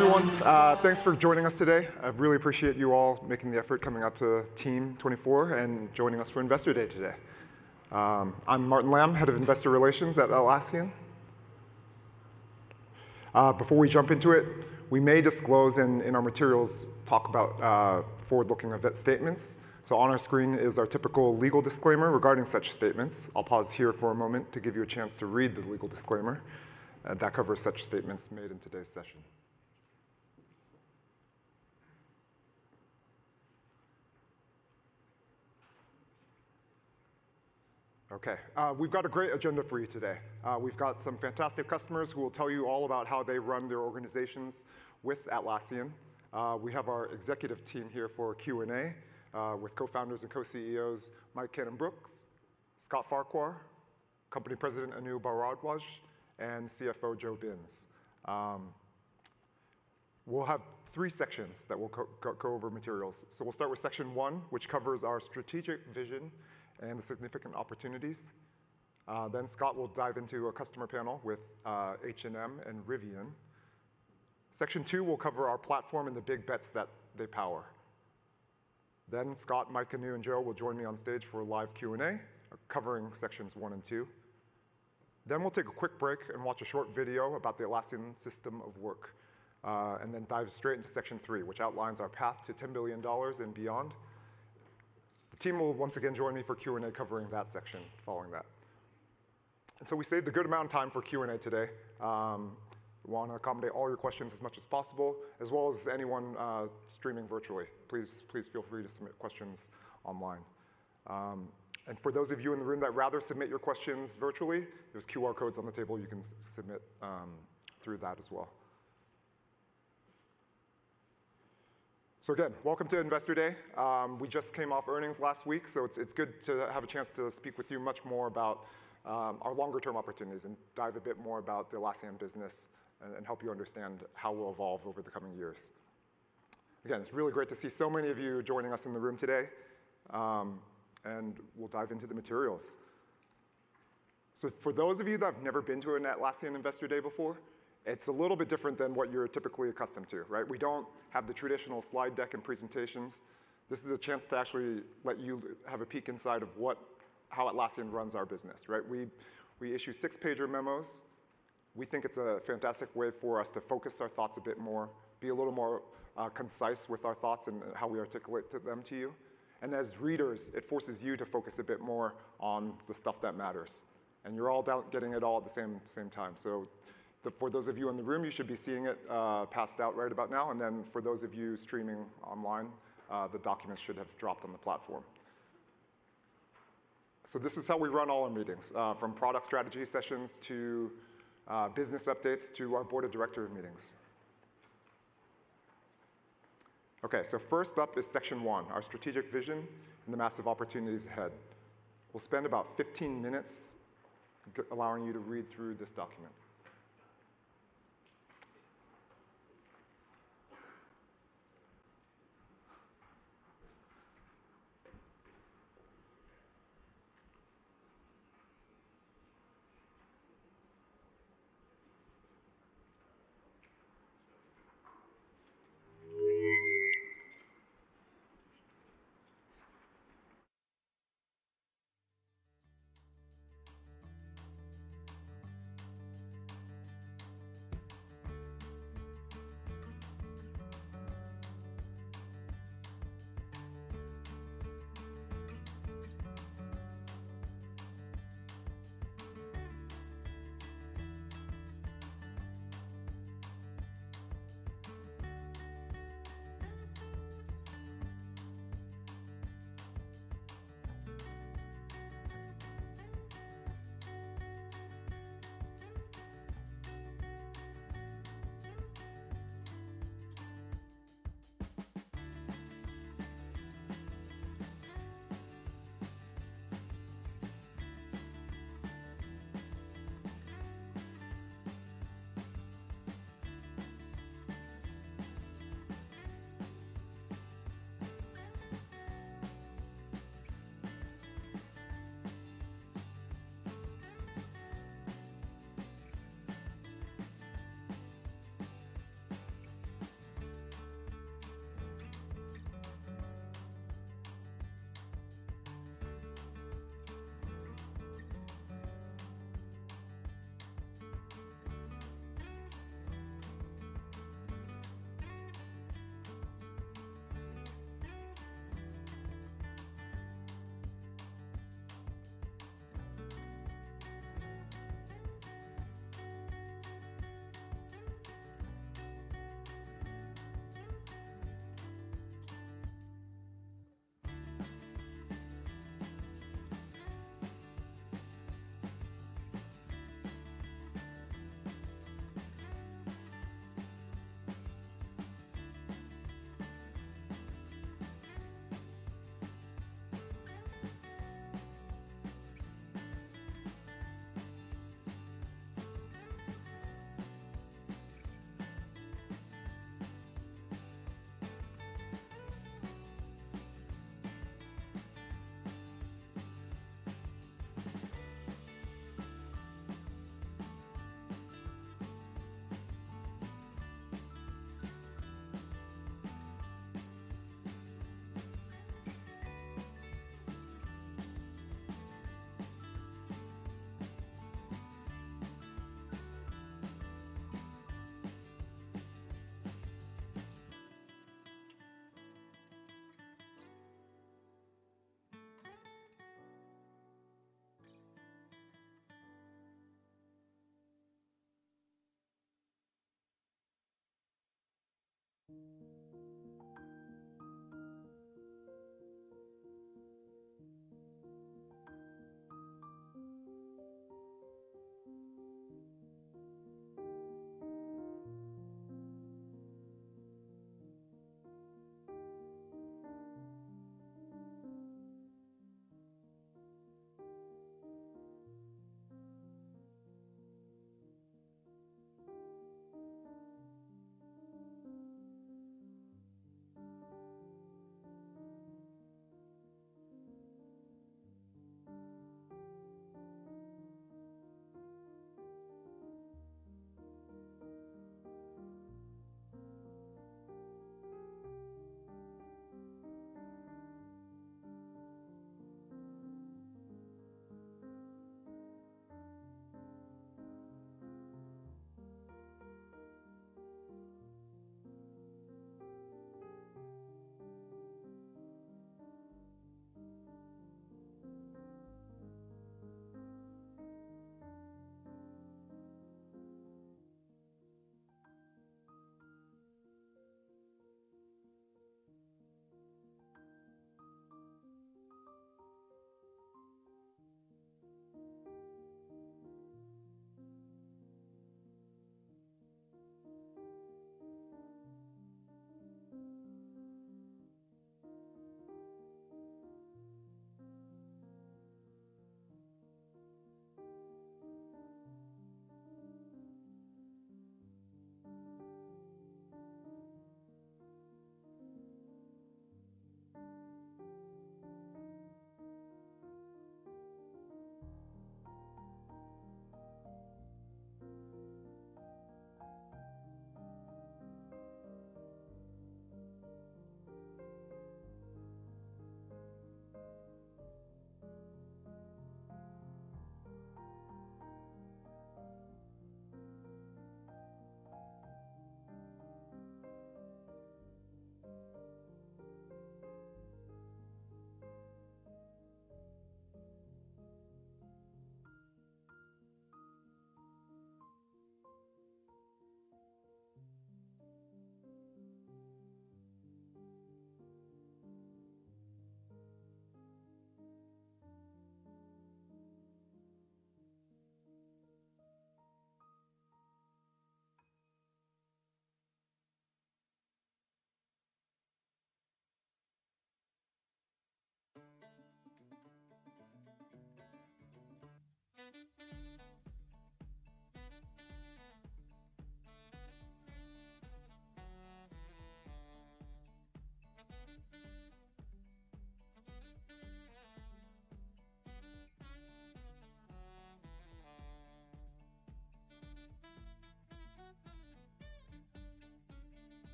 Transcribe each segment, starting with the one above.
Everyone, thanks for joining us today. I really appreciate you all making the effort coming out to Team 2024 and joining us for Investor Day today. I'm Martin Lam, Head of Investor Relations at Atlassian. Before we jump into it, we may disclose in our materials that talk about forward-looking statements. So on our screen is our typical legal disclaimer regarding such statements. I'll pause here for a moment to give you a chance to read the legal disclaimer that covers such statements made in today's session. Okay, we've got a great agenda for you today. We've got some fantastic customers who will tell you all about how they run their organizations with Atlassian. We have our executive team here for Q&A with co-founders and co-CEOs Mike Cannon-Brookes, Scott Farquhar, Company President Anu Bharadwaj, and CFO Joe Binz. We'll have three sections that will go over materials. So we'll start with Section 1, which covers our strategic vision and the significant opportunities. Then Scott will dive into a customer panel with H&M and Rivian. Section 2 will cover our platform and the big bets that they power. Then Scott, Mike Cannon, and Joe will join me on stage for a live Q&A covering sections 1 and 2. Then we'll take a quick break and watch a short video about the Atlassian System of Work, and then dive straight into Section 3, which outlines our path to $10 billion and beyond. The team will once again join me for Q&A covering that section following that. And so we saved a good amount of time for Q&A today. We want to accommodate all your questions as much as possible, as well as anyone streaming virtually. Please feel free to submit questions online. For those of you in the room that rather submit your questions virtually, there's QR codes on the table. You can submit through that as well. Again, welcome to Investor Day. We just came off earnings last week, so it's good to have a chance to speak with you much more about our longer-term opportunities and dive a bit more about the Atlassian business and help you understand how we'll evolve over the coming years. Again, it's really great to see so many of you joining us in the room today. We'll dive into the materials. For those of you that have never been to an Atlassian Investor Day before, it's a little bit different than what you're typically accustomed to. We don't have the traditional slide deck and presentations. This is a chance to actually let you have a peek inside of how Atlassian runs our business. We issue 6-pager memos. We think it's a fantastic way for us to focus our thoughts a bit more, be a little more concise with our thoughts and how we articulate them to you. And as readers, it forces you to focus a bit more on the stuff that matters. And you're all getting it all at the same time. So for those of you in the room, you should be seeing it passed out right about now. And then for those of you streaming online, the documents should have dropped on the platform. So this is how we run all our meetings, from product strategy sessions to business updates to our Board of Directors meetings. Okay, so first up is Section 1, our strategic vision and the massive opportunities ahead. We'll spend about 15 minutes allowing you to read through this document.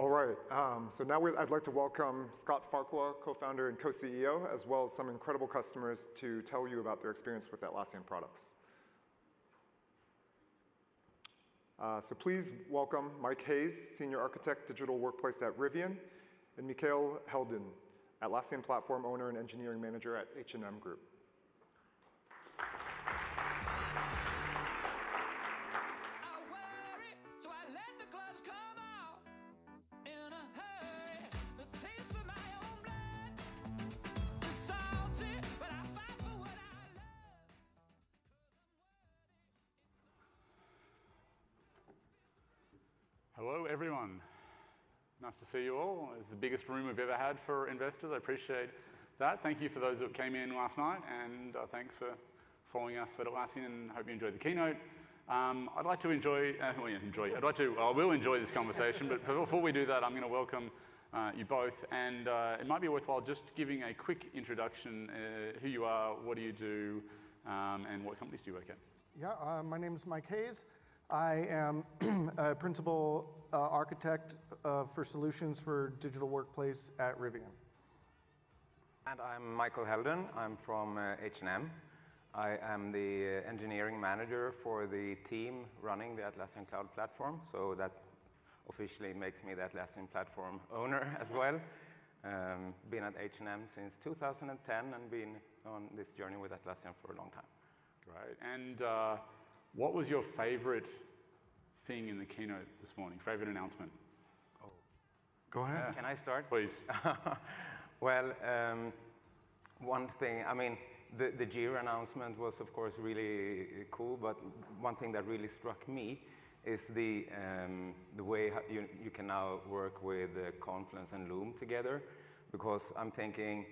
All right, so now I'd like to welcome Scott Farquhar, co-founder and co-CEO, as well as some incredible customers to tell you about their experience with Atlassian products. Please welcome Mike Hayes, Senior Architect, Digital Workplace at Rivian, and Michael Heldén, Atlassian Platform Owner and Engineering Manager at H&M Group. I wear it, so I let the gloves come off. In a hurry, the taste of my own blood. It's salty, but I fight for what I love. 'Cause I'm worthy. It's all I need to say. It all feels to break. Hello, everyone. Nice to see you all. It's the biggest room we've ever had for investors. I appreciate that. Thank you for those who came in last night, and thanks for following us at Atlassian. I hope you enjoyed the keynote. I will enjoy this conversation. But before we do that, I'm going to welcome you both. It might be worthwhile just giving a quick introduction: who you are, what do you do, and what companies do you work at. Yeah, my name is Mike Hayes. I am a Principal Architect for Solutions for Digital Workplace at Rivian. I'm Michael Heldén. I'm from H&M. I am the Engineering Manager for the team running the Atlassian Cloud Platform. So that officially makes me the Atlassian Platform Owner as well. Been at H&M since 2010 and been on this journey with Atlassian for a long time. Great. What was your favorite thing in the keynote this morning? Favorite announcement? Oh, go ahead. Can I start? Please. Well, one thing, I mean, the Jira announcement was, of course, really cool. But one thing that really struck me is the way you can now work with Confluence and Loom together. Because I'm thinking,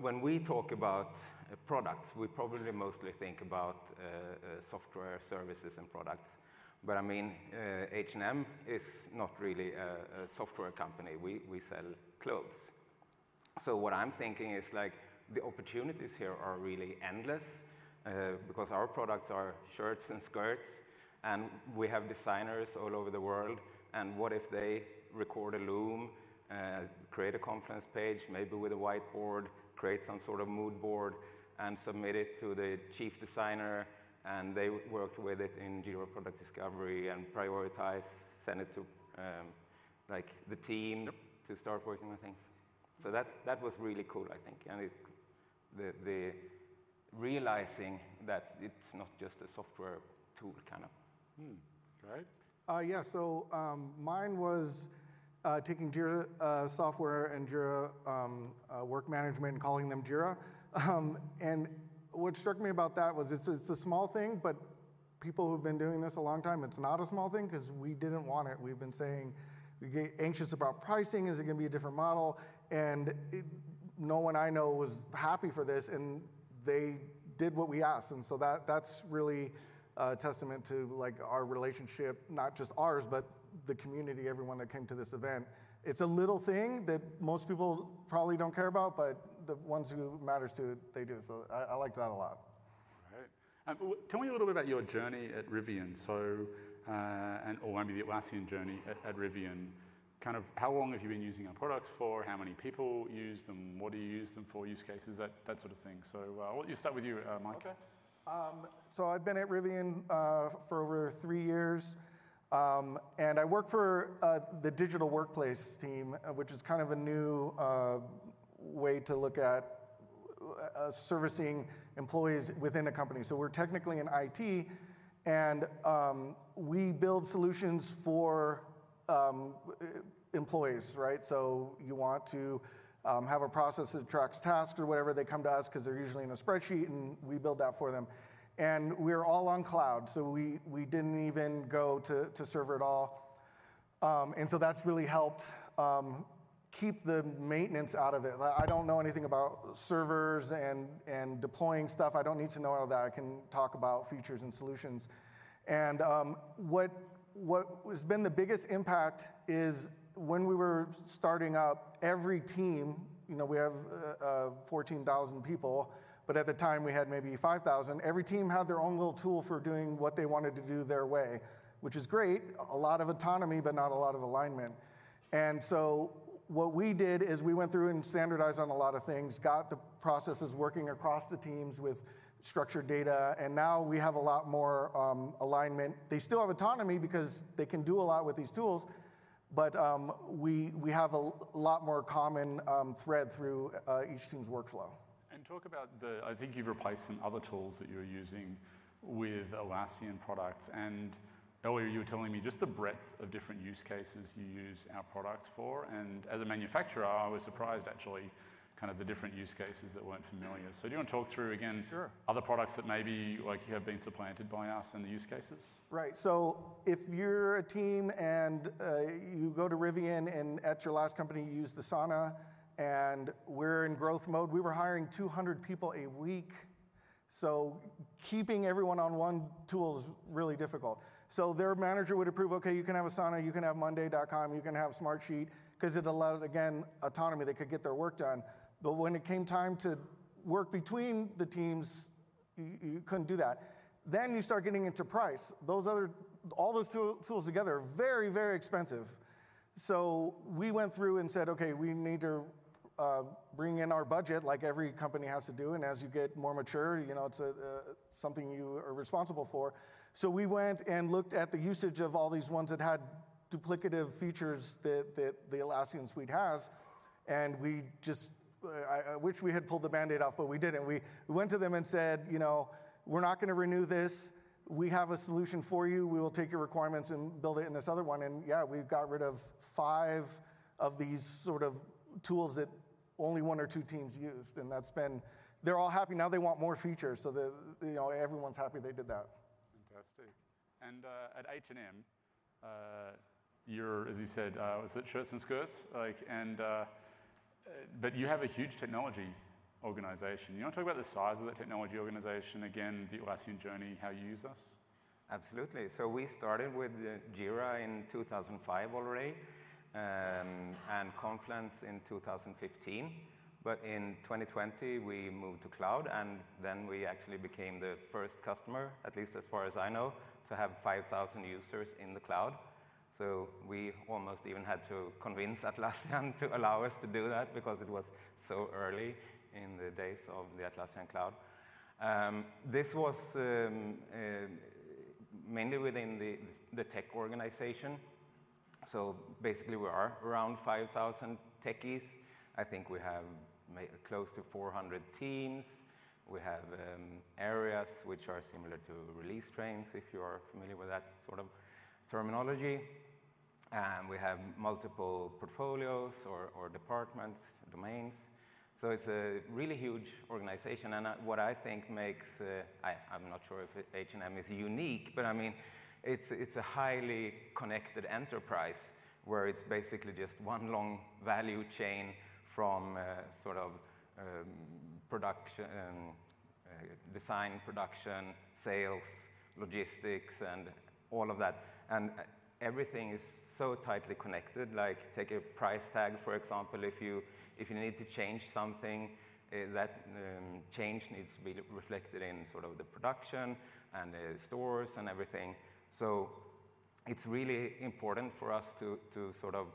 when we talk about products, we probably mostly think about software, services, and products. But I mean, H&M is not really a software company. We sell clothes. So what I'm thinking is the opportunities here are really endless. Because our products are shirts and skirts. And we have designers all over the world. And what if they record a Loom, create a Confluence page, maybe with a whiteboard, create some sort of mood board, and submit it to the Chief Designer? And they worked with it in Jira Product Discovery and prioritized, sent it to the team to start working on things. So that was really cool, I think. Realizing that it's not just a software tool, kind of. Great. Yeah, so mine was taking Jira Software and Jira Work Management and calling them Jira. And what struck me about that was it's a small thing. But people who've been doing this a long time, it's not a small thing because we didn't want it. We've been saying we get anxious about pricing. Is it going to be a different model? And no one I know was happy for this. And they did what we asked. And so that's really a testament to our relationship, not just ours, but the community, everyone that came to this event. It's a little thing that most people probably don't care about. But the ones who matters to it, they do. So I liked that a lot. Great. Tell me a little bit about your journey at Rivian, or maybe the Atlassian journey at Rivian. Kind of how long have you been using our products for? How many people use them? What do you use them for? Use cases, that sort of thing. So I'll start with you, Mike. OK. So I've been at Rivian for over three years. And I work for the Digital Workplace team, which is kind of a new way to look at servicing employees within a company. So we're technically in IT. And we build solutions for employees. So you want to have a process that tracks tasks or whatever they come to us because they're usually in a spreadsheet. And we build that for them. And we're all on cloud. So we didn't even go to Server at all. And so that's really helped keep the maintenance out of it. I don't know anything about Servers and deploying stuff. I don't need to know all that. I can talk about features and solutions. And what has been the biggest impact is when we were starting up, every team we have 14,000 people. But at the time, we had maybe 5,000. Every team had their own little tool for doing what they wanted to do their way, which is great, a lot of autonomy, but not a lot of alignment. And so what we did is we went through and standardized on a lot of things, got the processes working across the teams with structured data. And now we have a lot more alignment. They still have autonomy because they can do a lot with these tools. But we have a lot more common thread through each team's workflow. Talk about the—I think you've replaced some other tools that you were using with Atlassian products. And earlier, you were telling me just the breadth of different use cases you use our products for. And as a manufacturer, I was surprised, actually, kind of the different use cases that weren't familiar. So do you want to talk through, again, other products that maybe have been supplanted by us and the use cases? Right. So if you're a team and you go to Rivian, and at your last company, you use Asana, and we're in growth mode, we were hiring 200 people a week. So keeping everyone on one tool is really difficult. So their manager would approve, okay, you can have Asana. You can have monday.com. You can have Smartsheet. Because it allowed, again, autonomy. They could get their work done. But when it came time to work between the teams, you couldn't do that. Then you start getting into price. All those tools together are very, very expensive. So we went through and said, okay, we need to bring in our budget, like every company has to do. And as you get more mature, it's something you are responsible for. So we went and looked at the usage of all these ones that had duplicative features that the Atlassian suite has. And we just—I wish we had pulled the Band-Aid off, but we didn't. We went to them and said, you know, we're not going to renew this. We have a solution for you. We will take your requirements and build it in this other one. And yeah, we got rid of five of these sort of tools that only one or two teams used. And they're all happy now. They want more features. So everyone's happy they did that. Fantastic. And at H&M, you're, as you said, was it shirts and skirts? But you have a huge technology organization. You want to talk about the size of that technology organization, again, the Atlassian journey, how you use us? Absolutely. So we started with Jira in 2005 already and Confluence in 2015. But in 2020, we moved to cloud. And then we actually became the first customer, at least as far as I know, to have 5,000 users in the cloud. So we almost even had to convince Atlassian to allow us to do that because it was so early in the days of the Atlassian Cloud. This was mainly within the tech organization. So basically, we are around 5,000 techies. I think we have close to 400 teams. We have areas which are similar to release trains, if you are familiar with that sort of terminology. And we have multiple portfolios or departments, domains. So it's a really huge organization. And what I think makes. I'm not sure if H&M is unique. But I mean, it's a highly connected enterprise where it's basically just one long value chain from sort of design, production, sales, logistics, and all of that. And everything is so tightly connected. Take a price tag, for example. If you need to change something, that change needs to be reflected in sort of the production and stores and everything. So it's really important for us to sort of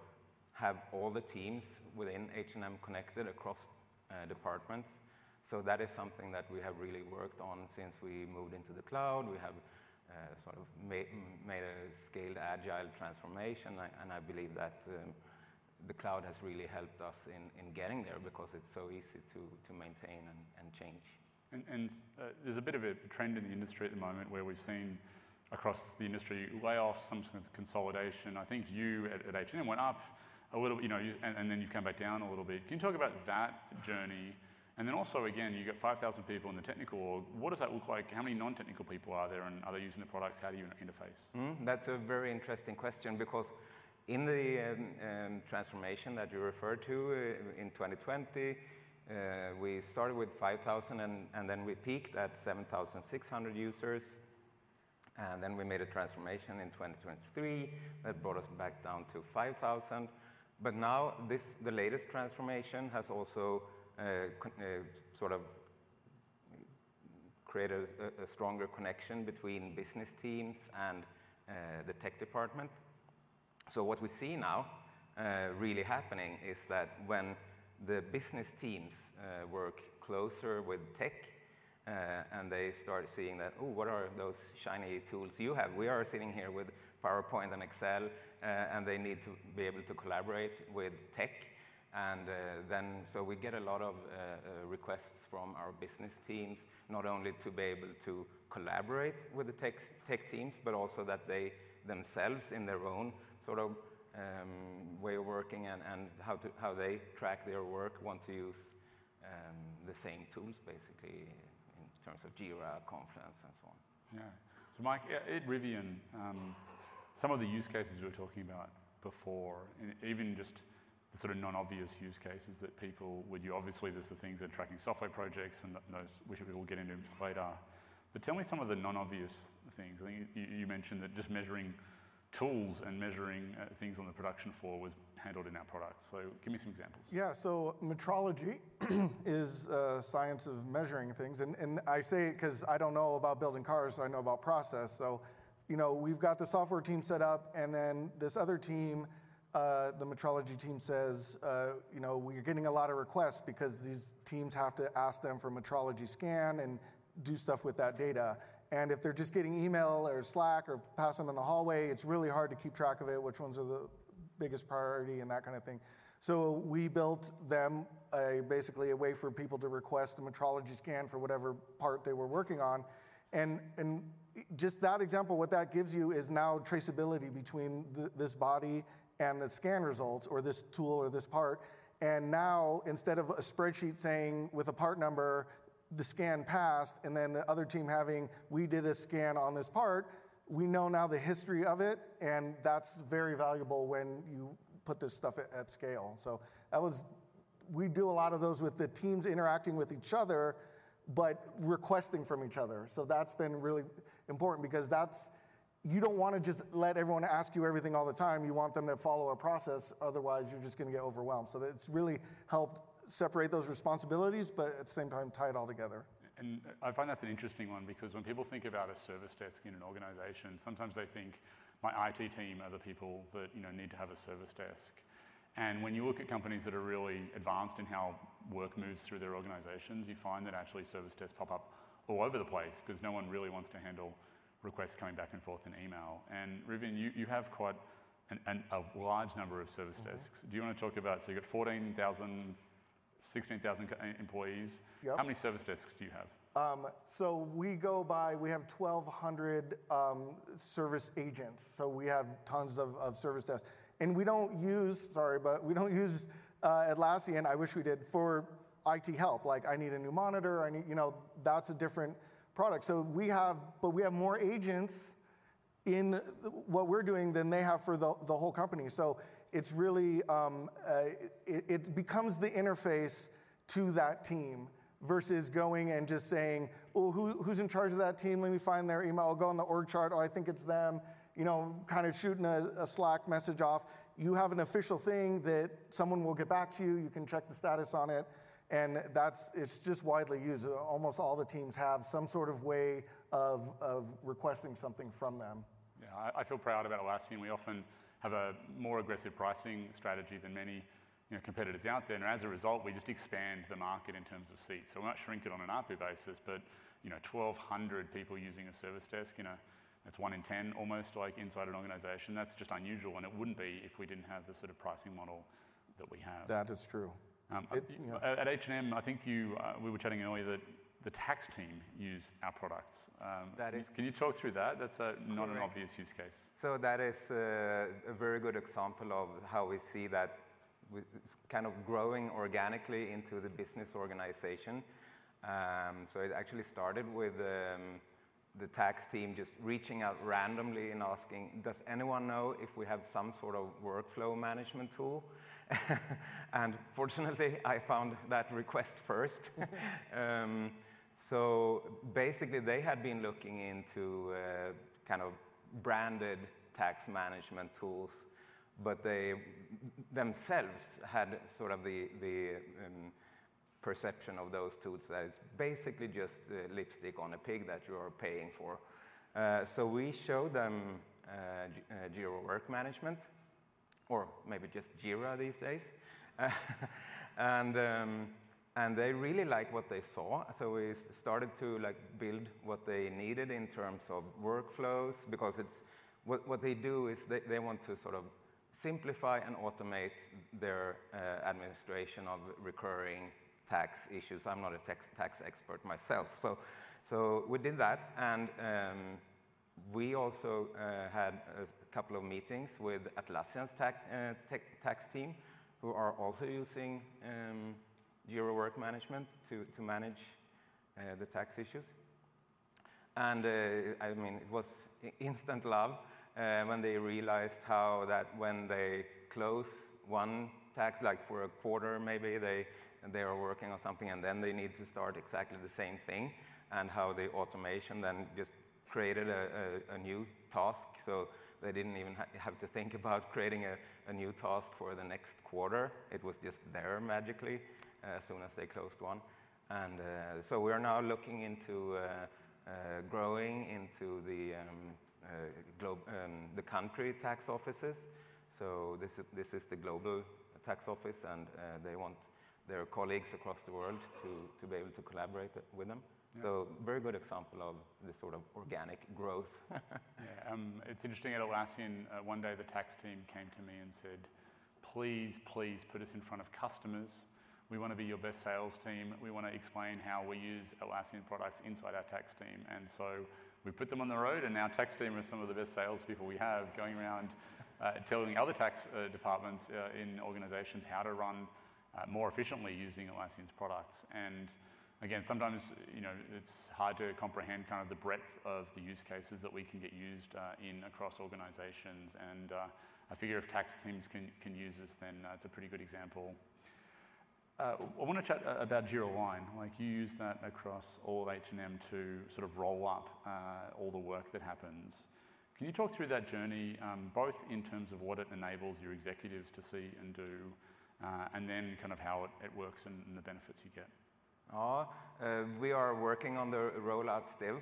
have all the teams within H&M connected across departments. So that is something that we have really worked on since we moved into the cloud. We have sort of made a scaled agile transformation. And I believe that the cloud has really helped us in getting there because it's so easy to maintain and change. There's a bit of a trend in the industry at the moment where we've seen across the industry layoffs, some sort of consolidation. I think you at H&M went up a little, and then you've come back down a little bit. Can you talk about that journey? And then also, again, you got 5,000 people in the technical org. What does that look like? How many non-technical people are there? And are they using the products? How do you interface? That's a very interesting question. Because in the transformation that you referred to in 2020, we started with 5,000. And then we peaked at 7,600 users. And then we made a transformation in 2023 that brought us back down to 5,000. But now, the latest transformation has also sort of created a stronger connection between business teams and the tech department. So what we see now really happening is that when the business teams work closer with tech and they start seeing that, oh, what are those shiny tools you have? We are sitting here with PowerPoint and Excel. And they need to be able to collaborate with tech. And so we get a lot of requests from our business teams, not only to be able to collaborate with the tech teams, but also that they themselves, in their own sort of way of working and how they track their work, want to use the same tools, basically, in terms of Jira, Confluence, and so on. Yeah. So Mike, at Rivian, some of the use cases we were talking about before, even just the sort of non-obvious use cases that people would use obviously, there's the things that are tracking software projects, and those which we will get into later. But tell me some of the non-obvious things. I think you mentioned that just measuring tools and measuring things on the production floor was handled in our products. So give me some examples. Yeah. So metrology is a science of measuring things. And I say it because I don't know about building cars. I know about process. So we've got the software team set up. And then this other team, the metrology team, says, "We are getting a lot of requests because these teams have to ask them for metrology scan and do stuff with that data." And if they're just getting email or Slack or passing them in the hallway, it's really hard to keep track of it, which ones are the biggest priority, and that kind of thing. So we built them, basically, a way for people to request a metrology scan for whatever part they were working on. And just that example, what that gives you is now traceability between this body and the scan results or this tool or this part. And now, instead of a spreadsheet saying with a part number, the scan passed, and then the other team having, we did a scan on this part, we know now the history of it. And that's very valuable when you put this stuff at scale. So we do a lot of those with the teams interacting with each other but requesting from each other. So that's been really important. Because you don't want to just let everyone ask you everything all the time. You want them to follow a process. Otherwise, you're just going to get overwhelmed. So it's really helped separate those responsibilities, but at the same time, tie it all together. And I find that's an interesting one. Because when people think about a service desk in an organization, sometimes they think, my IT team are the people that need to have a service desk. And when you look at companies that are really advanced in how work moves through their organizations, you find that, actually, service desks pop up all over the place. Because no one really wants to handle requests coming back and forth in email. And Rivian, you have quite a large number of service desks. Do you want to talk about? So you've got 14,000, 16,000 employees. How many service desks do you have? So we go by we have 1,200 service agents. So we have tons of service desks. And we don't use, sorry, but we don't use Atlassian. I wish we did for IT help. I need a new monitor. That's a different product. But we have more agents in what we're doing than they have for the whole company. So it becomes the interface to that team versus going and just saying, oh, who's in charge of that team? Let me find their email. I'll go on the org chart. Oh, I think it's them, kind of shooting a Slack message off. You have an official thing that someone will get back to you. You can check the status on it. And it's just widely used. Almost all the teams have some sort of way of requesting something from them. Yeah. I feel proud about Atlassian. We often have a more aggressive pricing strategy than many competitors out there. As a result, we just expand the market in terms of seats. We're not shrinking on an ARPU basis. 1,200 people using a service desk, that's 1 in 10 almost inside an organization. That's just unusual. It wouldn't be if we didn't have the sort of pricing model that we have. That is true. At H&M, I think we were chatting earlier that the tax team used our products. Can you talk through that? That's not an obvious use case. So that is a very good example of how we see that kind of growing organically into the business organization. So it actually started with the tax team just reaching out randomly and asking, does anyone know if we have some sort of workflow management tool? And fortunately, I found that request first. So basically, they had been looking into kind of branded tax management tools. But they themselves had sort of the perception of those tools that it's basically just lipstick on a pig that you are paying for. So we showed them Jira Work Management, or maybe just Jira these days. And they really liked what they saw. So we started to build what they needed in terms of workflows. Because what they do is they want to sort of simplify and automate their administration of recurring tax issues. I'm not a tax expert myself. So we did that. We also had a couple of meetings with Atlassian's tax team, who are also using Jira Work Management to manage the tax issues. I mean, it was instant love when they realized how that when they close one tax, like for a quarter maybe, they are working on something. Then they need to start exactly the same thing. And how the automation then just created a new task. So they didn't even have to think about creating a new task for the next quarter. It was just there magically as soon as they closed one. So we are now looking into growing into the country tax offices. This is the global tax office. They want their colleagues across the world to be able to collaborate with them. Very good example of this sort of organic growth. Yeah. It's interesting. At Atlassian, one day, the tax team came to me and said, please, please put us in front of customers. We want to be your best sales team. We want to explain how we use Atlassian products inside our tax team. And so we put them on the road. And now, tax team are some of the best salespeople we have going around telling other tax departments in organizations how to run more efficiently using Atlassian's products. And again, sometimes it's hard to comprehend kind of the breadth of the use cases that we can get used in across organizations. And I figure if tax teams can use us, then it's a pretty good example. I want to chat about Jira Align. You use that across all of H&M to sort of roll up all the work that happens. Can you talk through that journey, both in terms of what it enables your executives to see and do, and then kind of how it works and the benefits you get? We are working on the rollout still.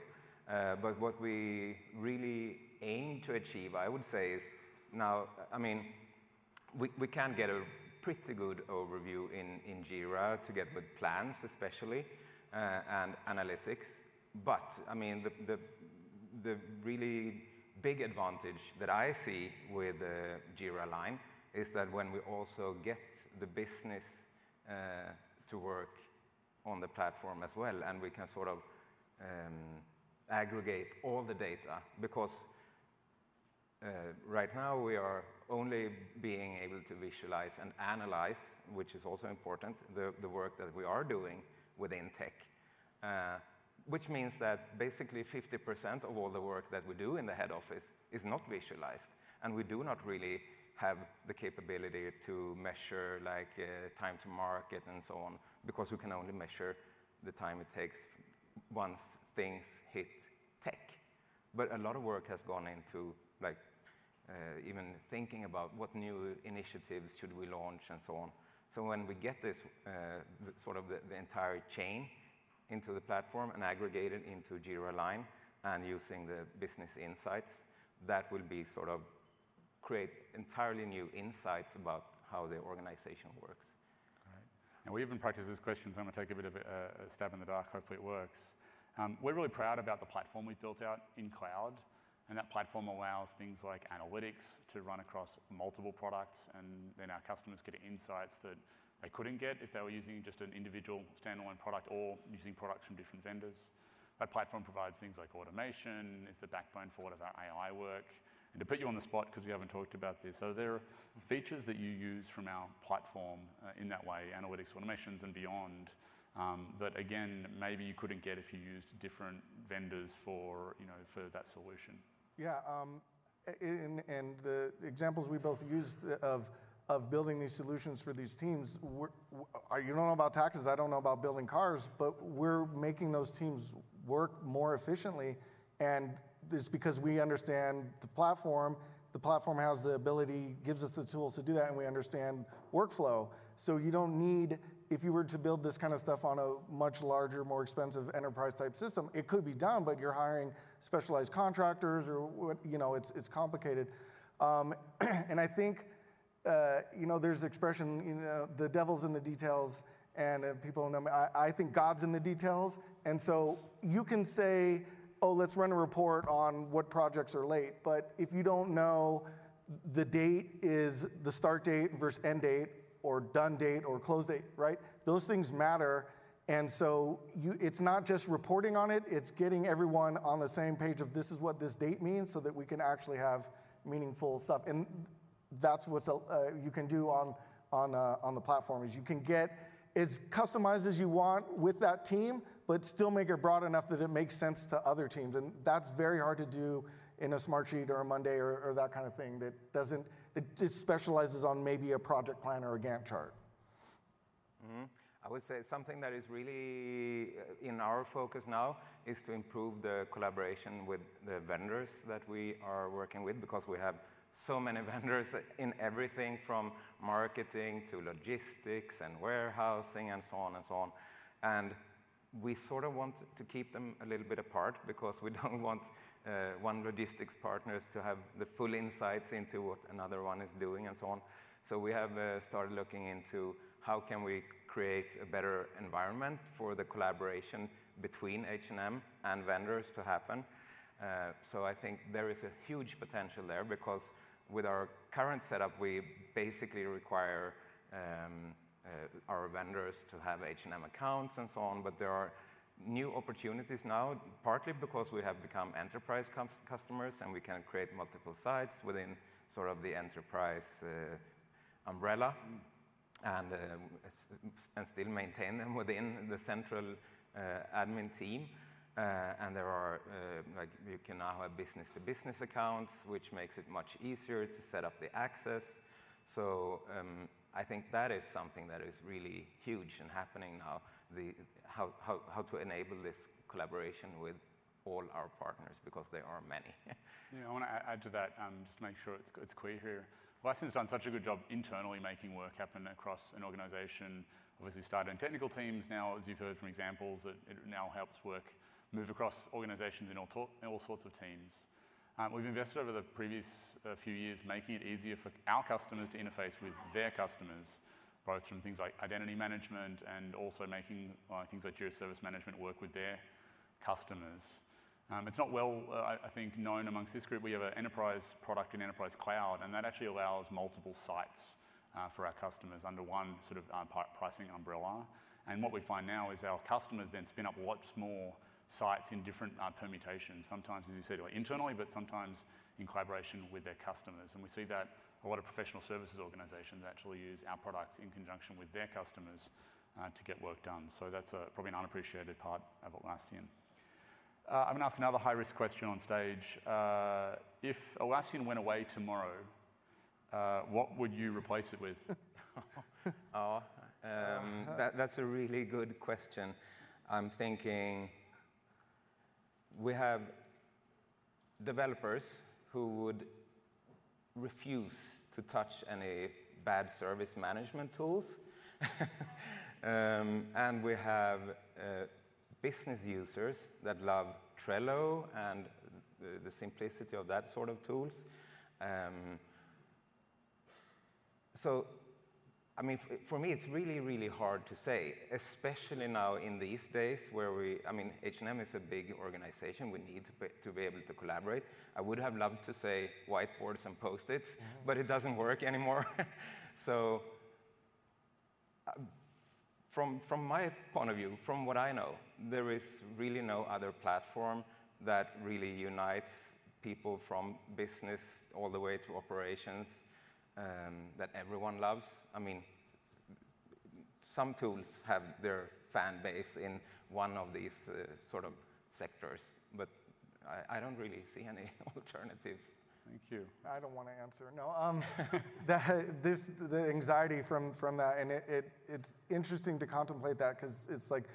But what we really aim to achieve, I would say, is now, I mean, we can get a pretty good overview in Jira together with plans, especially, and analytics. But I mean, the really big advantage that I see with Jira Align is that when we also get the business to work on the platform as well. And we can sort of aggregate all the data. Because right now, we are only being able to visualize and analyze, which is also important, the work that we are doing within tech, which means that, basically, 50% of all the work that we do in the head office is not visualized. And we do not really have the capability to measure time to market and so on. Because we can only measure the time it takes once things hit tech. But a lot of work has gone into even thinking about what new initiatives should we launch and so on. So when we get this sort of the entire chain into the platform and aggregate it into Jira Align and using the business insights, that will sort of create entirely new insights about how the organization works. All right. We even practiced these questions. I'm going to take a bit of a stab in the dark. Hopefully, it works. We're really proud about the platform we've built out in cloud. That platform allows things like analytics to run across multiple products. Then our customers get insights that they couldn't get if they were using just an individual standalone product or using products from different vendors. That platform provides things like automation. It's the backbone for all of our AI work. To put you on the spot, because we haven't talked about this, are there features that you use from our platform in that way, analytics, automations, and beyond, that, again, maybe you couldn't get if you used different vendors for that solution? Yeah. And the examples we both used of building these solutions for these teams you don't know about taxes. I don't know about building cars. But we're making those teams work more efficiently. And it's because we understand the platform. The platform has the ability, gives us the tools to do that. And we understand workflow. So you don't need, if you were to build this kind of stuff on a much larger, more expensive enterprise-type system, it could be done. But you're hiring specialized contractors. It's complicated. And I think there's the expression, the devil's in the details. And people know me. I think God's in the details. And so you can say, oh, let's run a report on what projects are late. But if you don't know the date is the start date versus end date or done date or close date, those things matter. And so it's not just reporting on it. It's getting everyone on the same page of this is what this date means so that we can actually have meaningful stuff. And that's what you can do on the platform, is you can get as customized as you want with that team, but still make it broad enough that it makes sense to other teams. And that's very hard to do in a Smartsheet or a Monday or that kind of thing that specializes on maybe a project plan or a Gantt chart. I would say something that is really in our focus now is to improve the collaboration with the vendors that we are working with. Because we have so many vendors in everything from marketing to logistics and warehousing and so on and so on. We sort of want to keep them a little bit apart. Because we don't want one logistics partner to have the full insights into what another one is doing and so on. We have started looking into how can we create a better environment for the collaboration between H&M and vendors to happen. I think there is a huge potential there. Because with our current setup, we basically require our vendors to have H&M accounts and so on. There are new opportunities now, partly because we have become enterprise customers. We can create multiple sites within sort of the enterprise umbrella and still maintain them within the central admin team. You can now have business-to-business accounts, which makes it much easier to set up the access. I think that is something that is really huge and happening now, how to enable this collaboration with all our partners. Because there are many. Yeah. I want to add to that just to make sure it's clear here. Atlassian's done such a good job internally making work happen across an organization. Obviously, started in technical teams. Now, as you've heard from examples, it now helps work move across organizations in all sorts of teams. We've invested over the previous few years making it easier for our customers to interface with their customers, both from things like identity management and also making things like Jira Service Management work with their customers. It's not well, I think, known among this group. We have an enterprise product in enterprise cloud. That actually allows multiple sites for our customers under one sort of pricing umbrella. What we find now is our customers then spin up lots more sites in different permutations, sometimes, as you said, internally, but sometimes in collaboration with their customers. We see that a lot of professional services organizations actually use our products in conjunction with their customers to get work done. That's probably an unappreciated part of Atlassian. I'm going to ask another high-risk question on stage. If Atlassian went away tomorrow, what would you replace it with? That's a really good question. I'm thinking we have developers who would refuse to touch any bad service management tools. And we have business users that love Trello and the simplicity of that sort of tools. So I mean, for me, it's really, really hard to say, especially now in these days where we I mean, H&M is a big organization. We need to be able to collaborate. I would have loved to say whiteboards and Post-its. But it doesn't work anymore. So from my point of view, from what I know, there is really no other platform that really unites people from business all the way to operations that everyone loves. I mean, some tools have their fan base in one of these sort of sectors. But I don't really see any alternatives. Thank you. I don't want to answer. No. The anxiety from that. And it's interesting to contemplate that. Because it's like,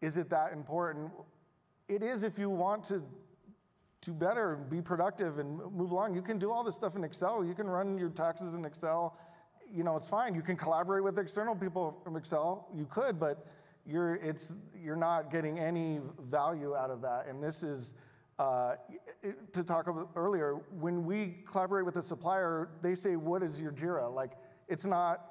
is it that important? It is. If you want to do better and be productive and move along, you can do all this stuff in Excel. You can run your taxes in Excel. It's fine. You can collaborate with external people from Excel. You could. But you're not getting any value out of that. And this is to talk earlier, when we collaborate with a supplier, they say, what is your Jira? It's not,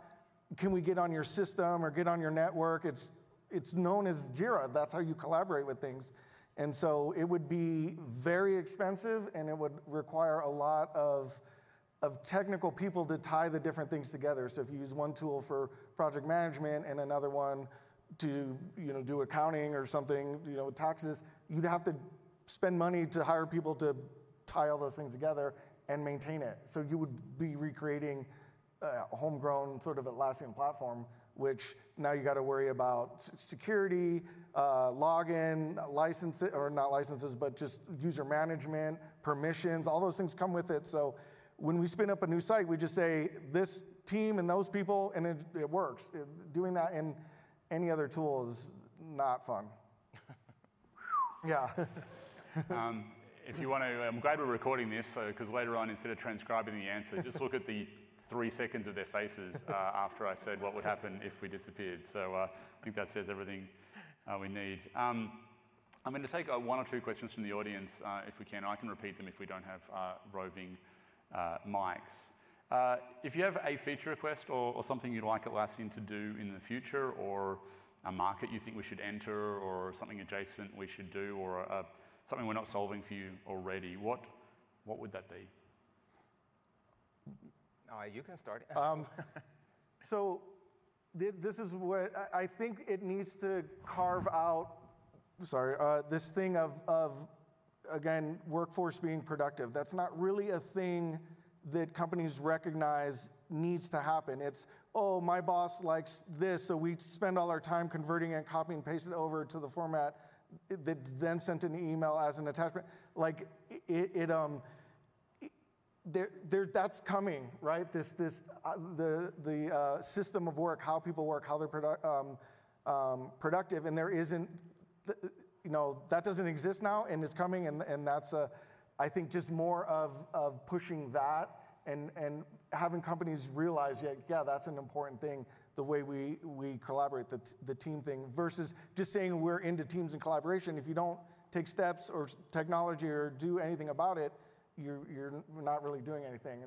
can we get on your system or get on your network? It's known as Jira. That's how you collaborate with things. And so it would be very expensive. And it would require a lot of technical people to tie the different things together. So if you use one tool for project management and another one to do accounting or something with taxes, you'd have to spend money to hire people to tie all those things together and maintain it. So you would be recreating a homegrown sort of Atlassian platform, which now you've got to worry about security, login, licenses or not licenses, but just user management, permissions, all those things come with it. So when we spin up a new site, we just say, this team and those people, and it works. Doing that in any other tool is not fun. Yeah. If you want to. I'm glad we're recording this. Because later on, instead of transcribing the answer, just look at the three seconds of their faces after I said what would happen if we disappeared. So I think that says everything we need. I'm going to take one or two questions from the audience, if we can. I can repeat them if we don't have roving mics. If you have a feature request or something you'd like Atlassian to do in the future or a market you think we should enter or something adjacent we should do or something we're not solving for you already, what would that be? You can start. So this is what I think it needs to carve out, sorry, this thing of, again, workforce being productive. That's not really a thing that companies recognize needs to happen. It's, oh, my boss likes this. So we spend all our time converting it and copying and pasting it over to the format that then sent an email as an attachment. That's coming, the system of work, how people work, how they're productive. And that doesn't exist now. And it's coming. And that's, I think, just more of pushing that and having companies realize, yeah, that's an important thing, the way we collaborate, the team thing, versus just saying we're into teams and collaboration. If you don't take steps or technology or do anything about it, you're not really doing anything.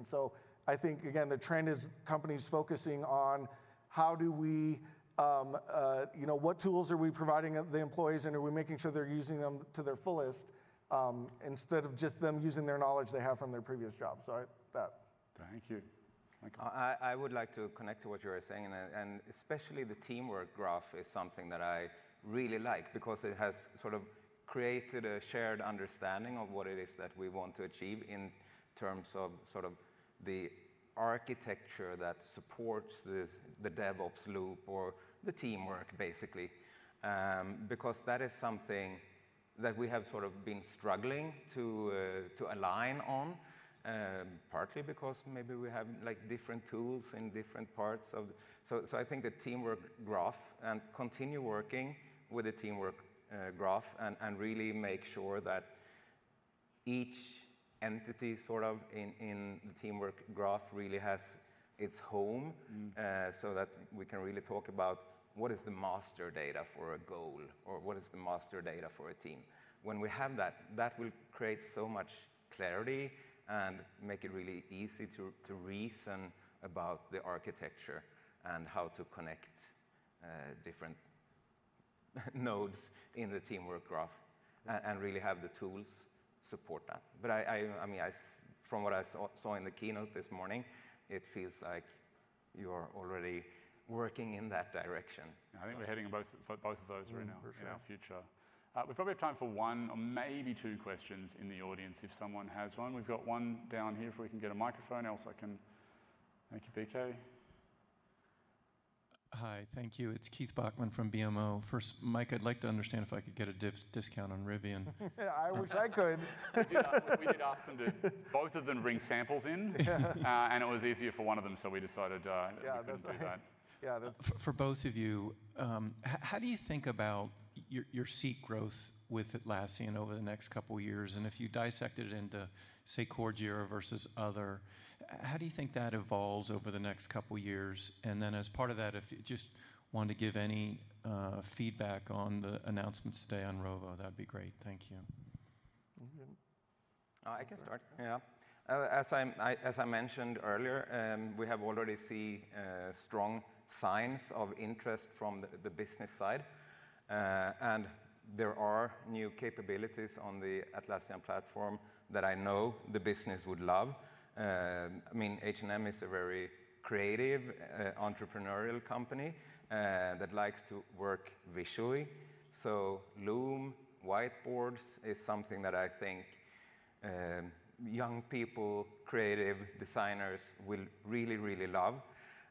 I think, again, the trend is companies focusing on how do we, what tools are we providing the employees? And are we making sure they're using them to their fullest instead of just them using their knowledge they have from their previous jobs? So that. Thank you. I would like to connect to what you were saying. Especially the Teamwork Graph is something that I really like. Because it has sort of created a shared understanding of what it is that we want to achieve in terms of sort of the architecture that supports the DevOps loop or the teamwork, basically. Because that is something that we have sort of been struggling to align on, partly because maybe we have different tools in different parts of so I think the Teamwork Graph and continue working with the Teamwork Graph and really make sure that each entity sort of in the Teamwork Graph really has its home so that we can really talk about what is the master data for a goal or what is the master data for a team. When we have that, that will create so much clarity and make it really easy to reason about the architecture and how to connect different nodes in the teamwork graph and really have the tools support that. But I mean, from what I saw in the keynote this morning, it feels like you are already working in that direction. I think we're heading both of those right now in our future. We probably have time for one or maybe two questions in the audience, if someone has one. We've got one down here. If we can get a microphone. Else I can thank you, BK. Hi. Thank you. It's Keith Bachmann from BMO. First, Mike, I'd like to understand if I could get a discount on Rivian. I wish I could. Yeah. We did ask them to both of them bring samples in. It was easier for one of them. We decided we could do that. Yeah. For both of you, how do you think about your seat growth with Atlassian over the next couple of years? And if you dissected it into, say, Core Jira versus other, how do you think that evolves over the next couple of years? And then as part of that, if you just wanted to give any feedback on the announcements today on Rovo, that'd be great. Thank you. Thank you. I can start. Yeah. As I mentioned earlier, we have already seen strong signs of interest from the business side. And there are new capabilities on the Atlassian platform that I know the business would love. I mean, H&M is a very creative entrepreneurial company that likes to work visually. So Loom, whiteboards is something that I think young people, creative designers will really, really love.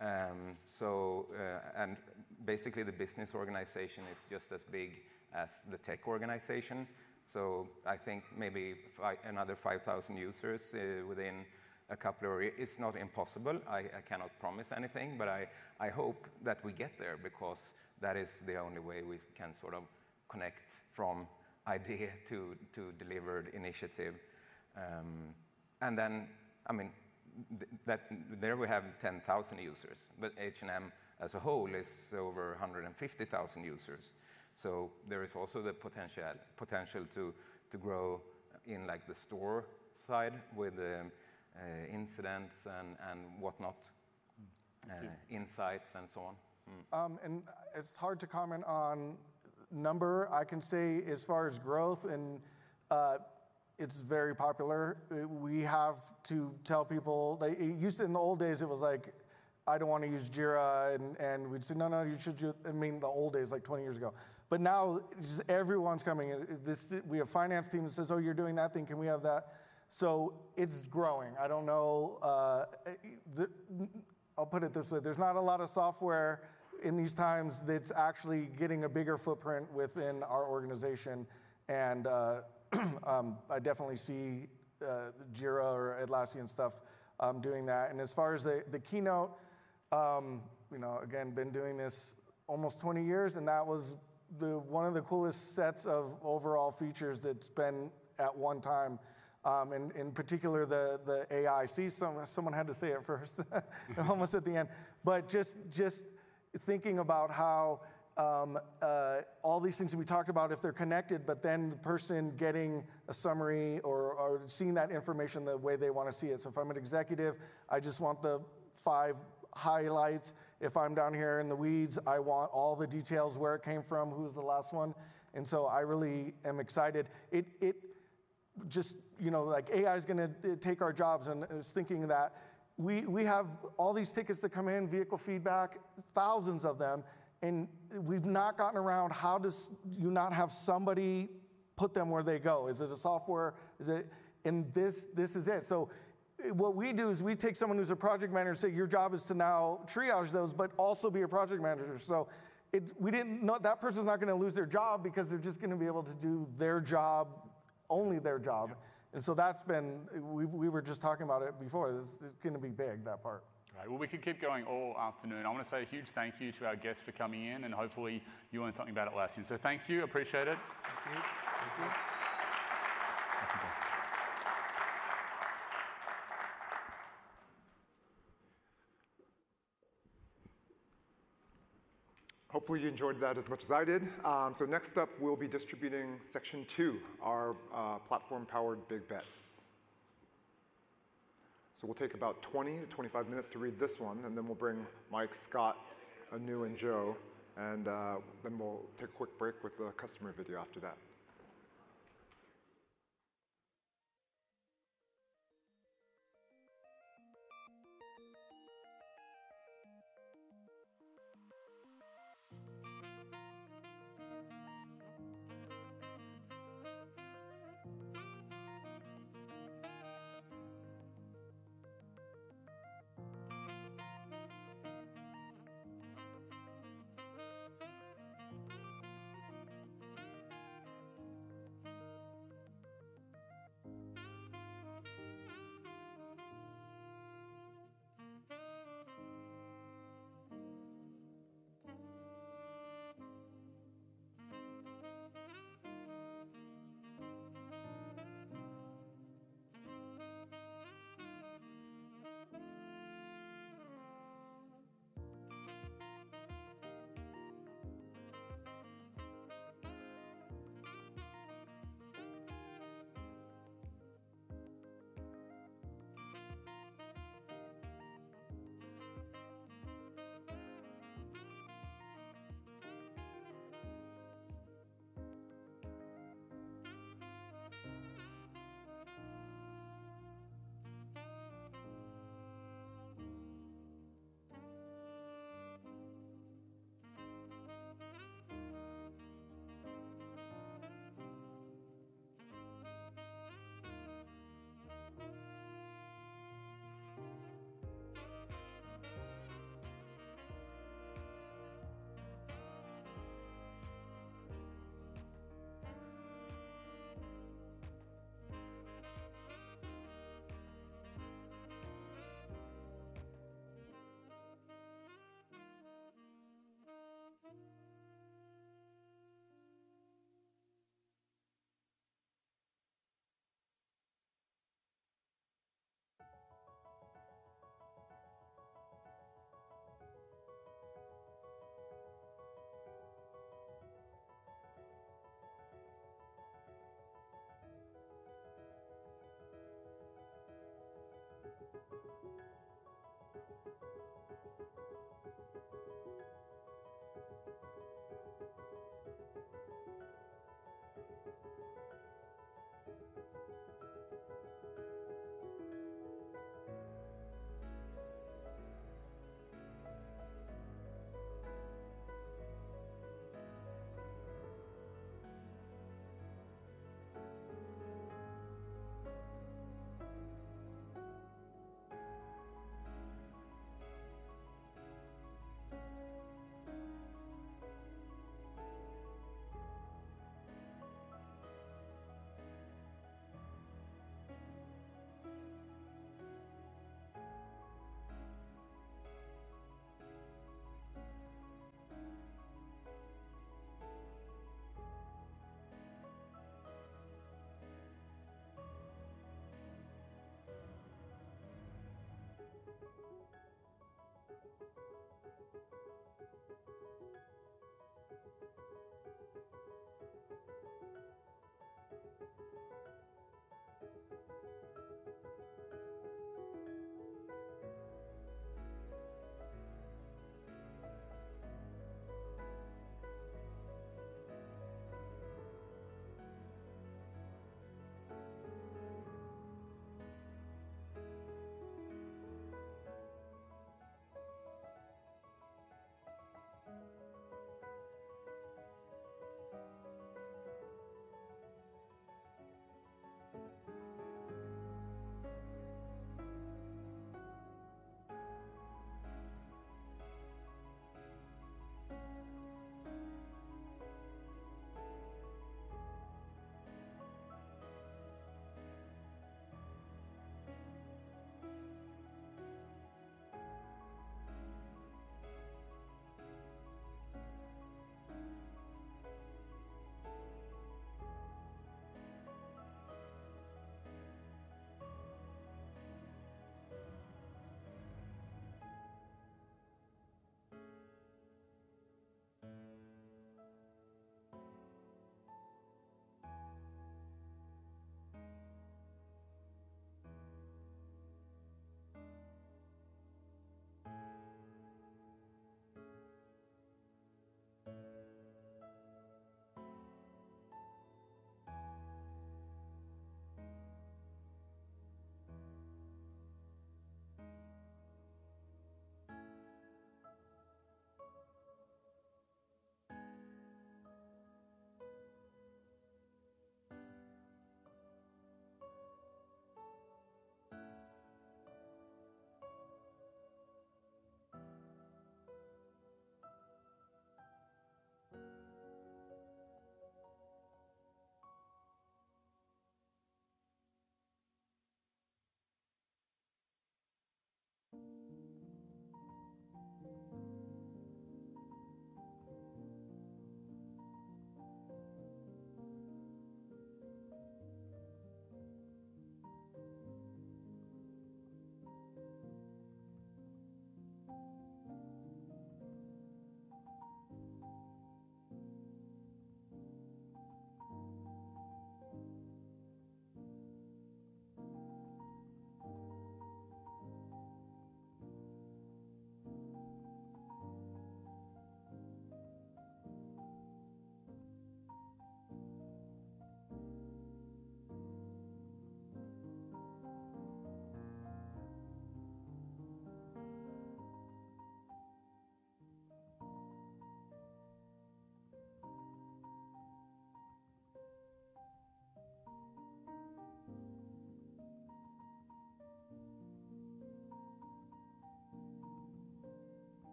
And basically, the business organization is just as big as the tech organization. So I think maybe another 5,000 users within a couple of it. It's not impossible. I cannot promise anything. But I hope that we get there. Because that is the only way we can sort of connect from idea to delivered initiative. And then, I mean, there we have 10,000 users. But H&M as a whole is over 150,000 users. There is also the potential to grow in the store side with incidents and whatnot, insights and so on. It's hard to comment on number. I can say, as far as growth, and it's very popular. We have to tell people used to, in the old days, it was like, I don't want to use Jira. And we'd say, no, no, you should do. I mean, the old days, like 20 years ago. But now, everyone's coming. We have a finance team that says, oh, you're doing that thing. Can we have that? So it's growing. I don't know. I'll put it this way. There's not a lot of software in these times that's actually getting a bigger footprint within our organization. And I definitely see Jira or Atlassian stuff doing that. And as far as the keynote, again, been doing this almost 20 years. And that was one of the coolest sets of overall features that's been at one time, in particular, the AI. Someone had to say it first, almost at the end. But just thinking about how all these things that we talked about, if they're connected, but then the person getting a summary or seeing that information the way they want to see it. So if I'm an executive, I just want the five highlights. If I'm down here in the weeds, I want all the details, where it came from, who's the last one. And so I really am excited. Just, AI is going to take our jobs. And it's thinking that we have all these tickets that come in, vehicle feedback, thousands of them. And we've not gotten around how does you not have somebody put them where they go? Is it a software? And this is it. So what we do is we take someone who's a project manager and say, your job is to now triage those, but also be a project manager. So we didn't know that person's not going to lose their job. Because they're just going to be able to do their job, only their job. And so that's been we were just talking about it before. It's going to be big, that part. All right. Well, we can keep going all afternoon. I want to say a huge thank you to our guests for coming in. Hopefully, you learned something about Atlassian. Thank you. Appreciate it. Thank you. Thank you. Hopefully, you enjoyed that as much as I did. So next up, we'll be distributing Section 2, our platform-powered big bets. So we'll take about 20-25 minutes to read this one. And then we'll bring Mike, Scott, Anu, and Joe. And then we'll take a quick break with the customer video after that.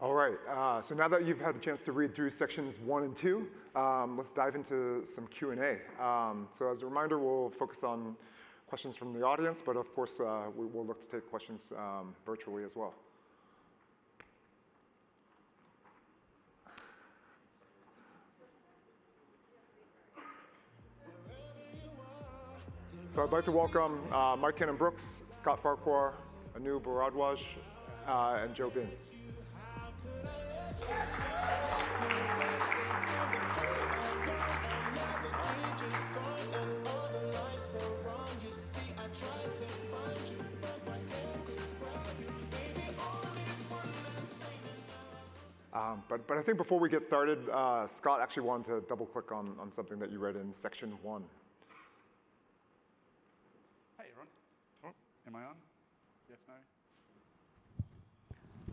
All right. So now that you've had a chance to read through sections one and two, let's dive into some Q&A. So as a reminder, we'll focus on questions from the audience, but of course, we will look to take questions virtually as well. So I'd like to welcome Mike Cannon-Brookes, Scott Farquhar, Anu Bharadwaj, and Joe Binz. Let you how could I let you go? I've been dancing on the floor all day, and now the beat just gone. And all the lights are on, you see. I tried to find you, but why can't I describe you? Maybe only one I'm saying enough. I think before we get started, Scott actually wanted to double-click on something that you read in section one. Hey, everyone. Am I on? Yes, no.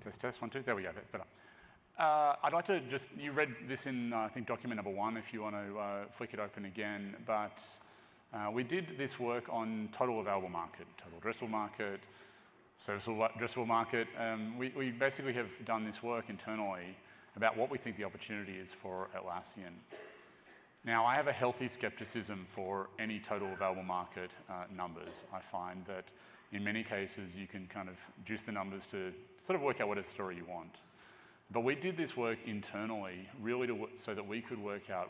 Test, test, 1, 2. There we go. That's better. I'd like to just you read this in, I think, document number 1, if you want to flick it open again. But we did this work on total available market, total addressable market, serviceable addressable market. We basically have done this work internally about what we think the opportunity is for Atlassian. Now, I have a healthy skepticism for any total available market numbers. I find that in many cases, you can kind of juice the numbers to sort of work out whatever story you want. But we did this work internally, really, so that we could work out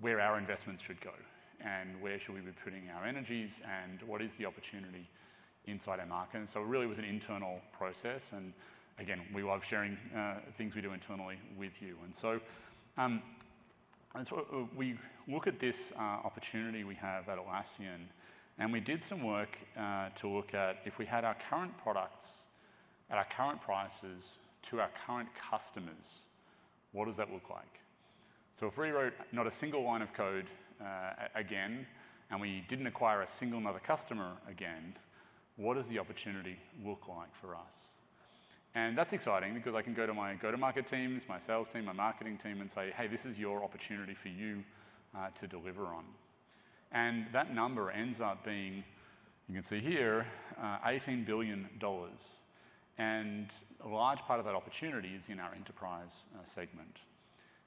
where our investments should go, and where should we be putting our energies, and what is the opportunity inside our market. And so it really was an internal process. And again, we love sharing things we do internally with you. So we look at this opportunity we have at Atlassian, and we did some work to look at if we had our current products at our current prices to our current customers, what does that look like? So if we wrote not a single line of code again, and we didn't acquire a single another customer again, what does the opportunity look like for us? And that's exciting, because I can go to my go-to-market teams, my sales team, my marketing team, and say, hey, this is your opportunity for you to deliver on. And that number ends up being, you can see here, $18 billion. And a large part of that opportunity is in our enterprise segment.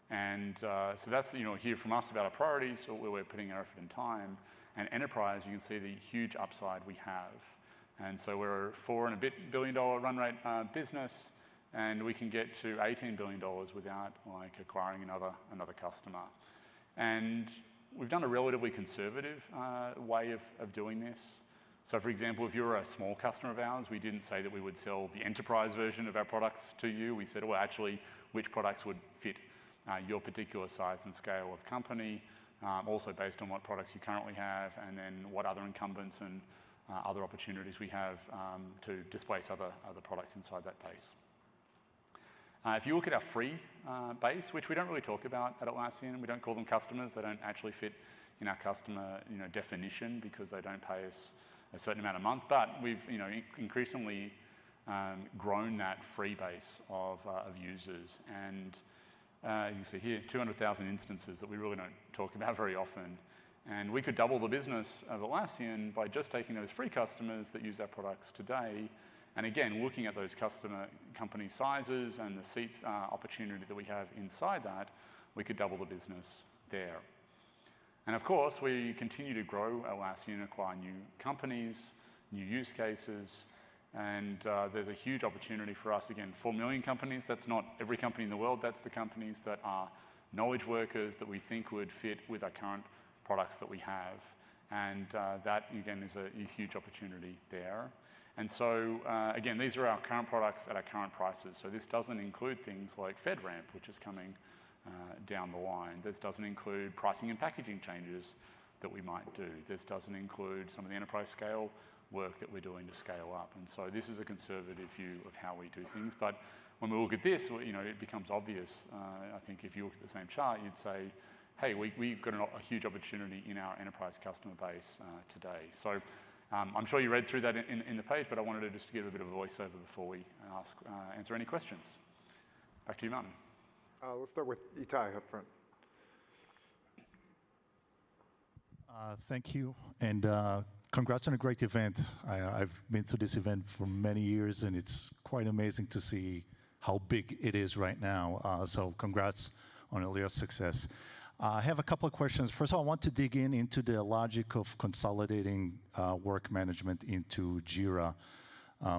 So that's, you know, hear from us about our priorities, where we're putting our effort and time. Enterprise, you can see the huge upside we have. So we're a $4+ billion run rate business, and we can get to $18 billion without, like, acquiring another customer. We've done a relatively conservative way of doing this. So, for example, if you're a small customer of ours, we didn't say that we would sell the enterprise version of our products to you. We said, well, actually, which products would fit your particular size and scale of company, also based on what products you currently have, and then what other incumbents and other opportunities we have to displace other products inside that base. If you look at our free base, which we don't really talk about at Atlassian, we don't call them customers. They don't actually fit in our customer definition, because they don't pay us a certain amount a month. But we've, you know, increasingly grown that free base of users. And you can see here, 200,000 instances that we really don't talk about very often. And we could double the business of Atlassian by just taking those free customers that use our products today. And again, looking at those customer company sizes and the seats opportunity that we have inside that, we could double the business there. And of course, we continue to grow Atlassian, acquire new companies, new use cases. And there's a huge opportunity for us, again, 4 million companies. That's not every company in the world. That's the companies that are knowledge workers that we think would fit with our current products that we have. And that, again, is a huge opportunity there. And so again, these are our current products at our current prices. So this doesn't include things like FedRAMP, which is coming down the line. This doesn't include pricing and packaging changes that we might do. This doesn't include some of the enterprise scale work that we're doing to scale up. And so this is a conservative view of how we do things. But when we look at this, you know, it becomes obvious. I think if you look at the same chart, you'd say, hey, we've got a huge opportunity in our enterprise customer base today. So I'm sure you read through that in the page, but I wanted to just give a bit of a voiceover before we answer any questions. Back to you, Lam. Let's start with Itai up front. Thank you. Congrats on a great event. I've been to this event for many years, and it's quite amazing to see how big it is right now. Congrats on all your success. I have a couple of questions. First of all, I want to dig in into the logic of consolidating work management into Jira.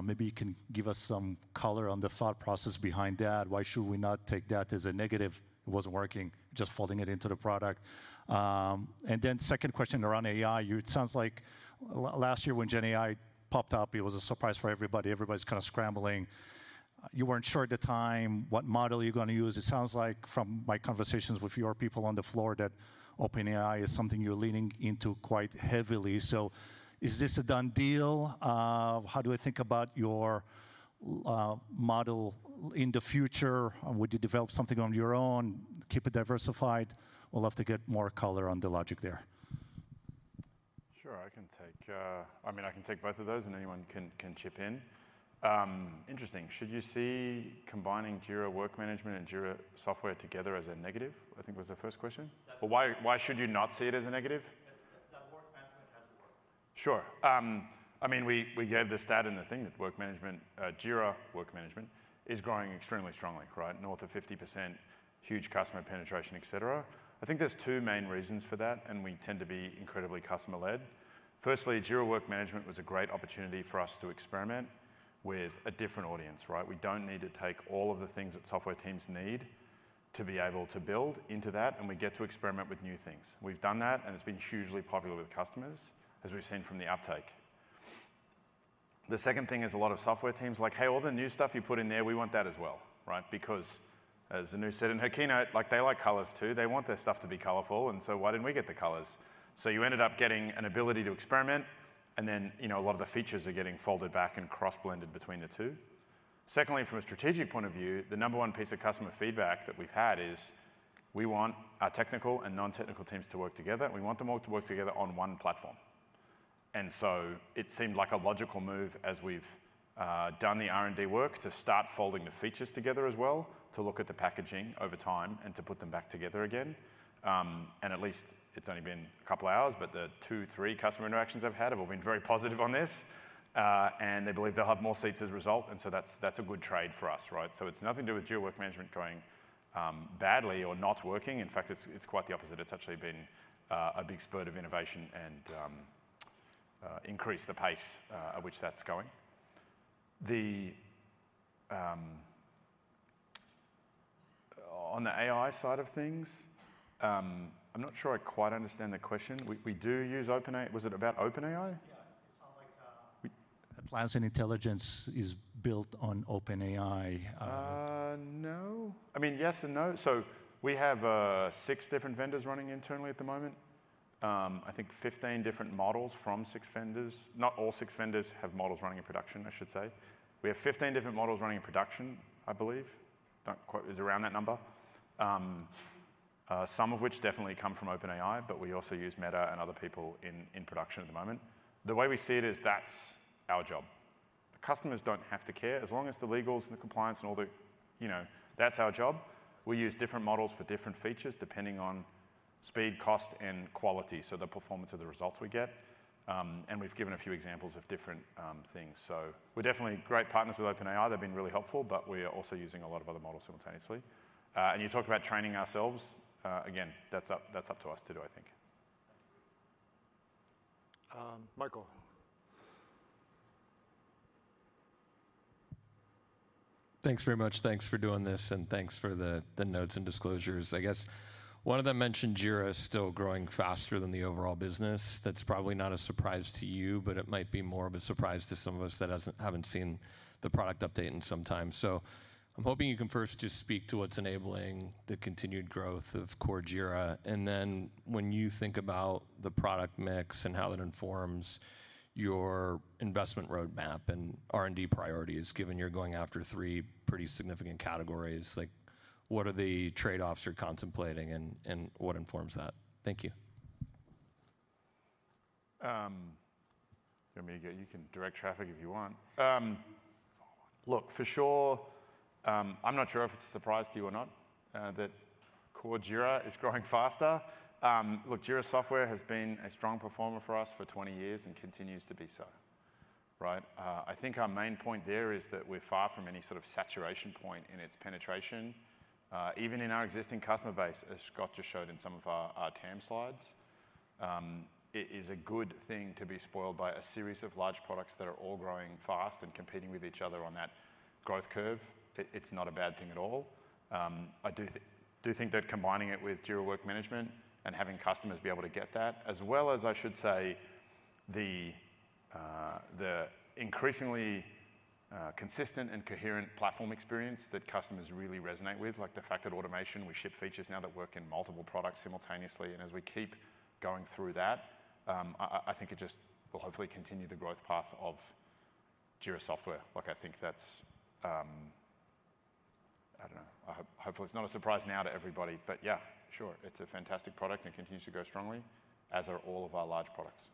Maybe you can give us some color on the thought process behind that. Why should we not take that as a negative? It wasn't working, just folding it into the product. Then second question around AI. It sounds like last year, when Gen AI popped up, it was a surprise for everybody. Everybody's kind of scrambling. You weren't sure at the time what model you're going to use. It sounds like from my conversations with your people on the floor that OpenAI is something you're leaning into quite heavily. Is this a done deal? How do I think about your model in the future? Would you develop something on your own, keep it diversified? We'll have to get more color on the logic there. Sure, I mean, I can take both of those, and anyone can chip in. Interesting. Should you see combining Jira Work Management and Jira Software together as a negative? I think was the first question. Or why should you not see it as a negative? That work management has a work. Sure. I mean, we gave the stat in the thing that Work Management, Jira Work Management, is growing extremely strongly, right? North of 50%, huge customer penetration, etc. I think there's two main reasons for that, and we tend to be incredibly customer-led. Firstly, Jira Work Management was a great opportunity for us to experiment with a different audience, right? We don't need to take all of the things that software teams need to be able to build into that, and we get to experiment with new things. We've done that, and it's been hugely popular with customers, as we've seen from the uptake. The second thing is a lot of software teams like, hey, all the new stuff you put in there, we want that as well, right? Because, as Anu said in her keynote, like, they like colors too. They want their stuff to be colorful. And so why didn't we get the colors? So you ended up getting an ability to experiment. And then, you know, a lot of the features are getting folded back and cross-blended between the two. Secondly, from a strategic point of view, the number one piece of customer feedback that we've had is we want our technical and non-technical teams to work together. We want them all to work together on one platform. And so it seemed like a logical move as we've done the R&D work to start folding the features together as well, to look at the packaging over time, and to put them back together again. And at least it's only been a couple of hours, but the 2, 3 customer interactions I've had have all been very positive on this. And they believe they'll have more seats as a result. And so that's a good trade for us, right? So it's nothing to do with Jira Work Management going badly or not working. In fact, it's quite the opposite. It's actually been a big spurt of innovation and increased the pace at which that's going. On the AI side of things, I'm not sure I quite understand the question. We do use OpenAI. Was it about OpenAI? Yeah, it sounds like Atlassian Intelligence is built on OpenAI. No. I mean, yes and no. So we have 6 different vendors running internally at the moment. I think 15 different models from 6 vendors. Not all 6 vendors have models running in production, I should say. We have 15 different models running in production, I believe. It's around that number, some of which definitely come from OpenAI. But we also use Meta and other people in production at the moment. The way we see it is that's our job. The customers don't have to care. As long as the legals and the compliance and all the, you know, that's our job. We use different models for different features, depending on speed, cost, and quality, so the performance of the results we get. And we've given a few examples of different things. So we're definitely great partners with OpenAI. They've been really helpful, but we are also using a lot of other models simultaneously. You talked about training ourselves. Again, that's up to us to do, I think. Michael. Thanks very much. Thanks for doing this, and thanks for the notes and disclosures. I guess one of them mentioned Jira still growing faster than the overall business. That's probably not a surprise to you, but it might be more of a surprise to some of us that haven't seen the product update in some time. So I'm hoping you can first just speak to what's enabling the continued growth of core Jira. And then when you think about the product mix and how it informs your investment roadmap and R&D priorities, given you're going after three pretty significant categories, like, what are the trade-offs you're contemplating, and what informs that? Thank you. You want me to get you? Can direct traffic if you want. Look, for sure, I'm not sure if it's a surprise to you or not that core Jira is growing faster. Look, Jira Software has been a strong performer for us for 20 years and continues to be so, right? I think our main point there is that we're far from any sort of saturation point in its penetration. Even in our existing customer base, as Scott just showed in some of our TAM slides, it is a good thing to be spoiled by a series of large products that are all growing fast and competing with each other on that growth curve. It's not a bad thing at all. I do think that combining it with Jira Work Management and having customers be able to get that, as well as, I should say, the increasingly consistent and coherent platform experience that customers really resonate with, like the fact that automation, we ship features now that work in multiple products simultaneously. And as we keep going through that, I think it just will hopefully continue the growth path of Jira Software. Like, I think that's, I don't know, hopefully it's not a surprise now to everybody. But yeah, sure, it's a fantastic product and continues to go strongly, as are all of our large products.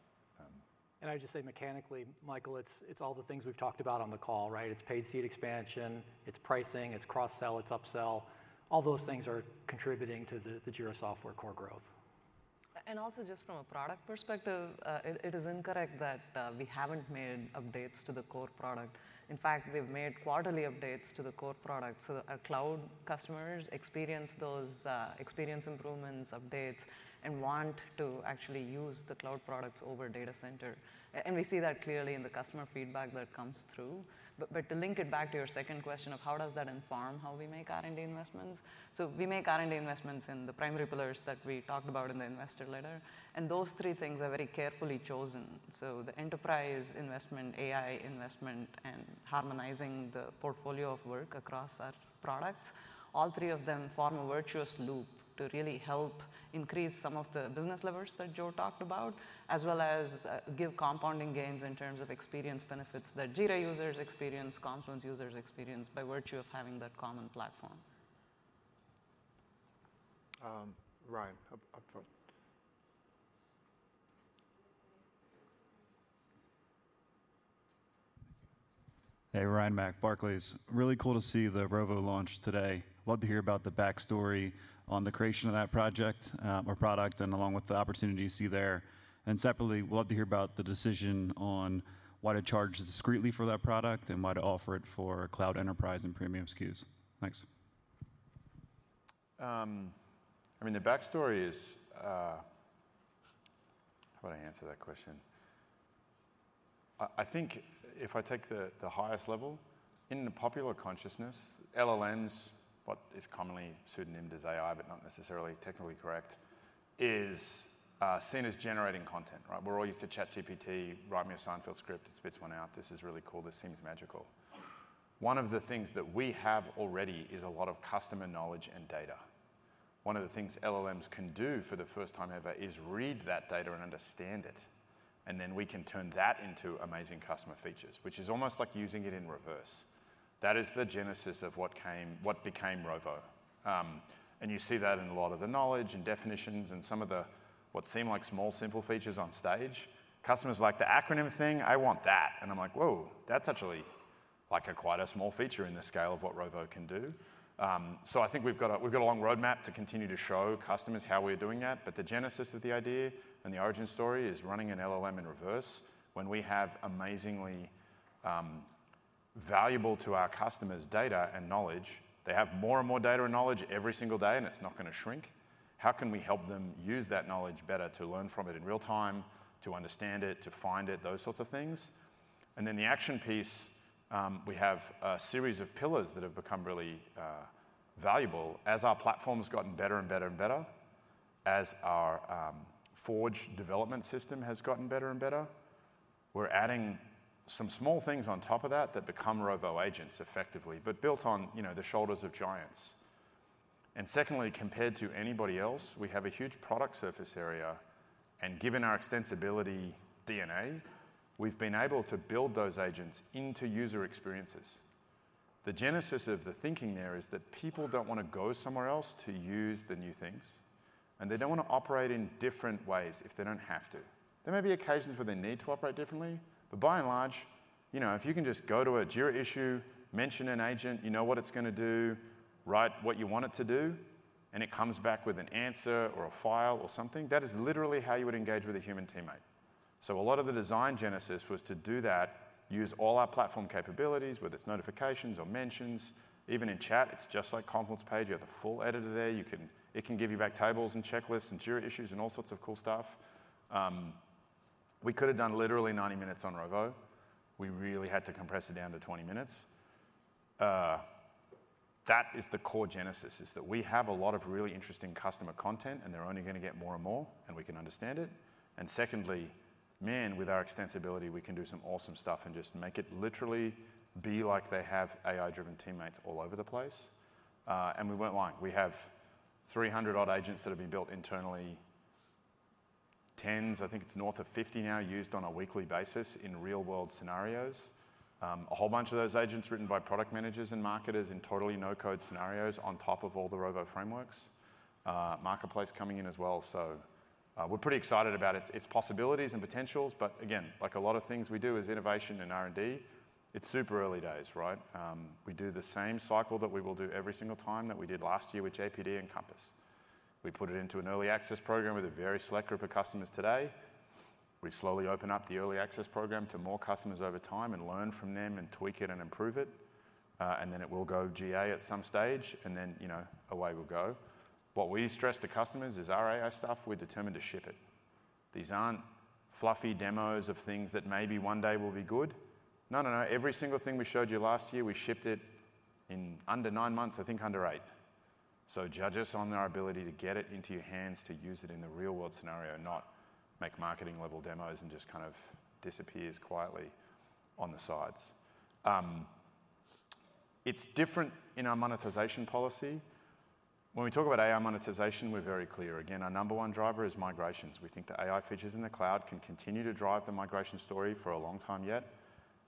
And I would just say mechanically, Michael, it's all the things we've talked about on the call, right? It's paid seat expansion. It's pricing. It's cross-sell. It's upsell. All those things are contributing to the Jira Software core growth. Also just from a product perspective, it is incorrect that we haven't made updates to the core product. In fact, we've made quarterly updates to the core product. So our Cloud customers experience those experience improvements, updates, and want to actually use the Cloud products over Data Center. And we see that clearly in the customer feedback that comes through. But to link it back to your second question of how does that inform how we make R&D investments? So we make R&D investments in the primary pillars that we talked about in the investor letter. And those three things are very carefully chosen. So the enterprise investment, AI investment, and harmonizing the portfolio of work across our products, all three of them form a virtuous loop to really help increase some of the business levers that Joe talked about, as well as give compounding gains in terms of experience benefits that Jira users experience, Confluence users experience by virtue of having that common platform. Ryan, up front. Hey, Ryan MacWilliams, Barclays. Really cool to see the Rovo launch today. Love to hear about the backstory on the creation of that project or product, and along with the opportunity you see there. Separately, we'd love to hear about the decision on why to charge discretely for that product and why to offer it for Cloud Enterprise and Premium SKUs. Thanks. I mean, the backstory is how would I answer that question? I think if I take the highest level in the popular consciousness, LLMs, what is commonly pseudonymed as AI, but not necessarily technically correct, is seen as generating content, right? We're all used to ChatGPT, write me a Seinfeld script, it spits one out. This is really cool. This seems magical. One of the things that we have already is a lot of customer knowledge and data. One of the things LLMs can do for the first time ever is read that data and understand it. And then we can turn that into amazing customer features, which is almost like using it in reverse. That is the genesis of what became Rovo. And you see that in a lot of the knowledge and definitions and some of the what seem like small, simple features on stage. Customers like the acronym thing. I want that. And I'm like, whoa, that's actually like quite a small feature in the scale of what Rovo can do. So I think we've got a long roadmap to continue to show customers how we're doing that. But the genesis of the idea and the origin story is running an LLM in reverse. When we have amazingly valuable to our customers data and knowledge, they have more and more data and knowledge every single day, and it's not going to shrink. How can we help them use that knowledge better to learn from it in real time, to understand it, to find it, those sorts of things? And then the action piece, we have a series of pillars that have become really valuable as our platform has gotten better and better and better, as our Forge development system has gotten better and better. We're adding some small things on top of that that become Rovo agents effectively, but built on, you know, the shoulders of giants. And secondly, compared to anybody else, we have a huge product surface area. And given our extensibility DNA, we've been able to build those agents into user experiences. The genesis of the thinking there is that people don't want to go somewhere else to use the new things, and they don't want to operate in different ways if they don't have to. There may be occasions where they need to operate differently. But by and large, you know, if you can just go to a Jira issue, mention an agent, you know what it's going to do, write what you want it to do, and it comes back with an answer or a file or something, that is literally how you would engage with a human teammate So a lot of the design genesis was to do that, use all our platform capabilities, whether it's notifications or mentions. Even in chat, it's just like Confluence page. You have the full editor there. It can give you back tables and checklists and Jira issues and all sorts of cool stuff. We could have done literally 90 minutes on Rovo. We really had to compress it down to 20 minutes. That is the core genesis, is that we have a lot of really interesting customer content, and they're only going to get more and more, and we can understand it. And secondly, man, with our extensibility, we can do some awesome stuff and just make it literally be like they have AI-driven teammates all over the place. And we weren't lying. We have 300-odd agents that have been built internally, tens, I think it's north of 50 now, used on a weekly basis in real-world scenarios. A whole bunch of those agents written by product managers and marketers in totally no-code scenarios on top of all the Rovo frameworks. Marketplace coming in as well. So we're pretty excited about its possibilities and potentials. But again, like a lot of things we do as innovation and R&D, it's super early days, right? We do the same cycle that we will do every single time that we did last year with JPD and Compass. We put it into an Early Access Program with a very select group of customers today. We slowly open up the Early Access Program to more customers over time and learn from them and tweak it and improve it. Then it will go GA at some stage, and then, you know, away we'll go. What we stress to customers is our AI stuff. We're determined to ship it. These aren't fluffy demos of things that maybe one day will be good. No, no, no. Every single thing we showed you last year, we shipped it in under 9 months, I think under 8. So judge us on our ability to get it into your hands to use it in the real-world scenario, not make marketing-level demos and just kind of disappear quietly on the sides. It's different in our monetization policy. When we talk about AI monetization, we're very clear. Again, our number one driver is migrations. We think the AI features in the cloud can continue to drive the migration story for a long time yet.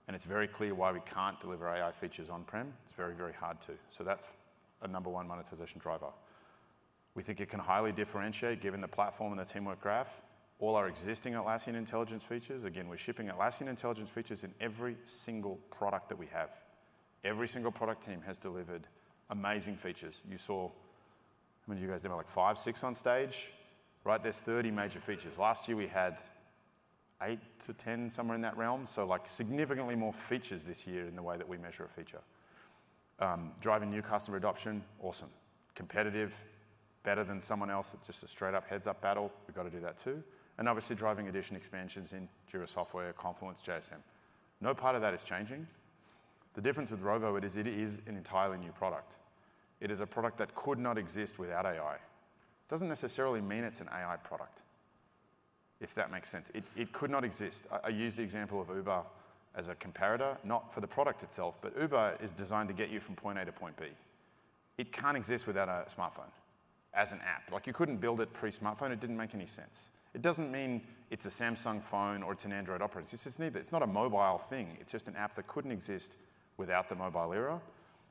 And it's very clear why we can't deliver AI features on-prem. It's very, very hard to. So that's a number one monetization driver. We think it can highly differentiate, given the platform and the Teamwork Graph, all our existing Atlassian Intelligence features. Again, we're shipping Atlassian Intelligence features in every single product that we have. Every single product team has delivered amazing features. You saw how many of you guys did, like 5, 6 on stage, right? There's 30 major features. Last year, we had 8-10 somewhere in that realm. So like significantly more features this year in the way that we measure a feature. Driving new customer adoption, awesome. Competitive, better than someone else. It's just a straight-up heads-up battle. We've got to do that too. And obviously, driving adoption expansions in Jira Software, Confluence, JSM. No part of that is changing. The difference with Rovo, it is it is an entirely new product. It is a product that could not exist without AI. Doesn't necessarily mean it's an AI product, if that makes sense. It could not exist. I use the example of Uber as a comparator, not for the product itself, but Uber is designed to get you from point A to point B. It can't exist without a smartphone as an app. Like you couldn't build it pre-smartphone. It didn't make any sense. It doesn't mean it's a Samsung phone or it's an Android operating system. It's just neither. It's not a mobile thing. It's just an app that couldn't exist without the mobile era.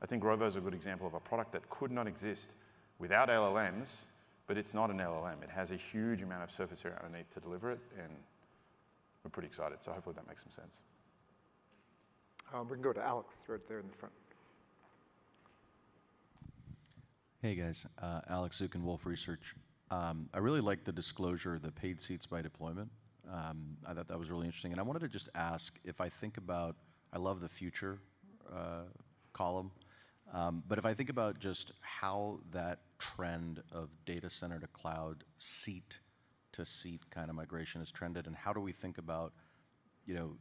I think Rovo is a good example of a product that could not exist without LLMs, but it's not an LLM. It has a huge amount of surface area underneath to deliver it. And we're pretty excited. So hopefully that makes some sense. We can go to Alex right there in the front. Hey, guys. Alex Zukin, Wolfe Research. I really liked the disclosure of the paid seats by deployment. I thought that was really interesting. I wanted to just ask if I think about. I love the future column. But if I think about just how that trend of Data Center to cloud, seat to seat kind of migration has trended, and how do we think about, you know,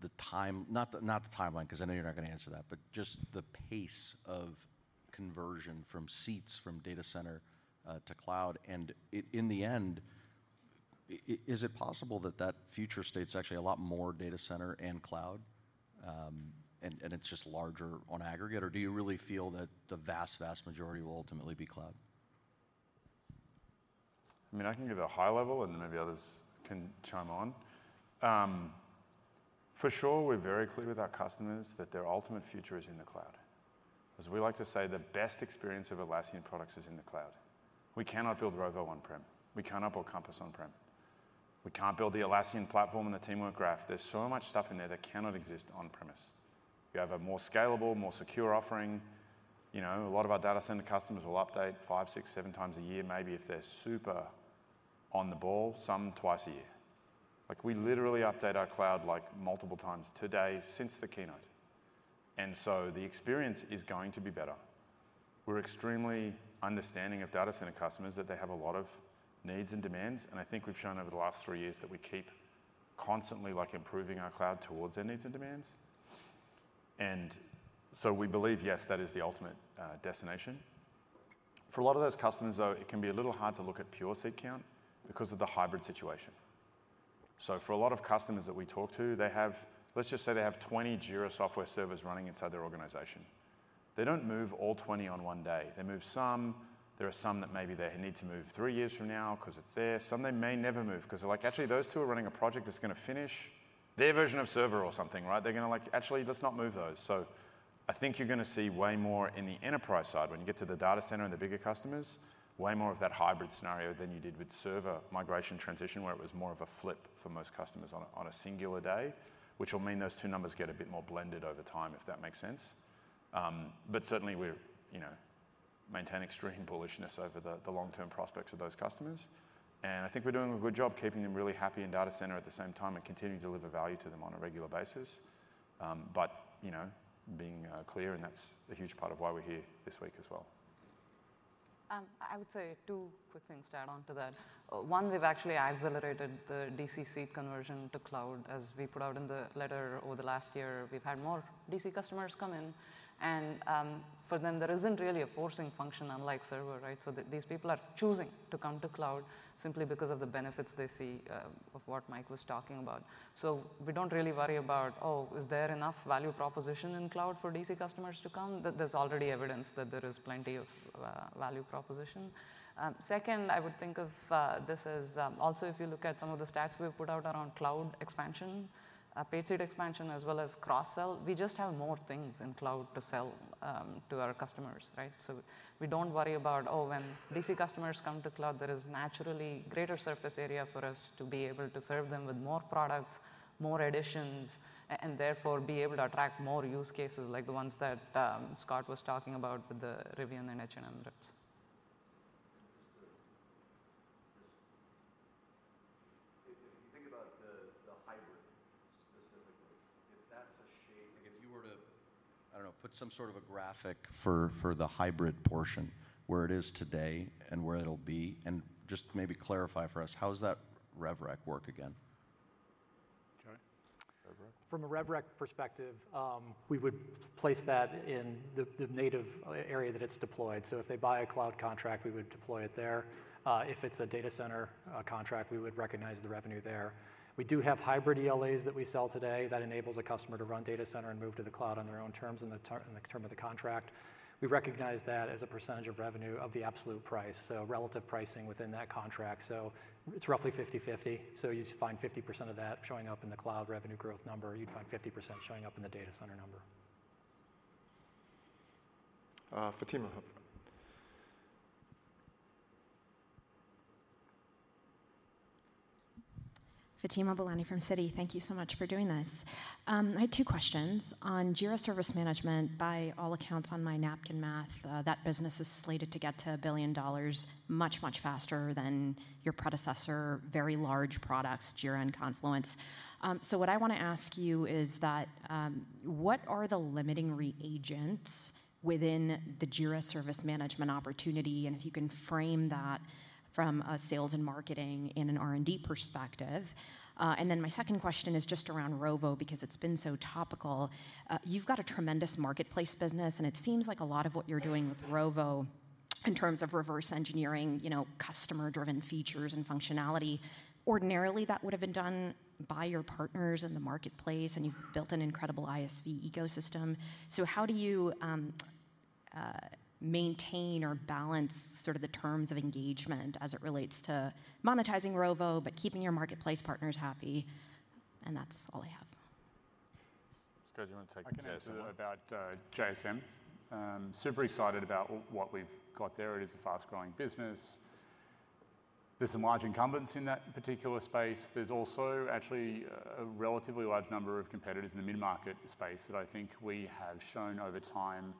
the time, not the timeline, because I know you're not going to answer that, but just the pace of conversion from seats, from Data Center to cloud. And in the end, is it possible that that future state is actually a lot more Data Center and cloud, and it's just larger on aggregate? Or do you really feel that the vast, vast majority will ultimately be cloud? I mean, I can give a high level, and then maybe others can chime on. For sure, we're very clear with our customers that their ultimate future is in the Cloud. As we like to say, the best experience of Atlassian products is in the Cloud. We cannot build Rovo on-prem. We cannot build Compass on-prem. We can't build the Atlassian platform and the Teamwork Graph. There's so much stuff in there that cannot exist on-premise. You have a more scalable, more secure offering. You know, a lot of our Data Center customers will update 5, 6, 7 times a year, maybe if they're super on the ball, some twice a year. Like we literally update our Cloud like multiple times today since the keynote. And so the experience is going to be better. We're extremely understanding of Data Center customers that they have a lot of needs and demands. I think we've shown over the last three years that we keep constantly like improving our Cloud towards their needs and demands. And so we believe, yes, that is the ultimate destination. For a lot of those customers, though, it can be a little hard to look at pure seat count because of the hybrid situation. So for a lot of customers that we talk to, they have, let's just say they have 20 Jira Software Servers running inside their organization. They don't move all 20 on one day. They move some. There are some that maybe they need to move three years from now because it's there. Some they may never move because they're like, actually, those two are running a project that's going to finish their version of Server or something, right? They're going to like, actually, let's not move those. So I think you're going to see way more in the enterprise side when you get to the Data Center and the bigger customers, way more of that hybrid scenario than you did with Server migration transition, where it was more of a flip for most customers on a singular day, which will mean those two numbers get a bit more blended over time, if that makes sense. But certainly, we're, you know, maintain extreme bullishness over the long-term prospects of those customers. And I think we're doing a good job keeping them really happy in Data Center at the same time and continuing to deliver value to them on a regular basis. But, you know, being clear, and that's a huge part of why we're here this week as well. I would say two quick things to add on to that. One, we've actually accelerated the DC seat conversion to cloud. As we put out in the letter over the last year, we've had more DC customers come in. And for them, there isn't really a forcing function, unlike server, right? So these people are choosing to come to cloud simply because of the benefits they see of what Mike was talking about. So we don't really worry about, oh, is there enough value proposition in cloud for DC customers to come? There's already evidence that there is plenty of value proposition. Second, I would think of this as also, if you look at some of the stats we've put out around cloud expansion, paid seat expansion, as well as cross-sell, we just have more things in cloud to sell to our customers, right? So we don't worry about, oh, when DC customers come to cloud, there is naturally greater surface area for us to be able to serve them with more products, more additions, and therefore be able to attract more use cases like the ones that Scott was talking about with the Rivian and H&M rips. If you think about the hybrid specifically, if that's a shape, like if you were to, I don't know, put some sort of a graphic for the hybrid portion where it is today and where it'll be, and just maybe clarify for us, how does that RevRec work again? Joe? RevRec? From a RevRec perspective, we would place that in the native area that it's deployed. So if they buy a Cloud contract, we would deploy it there. If it's a Data Center contract, we would recognize the revenue there. We do have hybrid ELAs that we sell today that enables a customer to run Data Center and move to the Cloud on their own terms in the term of the contract. We recognize that as a percentage of revenue of the absolute price, so relative pricing within that contract. So it's roughly 50/50. So you'd find 50% of that showing up in the Cloud revenue growth number. You'd find 50% showing up in the Data Center number. Fatima up front. Fatima Boolani from Citi, thank you so much for doing this. I had two questions on Jira Service Management. By all accounts, on my napkin math, that business is slated to get to $1 billion much, much faster than your predecessor, very large products, Jira and Confluence. So what I want to ask you is that what are the limiting reagents within the Jira Service Management opportunity? And if you can frame that from a sales and marketing in an R&D perspective. And then my second question is just around Rovo, because it's been so topical. You've got a tremendous marketplace business, and it seems like a lot of what you're doing with Rovo, in terms of reverse engineering, you know, customer-driven features and functionality, ordinarily that would have been done by your partners in the marketplace, and you've built an incredible ISV ecosystem. How do you maintain or balance sort of the terms of engagement as it relates to monetizing Rovo, but keeping your marketplace partners happy? That's all I have. Scott, do you want to take the chance? I can answer about JSM. Super excited about what we've got there. It is a fast-growing business. There's some large incumbents in that particular space. There's also actually a relatively large number of competitors in the mid-market space that I think we have shown over time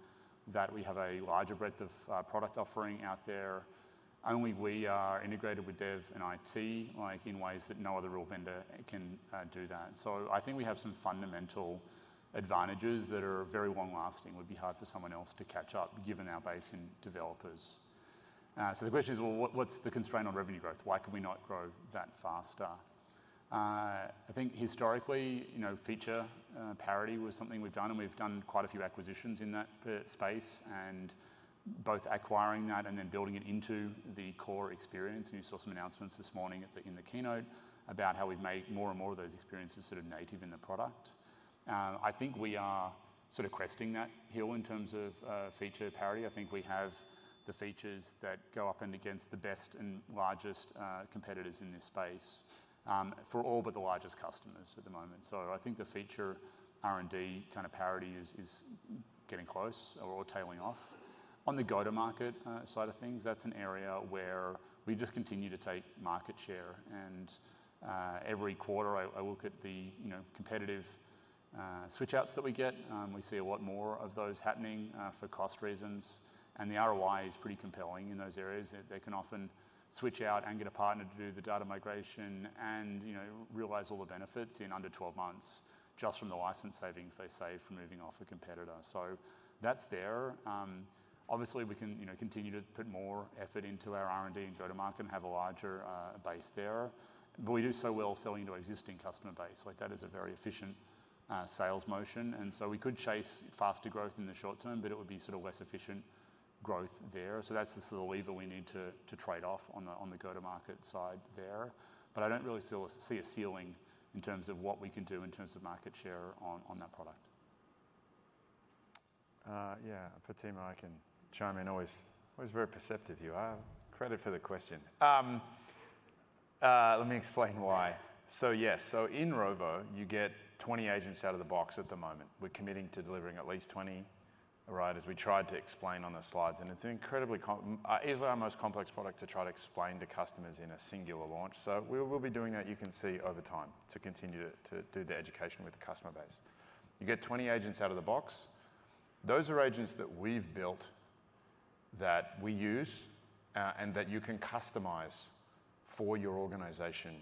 that we have a larger breadth of product offering out there. Only we are integrated with dev and IT, like in ways that no other real vendor can do that. So I think we have some fundamental advantages that are very long-lasting. It would be hard for someone else to catch up, given our base in developers. So the question is, well, what's the constraint on revenue growth? Why could we not grow that faster? I think historically, you know, feature parity was something we've done, and we've done quite a few acquisitions in that space, and both acquiring that and then building it into the core experience. And you saw some announcements this morning in the keynote about how we've made more and more of those experiences sort of native in the product. I think we are sort of cresting that hill in terms of feature parity. I think we have the features that go up and against the best and largest competitors in this space, for all but the largest customers at the moment. So I think the feature R&D kind of parity is getting close or tailing off. On the go-to-market side of things, that's an area where we just continue to take market share. And every quarter, I look at the competitive switch-outs that we get. We see a lot more of those happening for cost reasons. The ROI is pretty compelling in those areas. They can often switch out and get a partner to do the data migration and realize all the benefits in under 12 months, just from the license savings they save from moving off a competitor. So that's there. Obviously, we can continue to put more effort into our R&D and go-to-market and have a larger base there. But we do so well selling to our existing customer base. Like that is a very efficient sales motion. And so we could chase faster growth in the short term, but it would be sort of less efficient growth there. So that's the sort of lever we need to trade off on the go-to-market side there. But I don't really see a ceiling in terms of what we can do in terms of market share on that product. Yeah, Fatima, I can chime in. Always very perceptive. You get credit for the question. Let me explain why. So yes, so in Rovo, you get 20 agents out of the box at the moment. We're committing to delivering at least 20, right, as we tried to explain on the slides. And it's an incredibly easily our most complex product to try to explain to customers in a singular launch. So we'll be doing that. You can see over time to continue to do the education with the customer base. You get 20 agents out of the box. Those are agents that we've built that we use and that you can customize for your organization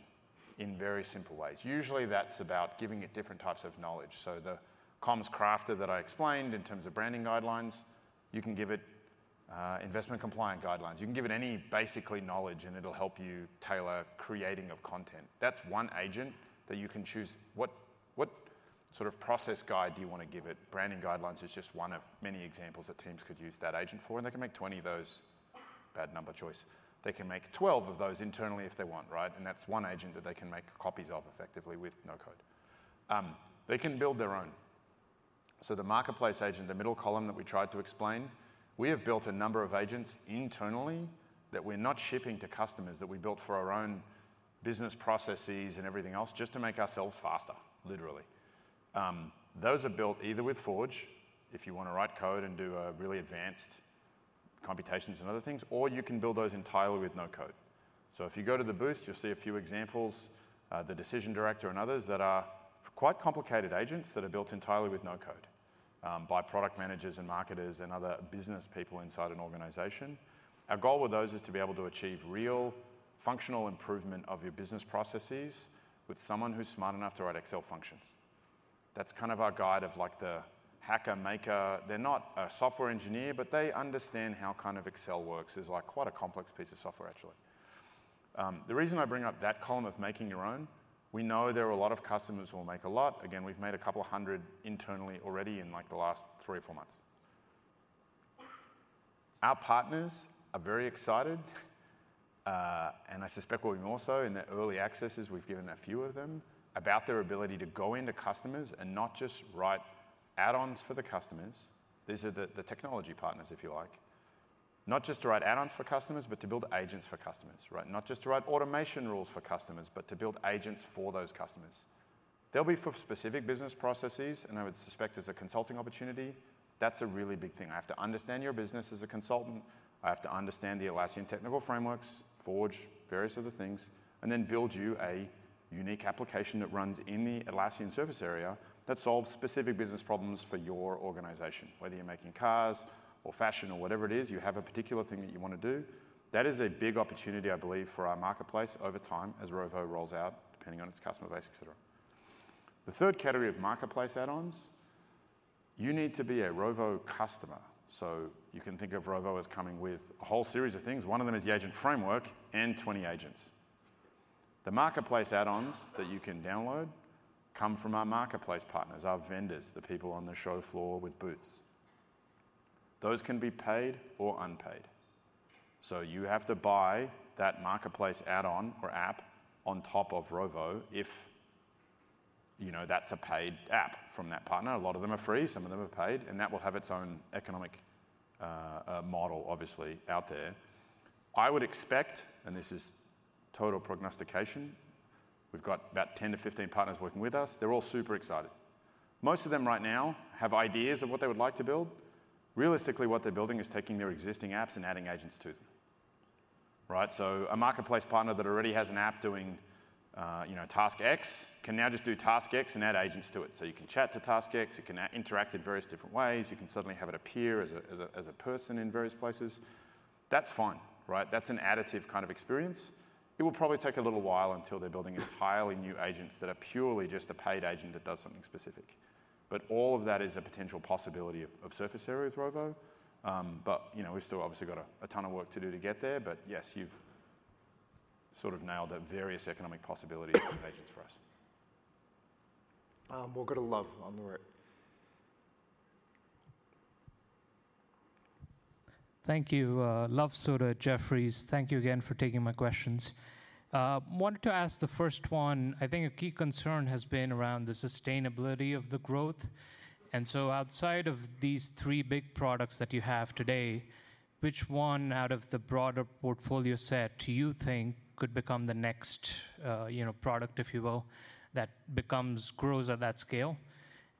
in very simple ways. Usually, that's about giving it different types of knowledge. So the Comms Crafter that I explained in terms of branding guidelines, you can give it investment-compliant guidelines. You can give it any basically knowledge, and it'll help you tailor creating of content. That's one agent that you can choose. What sort of process guide do you want to give it? Branding guidelines is just one of many examples that teams could use that agent for. And they can make 20 of those. Bad number choice. They can make 12 of those internally if they want, right? And that's one agent that they can make copies of effectively with no code. They can build their own. So the Marketplace agent, the middle column that we tried to explain, we have built a number of agents internally that we're not shipping to customers that we built for our own business processes and everything else just to make ourselves faster, literally. Those are built either with Forge, if you want to write code and do really advanced computations and other things, or you can build those entirely with no code. So if you go to the booth, you'll see a few examples, the Decision Director and others, that are quite complicated agents that are built entirely with no code by product managers and marketers and other business people inside an organization. Our goal with those is to be able to achieve real functional improvement of your business processes with someone who's smart enough to write Excel functions. That's kind of our guide of like the hacker, maker. They're not a software engineer, but they understand how kind of Excel works. It's like quite a complex piece of software, actually. The reason I bring up that column of making your own, we know there are a lot of customers who will make a lot. Again, we've made 200 internally already in like the last 3 or 4 months. Our partners are very excited. And I suspect we'll be more so in the early accesses. We've given a few of them about their ability to go into customers and not just write add-ons for the customers. These are the technology partners, if you like. Not just to write add-ons for customers, but to build agents for customers, right? Not just to write automation rules for customers, but to build agents for those customers. They'll be for specific business processes. And I would suspect as a consulting opportunity, that's a really big thing. I have to understand your business as a consultant. I have to understand the Atlassian technical frameworks, Forge, various other things, and then build you a unique application that runs in the Atlassian service area that solves specific business problems for your organization, whether you're making cars or fashion or whatever it is, you have a particular thing that you want to do. That is a big opportunity, I believe, for our marketplace over time as Rovo rolls out, depending on its customer base, etc. The third category of marketplace add-ons, you need to be a Rovo customer. So you can think of Rovo as coming with a whole series of things. One of them is the agent framework and 20 agents. The marketplace add-ons that you can download come from our marketplace partners, our vendors, the people on the show floor with booths. Those can be paid or unpaid. So you have to buy that marketplace add-on or app on top of Rovo if, you know, that's a paid app from that partner. A lot of them are free. Some of them are paid. And that will have its own economic model, obviously, out there. I would expect, and this is total prognostication, we've got about 10-15 partners working with us. They're all super excited. Most of them right now have ideas of what they would like to build. Realistically, what they're building is taking their existing apps and adding agents to them, right? So a marketplace partner that already has an app doing, you know, task X can now just do task X and add agents to it. So you can chat to task X. It can interact in various different ways. You can suddenly have it appear as a person in various places. That's fine, right? That's an additive kind of experience. It will probably take a little while until they're building entirely new agents that are purely just a paid agent that does something specific. But all of that is a potential possibility of surface area with Rovo. But, you know, we've still obviously got a ton of work to do to get there. But yes, you've sort of nailed at various economic possibilities of agents for us. We'll go to Luv on the line. Thank you. Luv Sodha, Jefferies. Thank you again for taking my questions. Wanted to ask the first one. I think a key concern has been around the sustainability of the growth. And so outside of these three big products that you have today, which one out of the broader portfolio set do you think could become the next, you know, product, if you will, that grows at that scale?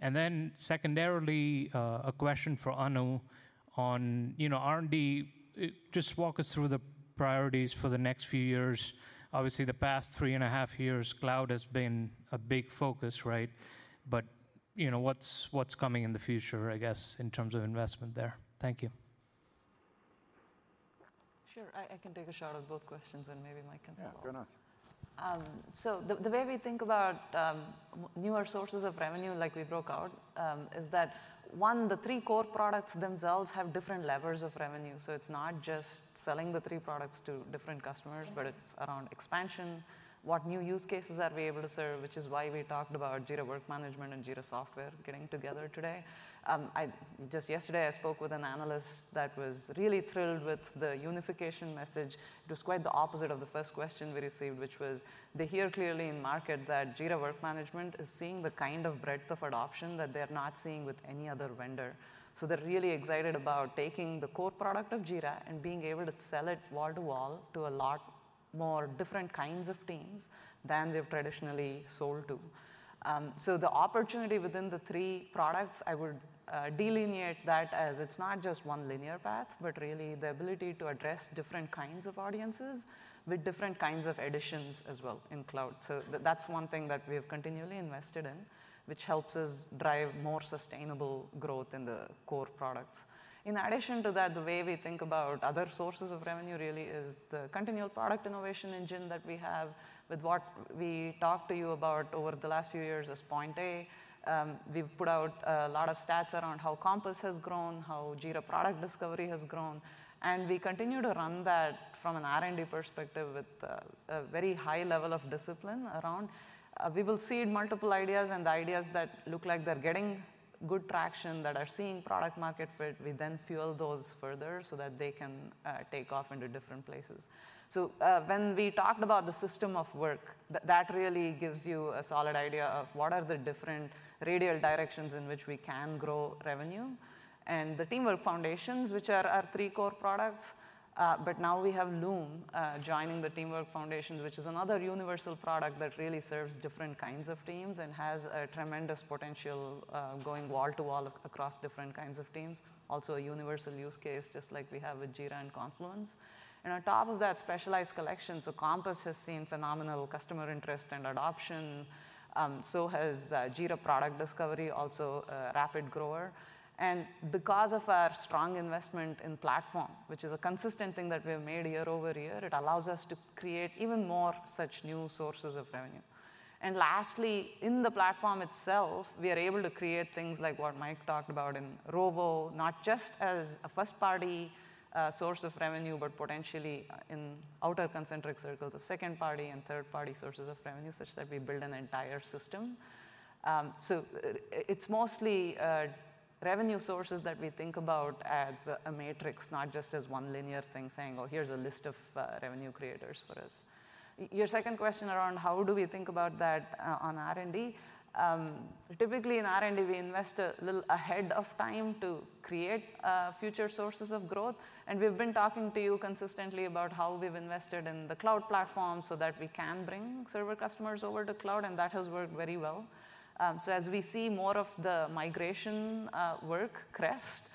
And then secondarily, a question for Anu on, you know, R&D, just walk us through the priorities for the next few years. Obviously, the past three and a half years, cloud has been a big focus, right? But, you know, what's coming in the future, I guess, in terms of investment there? Thank you. Sure. I can take a shot at both questions and maybe Mike can follow up. Yeah, go ahead. So the way we think about newer sources of revenue, like we broke out, is that, one, the three core products themselves have different levers of revenue. So it's not just selling the three products to different customers, but it's around expansion, what new use cases are we able to serve, which is why we talked about Jira Work Management and Jira Software getting together today. Just yesterday, I spoke with an analyst that was really thrilled with the unification message. It was quite the opposite of the first question we received, which was they hear clearly in market that Jira Work Management is seeing the kind of breadth of adoption that they're not seeing with any other vendor. So they're really excited about taking the core product of Jira and being able to sell it wall to wall to a lot more different kinds of teams than they've traditionally sold to. So the opportunity within the three products, I would delineate that as it's not just one linear path, but really the ability to address different kinds of audiences with different kinds of additions as well in Cloud. So that's one thing that we have continually invested in, which helps us drive more sustainable growth in the core products. In addition to that, the way we think about other sources of revenue really is the continual product innovation engine that we have with what we talked to you about over the last few years as Point A. We've put out a lot of stats around how Compass has grown, how Jira Product Discovery has grown. And we continue to run that from an R&D perspective with a very high level of discipline around. We will seed multiple ideas. The ideas that look like they're getting good traction, that are seeing product-market fit, we then fuel those further so that they can take off into different places. When we talked about the system of work, that really gives you a solid idea of what are the different radial directions in which we can grow revenue. The teamwork foundations, which are our three core products. But now we have Loom joining the teamwork foundations, which is another universal product that really serves different kinds of teams and has a tremendous potential going wall to wall across different kinds of teams. Also a universal use case, just like we have with Jira and Confluence. And on top of that specialized collection, so Compass has seen phenomenal customer interest and adoption. So has Jira Product Discovery, also a rapid grower. And because of our strong investment in platform, which is a consistent thing that we have made year-over-year, it allows us to create even more such new sources of revenue. And lastly, in the platform itself, we are able to create things like what Mike talked about in Rovo, not just as a first-party source of revenue, but potentially in outer concentric circles of second-party and third-party sources of revenue such that we build an entire system. So it's mostly revenue sources that we think about as a matrix, not just as one linear thing saying, "Oh, here's a list of revenue creators for us." Your second question around how do we think about that on R&D? Typically, in R&D, we invest a little ahead of time to create future sources of growth. We've been talking to you consistently about how we've invested in the cloud platform so that we can bring server customers over to cloud. That has worked very well. As we see more of the migration work crest,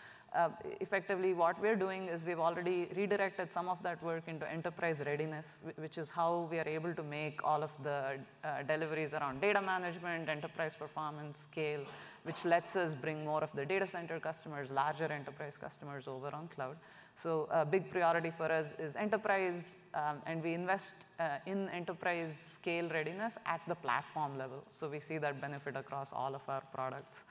effectively, what we're doing is we've already redirected some of that work into enterprise readiness, which is how we are able to make all of the deliveries around data management, enterprise performance, scale, which lets us bring more of the data center customers, larger enterprise customers over on cloud. A big priority for us is enterprise. We invest in enterprise scale readiness at the platform level. We see that benefit across all of our products.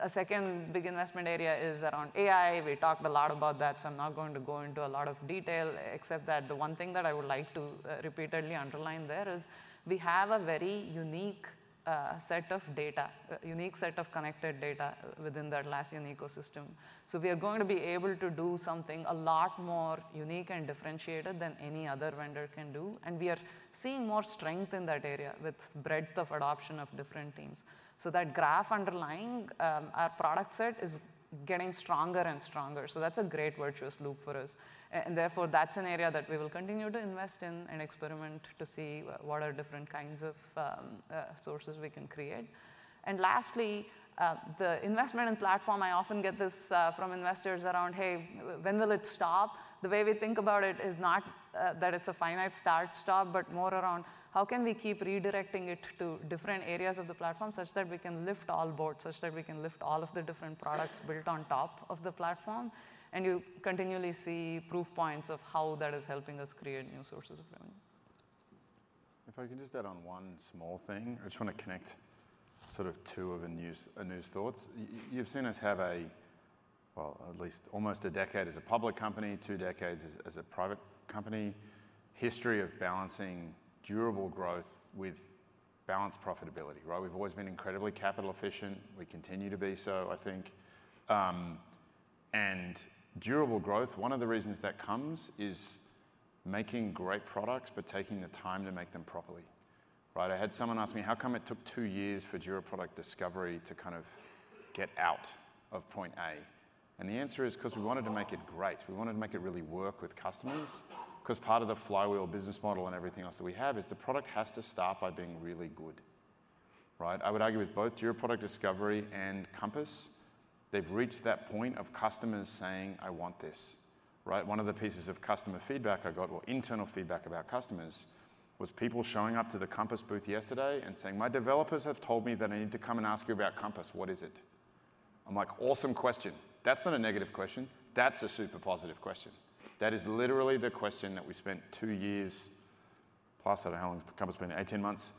A second big investment area is around AI. We talked a lot about that. So I'm not going to go into a lot of detail, except that the one thing that I would like to repeatedly underline there is we have a very unique set of data, a unique set of connected data within the Atlassian ecosystem. So we are going to be able to do something a lot more unique and differentiated than any other vendor can do. And we are seeing more strength in that area with breadth of adoption of different teams. So that graph underlying our product set is getting stronger and stronger. So that's a great virtuous loop for us. And therefore, that's an area that we will continue to invest in and experiment to see what are different kinds of sources we can create. Lastly, the investment in platform, I often get this from investors around, "Hey, when will it stop?" The way we think about it is not that it's a finite start-stop, but more around how can we keep redirecting it to different areas of the platform such that we can lift all boards, such that we can lift all of the different products built on top of the platform? You continually see proof points of how that is helping us create new sources of revenue. If I can just add on one small thing, I just want to connect sort of two of the new thoughts. You've seen us have a, well, at least almost a decade as a public company, 2 decades as a private company, history of balancing durable growth with balanced profitability, right? We've always been incredibly capital efficient. We continue to be so, I think. And durable growth, one of the reasons that comes is making great products, but taking the time to make them properly, right? I had someone ask me, "How come it took 2 years for Jira Product Discovery to kind of get out of Point A?" And the answer is because we wanted to make it great. We wanted to make it really work with customers. Because part of the flywheel business model and everything else that we have is the product has to start by being really good, right? I would argue with both Jira Product Discovery and Compass, they've reached that point of customers saying, "I want this," right? One of the pieces of customer feedback I got, or internal feedback about customers, was people showing up to the Compass booth yesterday and saying, "My developers have told me that I need to come and ask you about Compass. What is it?" I'm like, "Awesome question." That's not a negative question. That's a super positive question. That is literally the question that we spent 2 years plus, I don't know how long Compass spent, 18 months,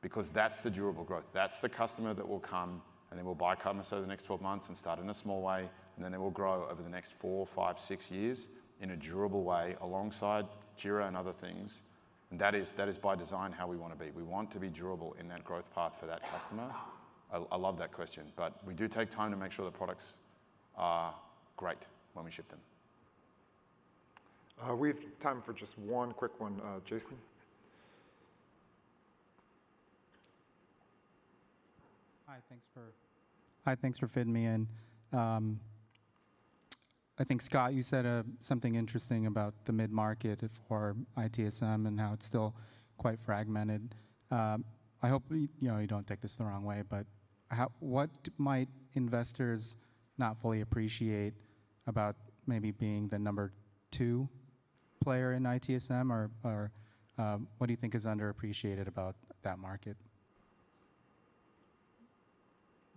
because that's the durable growth. That's the customer that will come and they will buy Compass over the next 12 months and start in a small way. And then they will grow over the next 4, 5, 6 years in a durable way alongside Jira and other things. And that is by design how we want to be. We want to be durable in that growth path for that customer. I love that question. But we do take time to make sure the products are great when we ship them. We have time for just one quick one. Jason. Hi. Thanks for fitting me in. I think, Scott, you said something interesting about the mid-market for ITSM and how it's still quite fragmented. I hope you don't take this the wrong way. But what might investors not fully appreciate about maybe being the number two player in ITSM? Or what do you think is underappreciated about that market?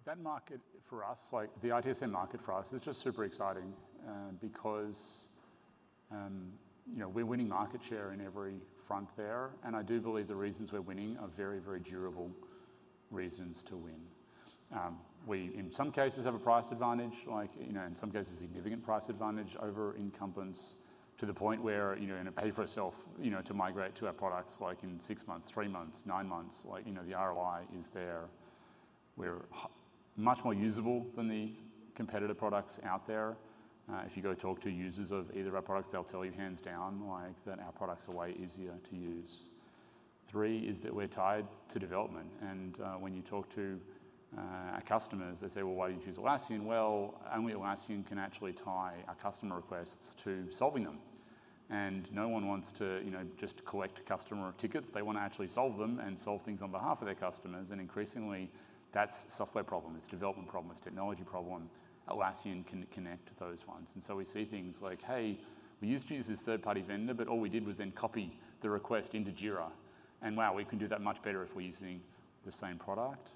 That market for us, like the ITSM market for us, is just super exciting because, you know, we're winning market share in every front there. And I do believe the reasons we're winning are very, very durable reasons to win. We, in some cases, have a price advantage, like, you know, in some cases, significant price advantage over incumbents to the point where, you know, it pays for itself, you know, to migrate to our products, like in six months, three months, nine months, like, you know, the ROI is there. We're much more usable than the competitor products out there. If you go talk to users of either our products, they'll tell you hands down, like, that our products are way easier to use. Three is that we're tied to development. And when you talk to our customers, they say, "Well, why don't you choose Atlassian?" Well, only Atlassian can actually tie our customer requests to solving them. And no one wants to, you know, just collect customer tickets. They want to actually solve them and solve things on behalf of their customers. And increasingly, that's a software problem. It's a development problem. It's a technology problem. Atlassian can connect those ones. And so we see things like, "Hey, we used to use this third-party vendor, but all we did was then copy the request into Jira. And wow, we can do that much better if we're using the same product."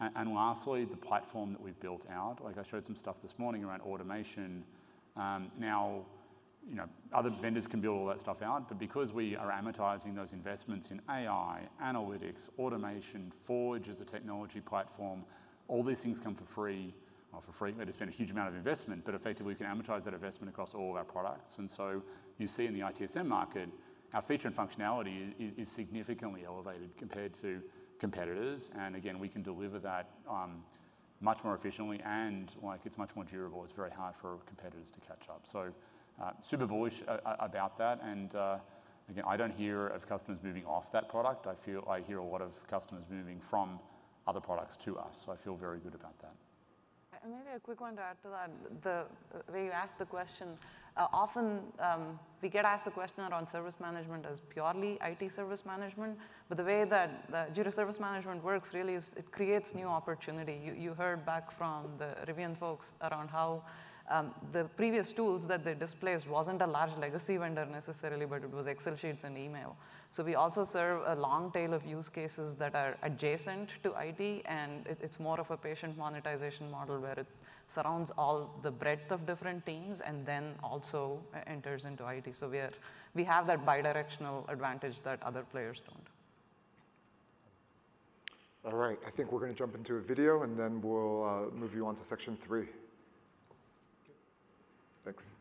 And lastly, the platform that we've built out, like I showed some stuff this morning around automation. Now, you know, other vendors can build all that stuff out. But because we are amortizing those investments in AI, analytics, automation, Forge as a technology platform, all these things come for free. Well, for free, we had to spend a huge amount of investment. But effectively, we can amortize that investment across all of our products. And so you see in the ITSM market, our feature and functionality is significantly elevated compared to competitors. And again, we can deliver that much more efficiently. And like, it's much more durable. It's very hard for competitors to catch up. So super bullish about that. And again, I don't hear of customers moving off that product. I hear a lot of customers moving from other products to us. So I feel very good about that. Maybe a quick one to add to that. The way you asked the question, often we get asked the question around service management as purely IT service management. But the way that Jira Service Management works really is it creates new opportunity. You heard back from the Rivian folks around how the previous tools that they displaced wasn't a large legacy vendor necessarily, but it was Excel sheets and email. So we also serve a long tail of use cases that are adjacent to IT. And it's more of a patient monetization model where it surrounds all the breadth of different teams and then also enters into IT. So we have that bidirectional advantage that other players don't. All right. I think we're going to jump into a video. Then we'll move you on to section three. Thanks.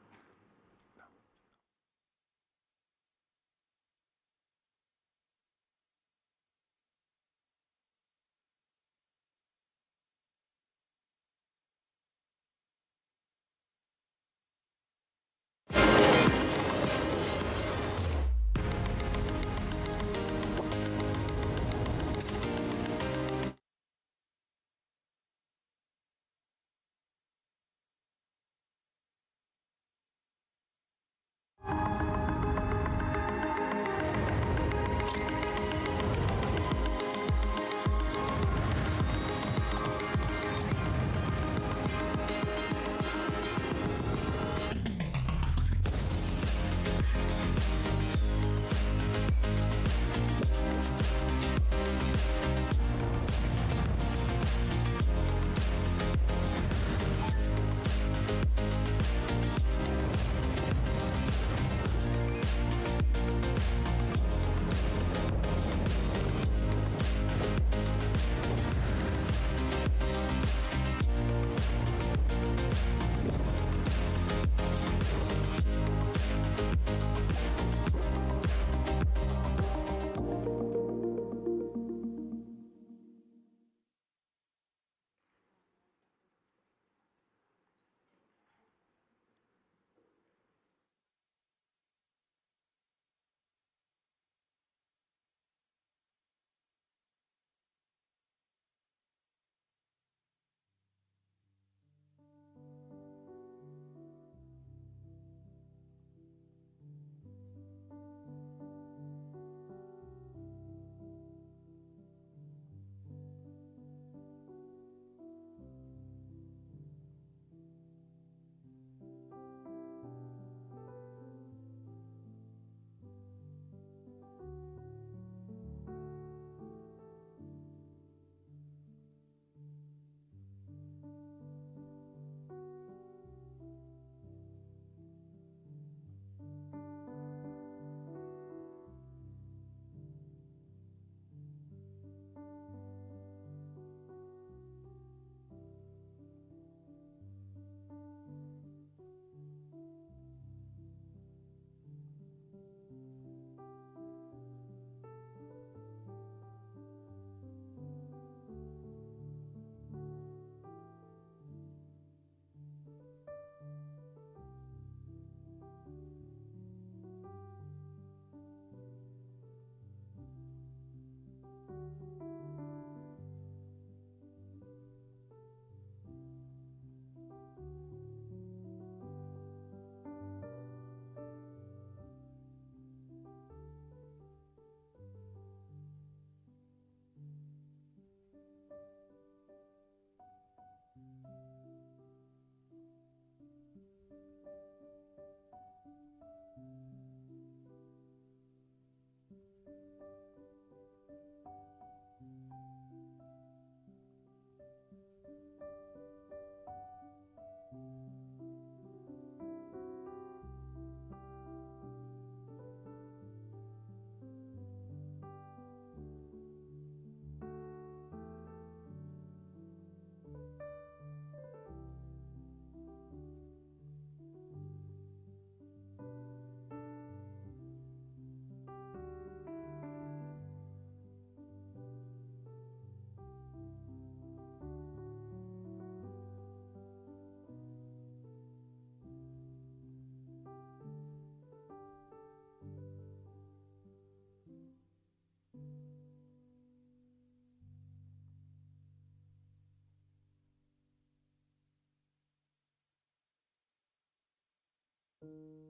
So we're switching seats? Whatever works or something.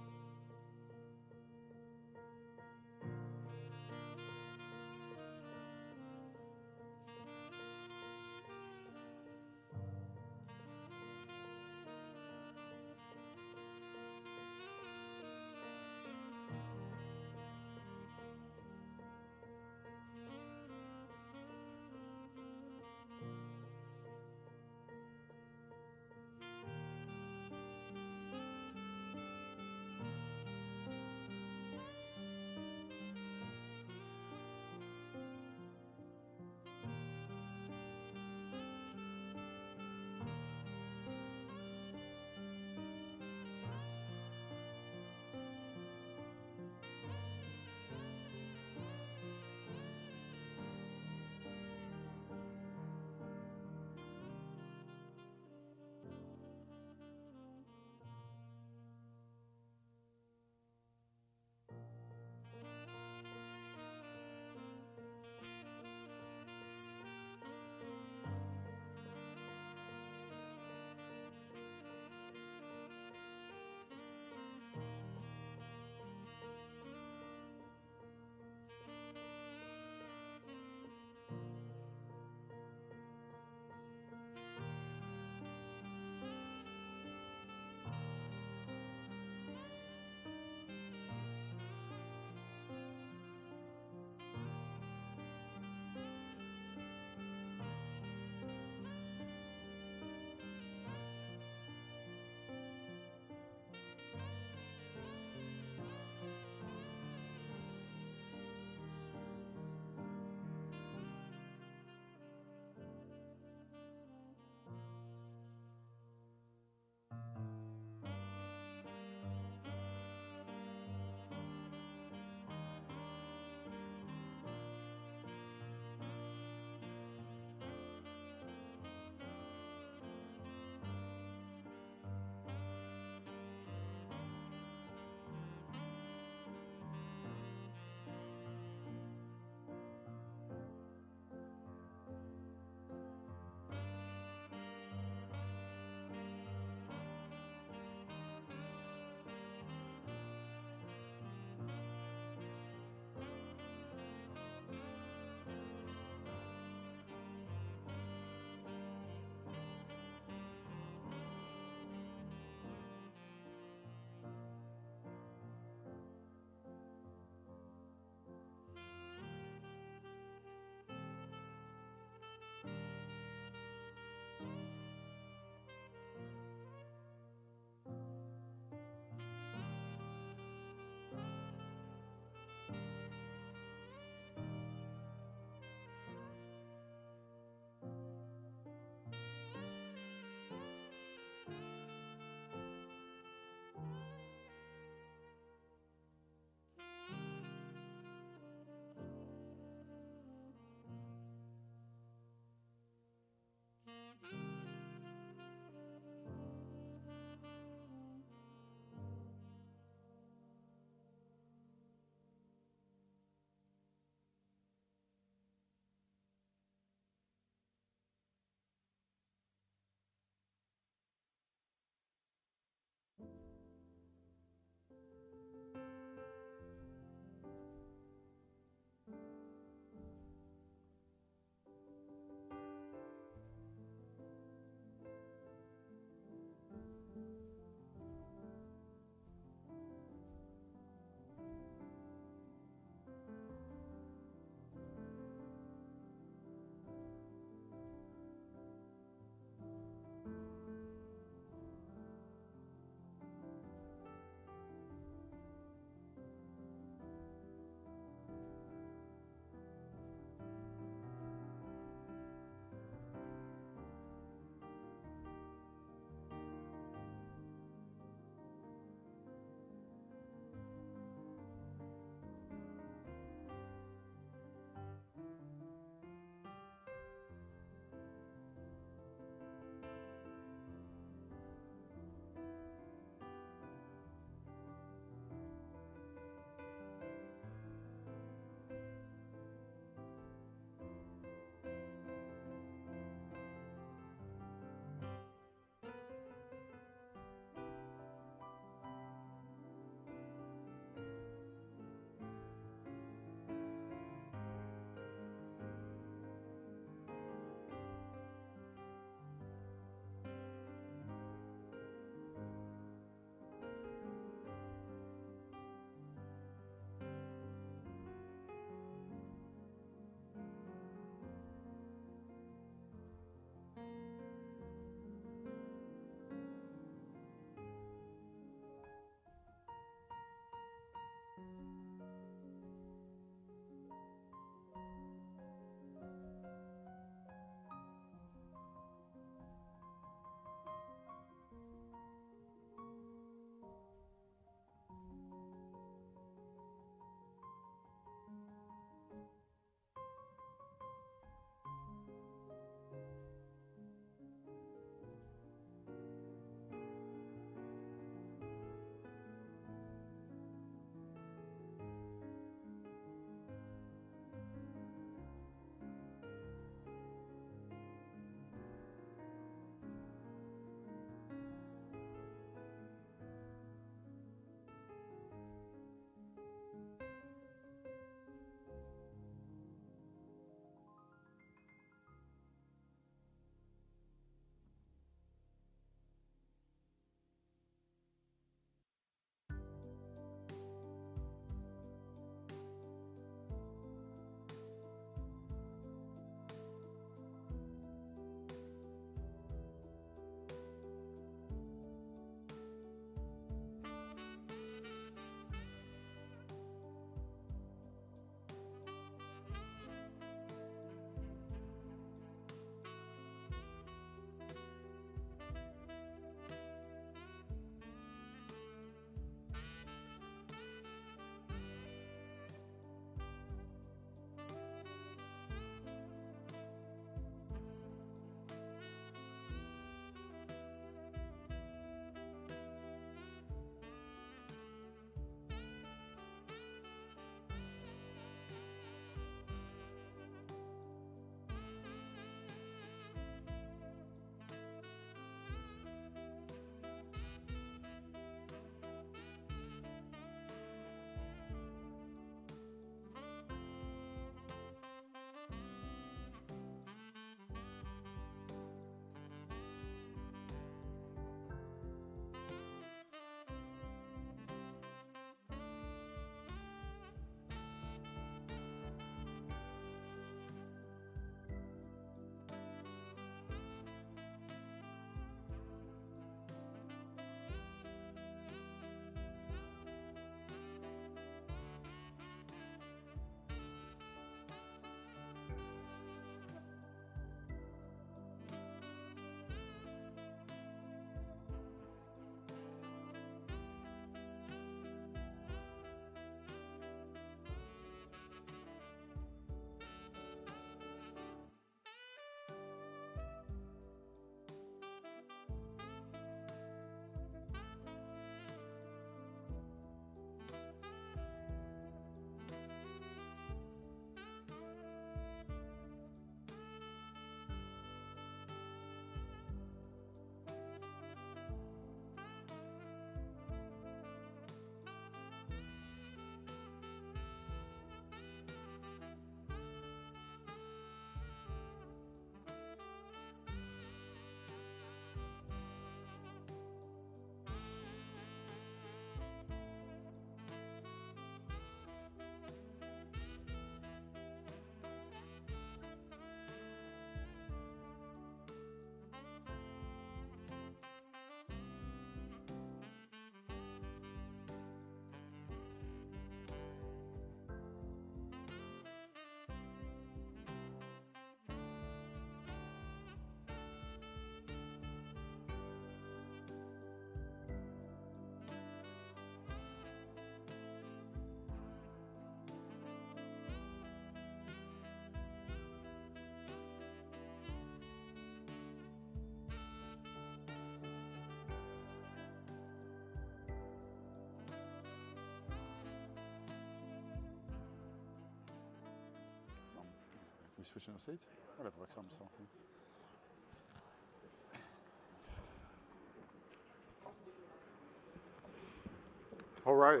All right.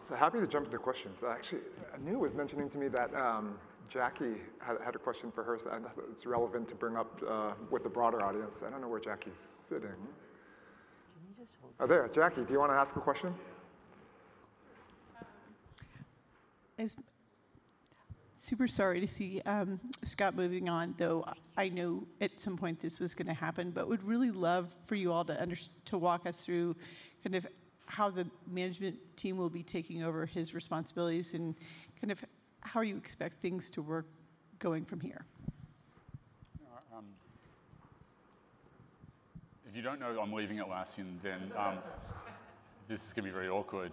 So happy to jump into questions. Actually, I knew it was mentioned to me that Jackie had a question for herself. I thought it's relevant to bring up with the broader audience. I don't know where Jackie's sitting. Can you just hold on? Oh, there. Jackie, do you want to ask a question? Sure. I'm super sorry to see Scott moving on, though. I know at some point this was going to happen. But I would really love for you all to walk us through kind of how the management team will be taking over his responsibilities and kind of how you expect things to work going from here. If you don't know that I'm leaving Atlassian, then this is going to be very awkward.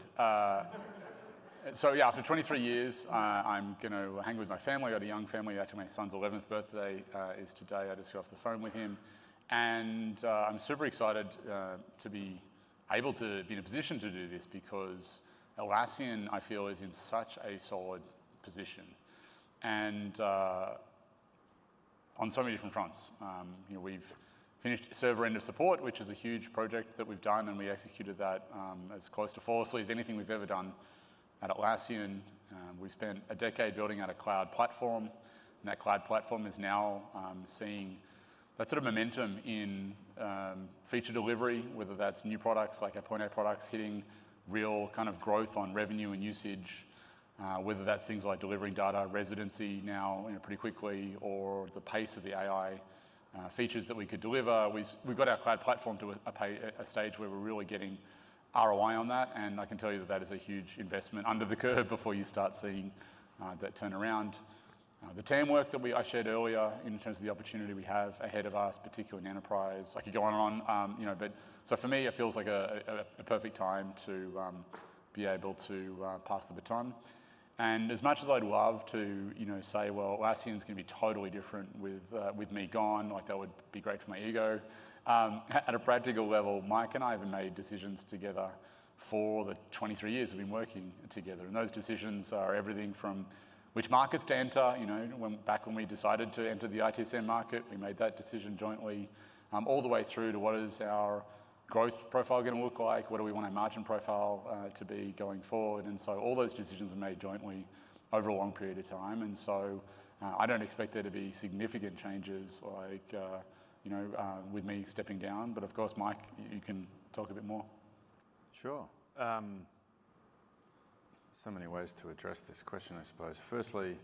So yeah, after 23 years, I'm going to hang with my family. I got a young family after my son's 11th birthday is today. I just got off the phone with him. And I'm super excited to be able to be in a position to do this because Atlassian, I feel, is in such a solid position and on so many different fronts. We've finished server-end of support, which is a huge project that we've done. And we executed that as close to flawlessly as anything we've ever done at Atlassian. We've spent a decade building out a cloud platform. And that cloud platform is now seeing that sort of momentum in feature delivery, whether that's new products like Atlassian products hitting real kind of growth on revenue and usage, whether that's things like delivering data residency now pretty quickly, or the pace of the AI features that we could deliver. We've got our cloud platform to a stage where we're really getting ROI on that. And I can tell you that that is a huge investment under the curve before you start seeing that turnaround. The Teamwork that I shared earlier in terms of the opportunity we have ahead of us, particularly in enterprise, I could go on and on. But so for me, it feels like a perfect time to be able to pass the baton. As much as I'd love to say, well, Atlassian is going to be totally different with me gone, like that would be great for my ego. At a practical level, Mike and I have made decisions together for the 23 years we've been working together. Those decisions are everything from which markets to enter. Back when we decided to enter the ITSM market, we made that decision jointly all the way through to what is our growth profile going to look like? What do we want our margin profile to be going forward? All those decisions are made jointly over a long period of time. I don't expect there to be significant changes with me stepping down. Of course, Mike, you can talk a bit more. Sure. So many ways to address this question, I suppose. Firstly,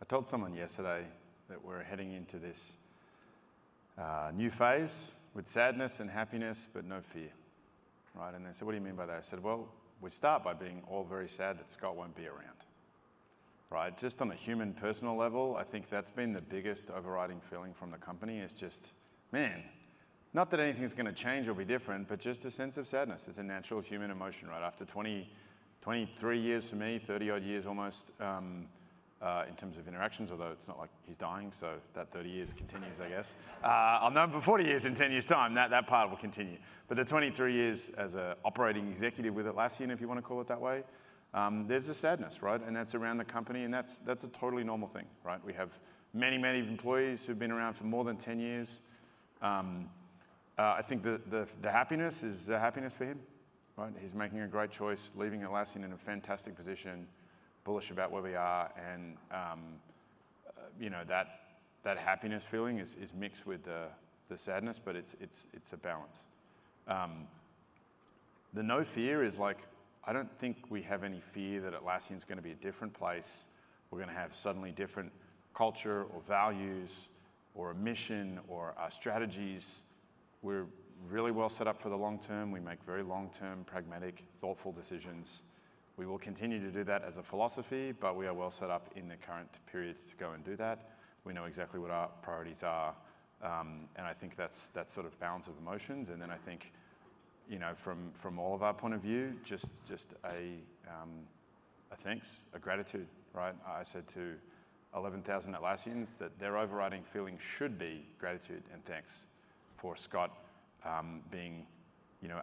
I told someone yesterday that we're heading into this new phase with sadness and happiness, but no fear, right? And they said, what do you mean by that? I said, well, we start by being all very sad that Scott won't be around, right? Just on a human personal level, I think that's been the biggest overriding feeling from the company is just, man, not that anything's going to change or be different, but just a sense of sadness. It's a natural human emotion, right? After 23 years for me, 30-odd years almost in terms of interactions, although it's not like he's dying. So that 30 years continues, I guess. I'll know him for 40 years in 10 years' time. That part will continue. But the 23 years as an operating executive with Atlassian, if you want to call it that way, there's a sadness, right? And that's around the company. And that's a totally normal thing, right? We have many, many employees who've been around for more than 10 years. I think the happiness is the happiness for him, right? He's making a great choice, leaving Atlassian in a fantastic position, bullish about where we are. And that happiness feeling is mixed with the sadness. But it's a balance. The no fear is like, I don't think we have any fear that Atlassian is going to be a different place. We're going to have suddenly different culture or values or a mission or strategies. We're really well set up for the long term. We make very long-term, pragmatic, thoughtful decisions. We will continue to do that as a philosophy. But we are well set up in the current period to go and do that. We know exactly what our priorities are. And I think that's sort of bounds of emotions. And then I think from all of our point of view, just a thanks, a gratitude, right? I said to 11,000 Atlassians that their overriding feeling should be gratitude and thanks for Scott being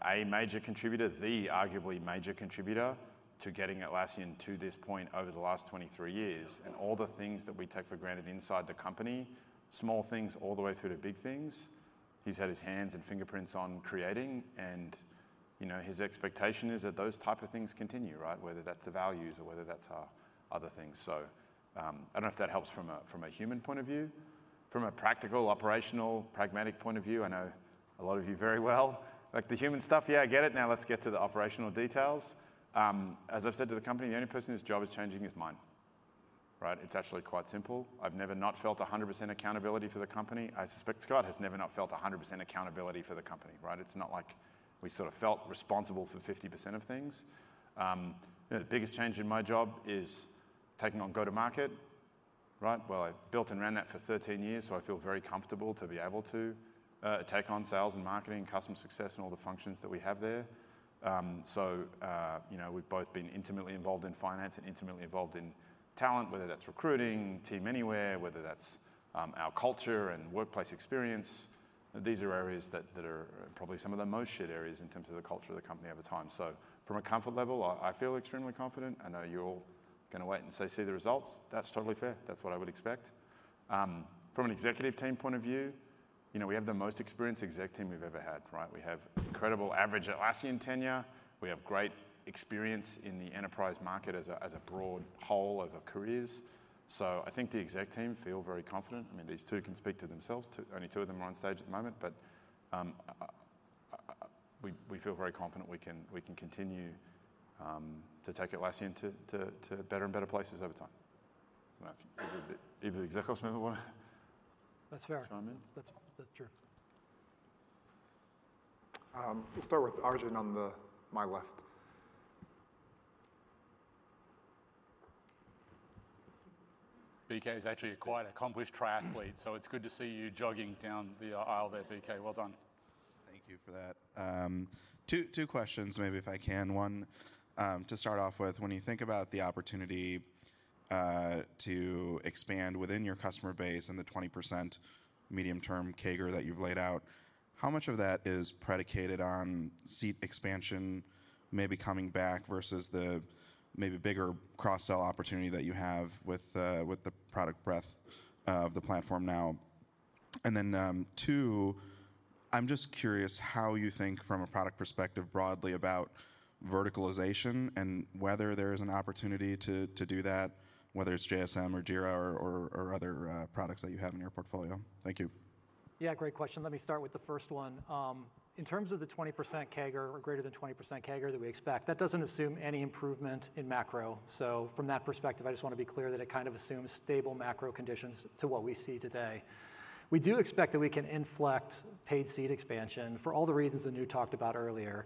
a major contributor, the arguably major contributor to getting Atlassian to this point over the last 23 years. And all the things that we take for granted inside the company, small things all the way through to big things, he's had his hands and fingerprints on creating. And his expectation is that those type of things continue, right? Whether that's the values or whether that's other things. So I don't know if that helps from a human point of view. From a practical, operational, pragmatic point of view, I know a lot of you very well. Like the human stuff, yeah, I get it. Now let's get to the operational details. As I've said to the company, the only person whose job is changing is mine, right? It's actually quite simple. I've never not felt 100% accountability for the company. I suspect Scott has never not felt 100% accountability for the company, right? It's not like we sort of felt responsible for 50% of things. The biggest change in my job is taking on go-to-market, right? Well, I built and ran that for 13 years. So I feel very comfortable to be able to take on sales and marketing and customer success and all the functions that we have there. So we've both been intimately involved in finance and intimately involved in talent, whether that's recruiting, Team Anywhere, whether that's our culture and workplace experience. These are areas that are probably some of the most shit areas in terms of the culture of the company over time. So from a comfort level, I feel extremely confident. I know you're all going to wait and say, see the results. That's totally fair. That's what I would expect. From an executive team point of view, we have the most experienced exec team we've ever had, right? We have incredible average Atlassian tenure. We have great experience in the enterprise market as a broad whole over careers. So I think the exec team feel very confident. I mean, these two can speak to themselves. Only two of them are on stage at the moment. But we feel very confident we can continue to take Atlassian to better and better places over time. I don't know if the exec ops members want to chime in. That's fair. That's true. We'll start with Arjun on my left. BK is actually quite an accomplished triathlete. So it's good to see you jogging down the aisle there, BK. Well done. Thank you for that. Two questions, maybe if I can. One, to start off with, when you think about the opportunity to expand within your customer base and the 20% medium-term CAGR that you've laid out, how much of that is predicated on seat expansion, maybe coming back versus the maybe bigger cross-sell opportunity that you have with the product breadth of the platform now? And then two, I'm just curious how you think from a product perspective broadly about verticalization and whether there is an opportunity to do that, whether it's JSM or Jira or other products that you have in your portfolio. Thank you. Yeah, great question. Let me start with the first one. In terms of the 20% CAGR or greater than 20% CAGR that we expect, that doesn't assume any improvement in macro. So from that perspective, I just want to be clear that it kind of assumes stable macro conditions to what we see today. We do expect that we can inflect paid seat expansion for all the reasons Anu talked about earlier.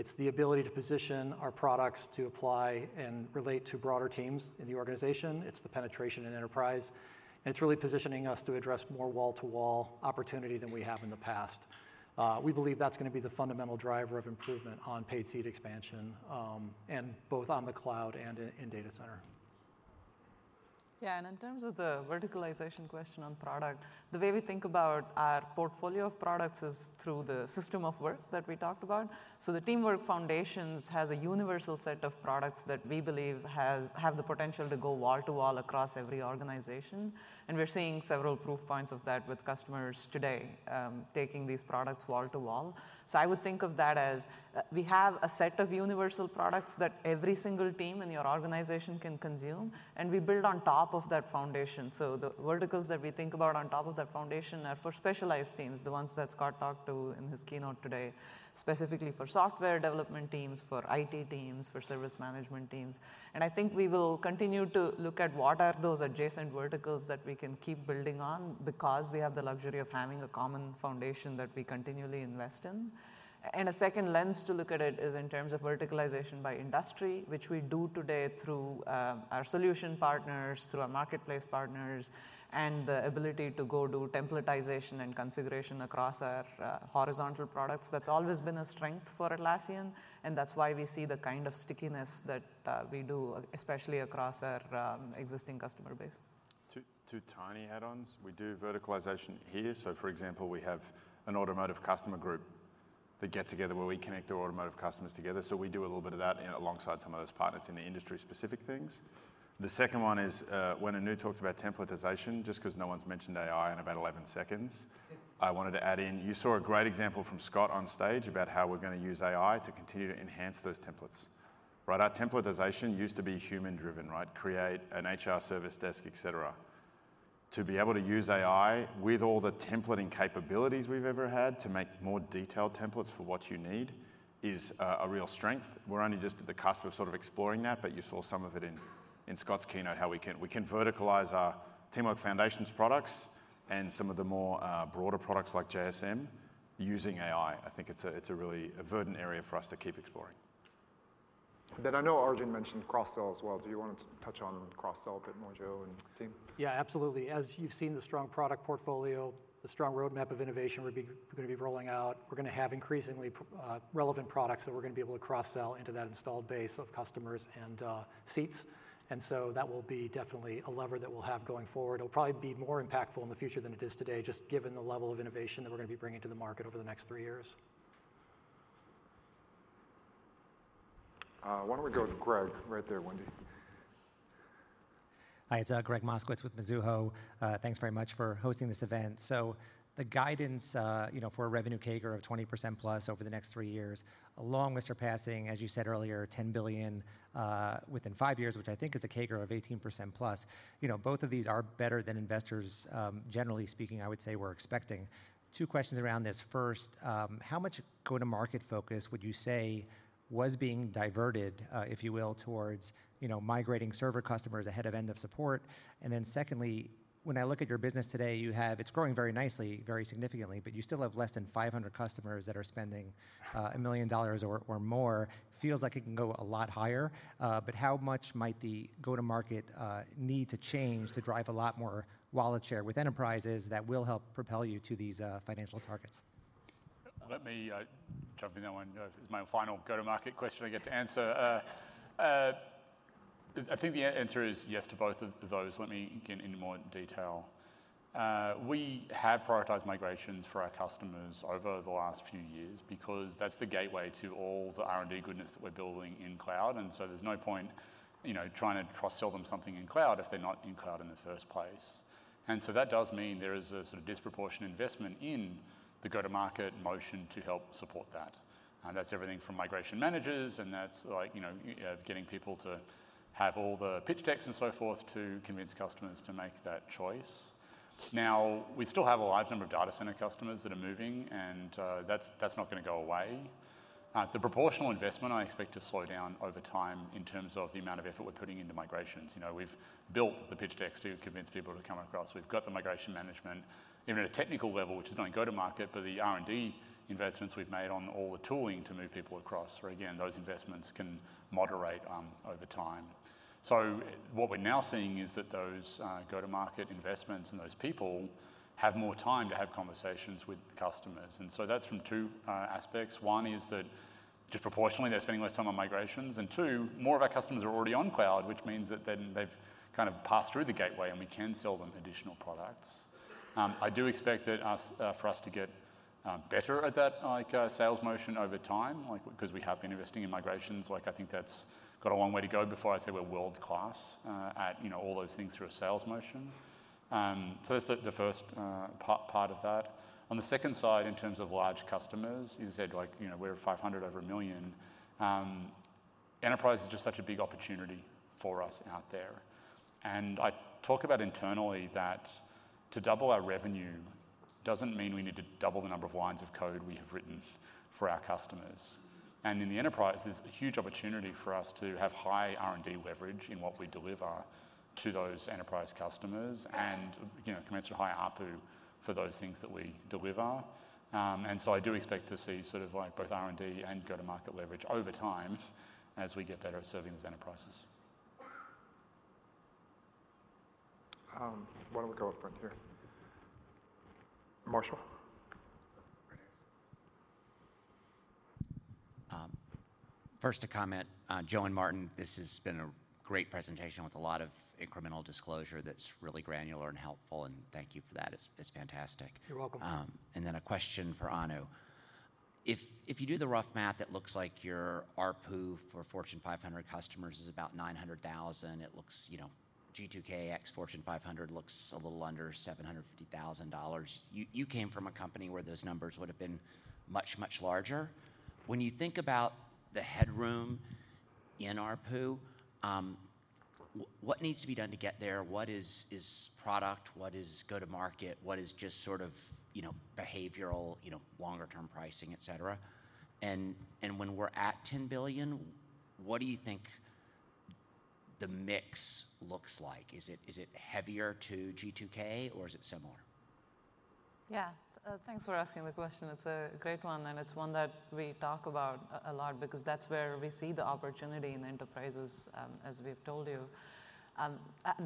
It's the ability to position our products to apply and relate to broader teams in the organization. It's the penetration in enterprise. And it's really positioning us to address more wall-to-wall opportunity than we have in the past. We believe that's going to be the fundamental driver of improvement on paid seat expansion and both on the cloud and in data center. Yeah. And in terms of the verticalization question on product, the way we think about our portfolio of products is through the System of Work that we talked about. So the Teamwork Foundations has a universal set of products that we believe have the potential to go wall-to-wall across every organization. And we're seeing several proof points of that with customers today taking these products wall-to-wall. So I would think of that as we have a set of universal products that every single team in your organization can consume. And we build on top of that foundation. So the verticals that we think about on top of that foundation are for specialized teams, the ones that Scott talked to in his keynote today, specifically for software development teams, for IT teams, for service management teams. I think we will continue to look at what are those adjacent verticals that we can keep building on because we have the luxury of having a common foundation that we continually invest in. A second lens to look at it is in terms of verticalization by industry, which we do today through our solution partners, through our marketplace partners, and the ability to go do templatization and configuration across our horizontal products. That's always been a strength for Atlassian. That's why we see the kind of stickiness that we do, especially across our existing customer base. Two tiny add-ons. We do verticalization here. For example, we have an automotive customer group that get together where we connect our automotive customers together. We do a little bit of that alongside some of those partners in the industry-specific things. The second one is when Anu talked about templatization, just because no one's mentioned AI in about 11 seconds, I wanted to add in you saw a great example from Scott on stage about how we're going to use AI to continue to enhance those templates, right? Our templatization used to be human-driven, right? Create an HR service desk, et cetera. To be able to use AI with all the templating capabilities we've ever had to make more detailed templates for what you need is a real strength. We're only just at the cusp of sort of exploring that. But you saw some of it in Scott's keynote, how we can verticalize our teamwork foundations products and some of the more broader products like JSM using AI. I think it's a really verdant area for us to keep exploring. Then I know Arjun mentioned cross-sell as well. Do you want to touch on cross-sell a bit more, Joe and team? Yeah, absolutely. As you've seen the strong product portfolio, the strong roadmap of innovation we're going to be rolling out. We're going to have increasingly relevant products that we're going to be able to cross-sell into that installed base of customers and seats. And so that will be definitely a lever that we'll have going forward. It'll probably be more impactful in the future than it is today, just given the level of innovation that we're going to be bringing to the market over the next three years. Why don't we go with Greg right there, Wendy? Hi, it's Gregg Moskowitz with Mizuho. Thanks very much for hosting this event. So the guidance for a revenue CAGR of 20%+ over the next three years, along with surpassing, as you said earlier, $10 billion within five years, which I think is a CAGR of 18%+, both of these are better than investors, generally speaking, I would say, were expecting. Two questions around this. First, how much go-to-market focus would you say was being diverted, if you will, towards migrating Server customers ahead of end-of-support? And then secondly, when I look at your business today, it's growing very nicely, very significantly. But you still have less than 500 customers that are spending $1 million or more. Feels like it can go a lot higher. How much might the go-to-market need to change to drive a lot more wallet share with enterprises that will help propel you to these financial targets? Let me jump in that one. It's my final go-to-market question I get to answer. I think the answer is yes to both of those. Let me get into more detail. We have prioritized migrations for our customers over the last few years because that's the gateway to all the R&D goodness that we're building in cloud. And so there's no point trying to cross-sell them something in cloud if they're not in cloud in the first place. And so that does mean there is a sort of disproportionate investment in the go-to-market motion to help support that. And that's everything from migration managers. And that's getting people to have all the pitch decks and so forth to convince customers to make that choice. Now, we still have a large number of data center customers that are moving. And that's not going to go away. The proportional investment I expect to slow down over time in terms of the amount of effort we're putting into migrations. We've built the pitch decks to convince people to come across. We've got the migration management, even at a technical level, which is not a go-to-market, but the R&D investments we've made on all the tooling to move people across, where again, those investments can moderate over time. So what we're now seeing is that those go-to-market investments and those people have more time to have conversations with customers. And so that's from two aspects. One is that disproportionately, they're spending less time on migrations. And two, more of our customers are already on cloud, which means that then they've kind of passed through the gateway. And we can sell them additional products. I do expect for us to get better at that sales motion over time because we have been investing in migrations. I think that's got a long way to go before I say we're world-class at all those things through a sales motion. So that's the first part of that. On the second side, in terms of large customers, you said we're 500 over $1 million. Enterprise is just such a big opportunity for us out there. And I talk about internally that to double our revenue doesn't mean we need to double the number of lines of code we have written for our customers. And in the enterprise, there's a huge opportunity for us to have high R&D leverage in what we deliver to those enterprise customers and commensurate high ARPU for those things that we deliver. And so I do expect to see sort of both R&D and go-to-market leverage over time as we get better at serving those enterprises. Why don't we go up front here? Marshall? First to comment, Joe and Martin, this has been a great presentation with a lot of incremental disclosure that's really granular and helpful. And thank you for that. It's fantastic. You're welcome. Then a question for Anu. If you do the rough math, it looks like your ARPU for Fortune 500 customers is about $900,000. G2K x Fortune 500 looks a little under $750,000. You came from a company where those numbers would have been much, much larger. When you think about the headroom in ARPU, what needs to be done to get there? What is product? What is go-to-market? What is just sort of behavioral, longer-term pricing, et cetera? And when we're at $10 billion, what do you think the mix looks like? Is it heavier to G2K, or is it similar? Yeah. Thanks for asking the question. It's a great one. It's one that we talk about a lot because that's where we see the opportunity in enterprises, as we've told you.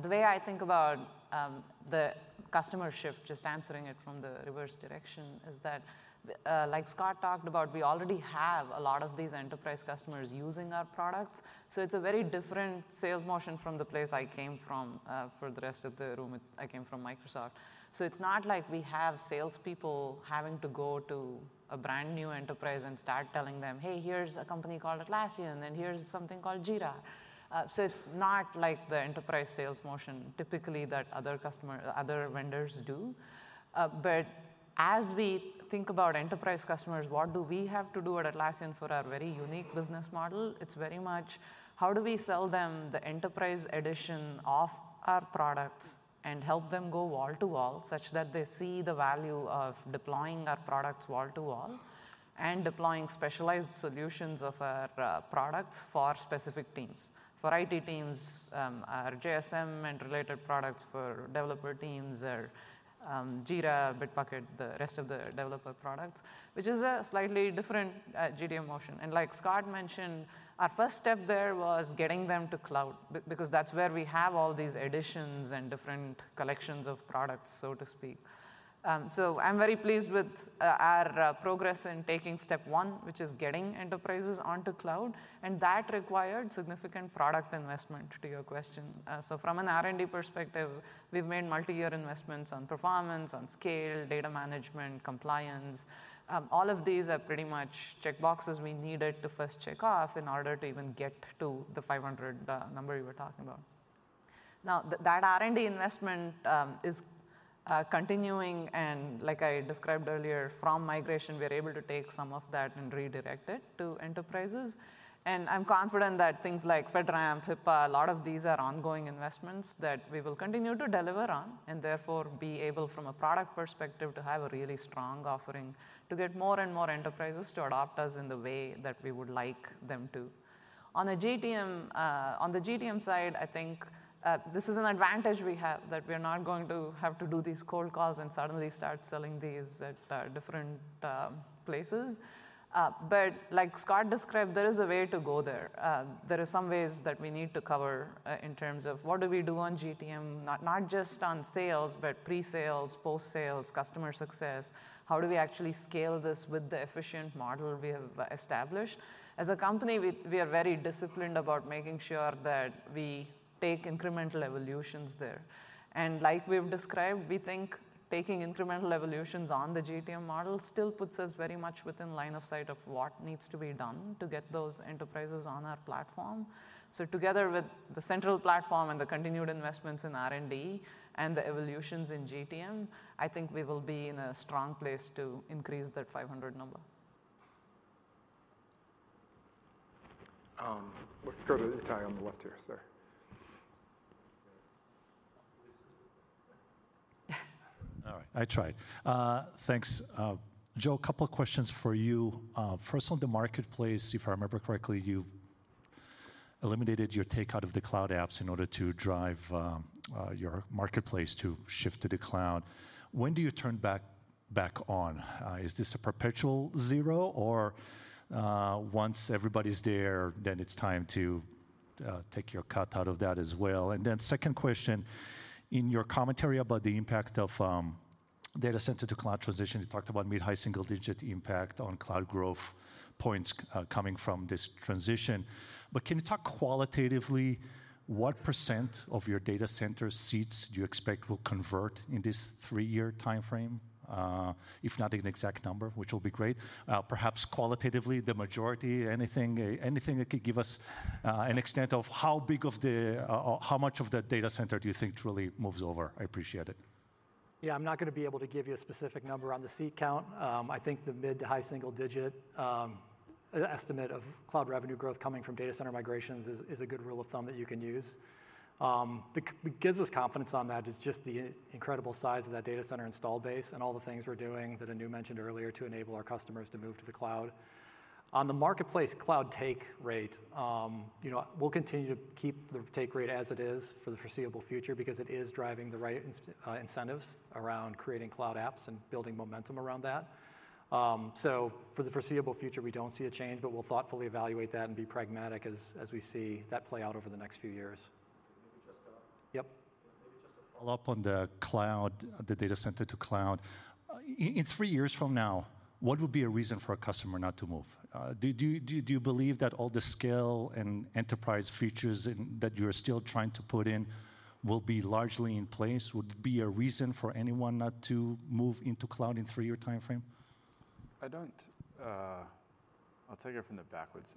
The way I think about the customer shift, just answering it from the reverse direction, is that like Scott talked about, we already have a lot of these enterprise customers using our products. It's a very different sales motion from the place I came from for the rest of the room. I came from Microsoft. It's not like we have salespeople having to go to a brand new enterprise and start telling them, "Hey, here's a company called Atlassian. And here's something called Jira." It's not like the enterprise sales motion typically that other vendors do. But as we think about enterprise customers, what do we have to do at Atlassian for our very unique business model? It's very much, how do we sell them the enterprise edition of our products and help them go wall-to-wall such that they see the value of deploying our products wall-to-wall and deploying specialized solutions of our products for specific teams? For IT teams, our JSM and related products. For developer teams, our Jira, Bitbucket, the rest of the developer products, which is a slightly different GTM motion. And like Scott mentioned, our first step there was getting them to cloud because that's where we have all these additions and different collections of products, so to speak. So I'm very pleased with our progress in taking step one, which is getting enterprises onto cloud. And that required significant product investment, to your question. So from an R&D perspective, we've made multi-year investments on performance, on scale, data management, compliance. All of these are pretty much checkboxes we needed to first check off in order to even get to the 500 number you were talking about. Now, that R&D investment is continuing. And like I described earlier, from migration, we are able to take some of that and redirect it to enterprises. And I'm confident that things like FedRAMP, HIPAA, a lot of these are ongoing investments that we will continue to deliver on and therefore be able, from a product perspective, to have a really strong offering to get more and more enterprises to adopt us in the way that we would like them to. On the GDM side, I think this is an advantage we have that we are not going to have to do these cold calls and suddenly start selling these at different places. But like Scott described, there is a way to go there. There are some ways that we need to cover in terms of what do we do on GDM, not just on sales, but pre-sales, post-sales, customer success? How do we actually scale this with the efficient model we have established? As a company, we are very disciplined about making sure that we take incremental evolutions there. And like we've described, we think taking incremental evolutions on the GDM model still puts us very much within line of sight of what needs to be done to get those enterprises on our platform. So together with the central platform and the continued investments in R&D and the evolutions in GDM, I think we will be in a strong place to increase that 500 number. Let's go to the guy on the left here, sir. All right. I tried. Thanks. Joe, a couple of questions for you. First, on the marketplace, if I remember correctly, you've eliminated your takeout of the cloud apps in order to drive your marketplace to shift to the cloud. When do you turn back on? Is this a perpetual zero, or once everybody's there, then it's time to take your cut out of that as well? And then second question, in your commentary about the impact of data center to cloud transition, you talked about mid-high single-digit impact on cloud growth points coming from this transition. But can you talk qualitatively, what % of your data center seats do you expect will convert in this three-year time frame, if not an exact number, which will be great? Perhaps qualitatively, the majority, anything that could give us an extent of how much of the Data Center do you think truly moves over? I appreciate it. Yeah, I'm not going to be able to give you a specific number on the seat count. I think the mid to high single-digit estimate of cloud revenue growth coming from data center migrations is a good rule of thumb that you can use. What gives us confidence on that is just the incredible size of that data center install base and all the things we're doing that Anu mentioned earlier to enable our customers to move to the cloud. On the marketplace cloud take rate, we'll continue to keep the take rate as it is for the foreseeable future because it is driving the right incentives around creating cloud apps and building momentum around that. So for the foreseeable future, we don't see a change. But we'll thoughtfully evaluate that and be pragmatic as we see that play out over the next few years. Maybe just a follow-up on the data center to cloud. In three years from now, what would be a reason for a customer not to move? Do you believe that all the scale and enterprise features that you are still trying to put in will be largely in place? Would it be a reason for anyone not to move into cloud in three-year time frame? I'll take it from the backwards.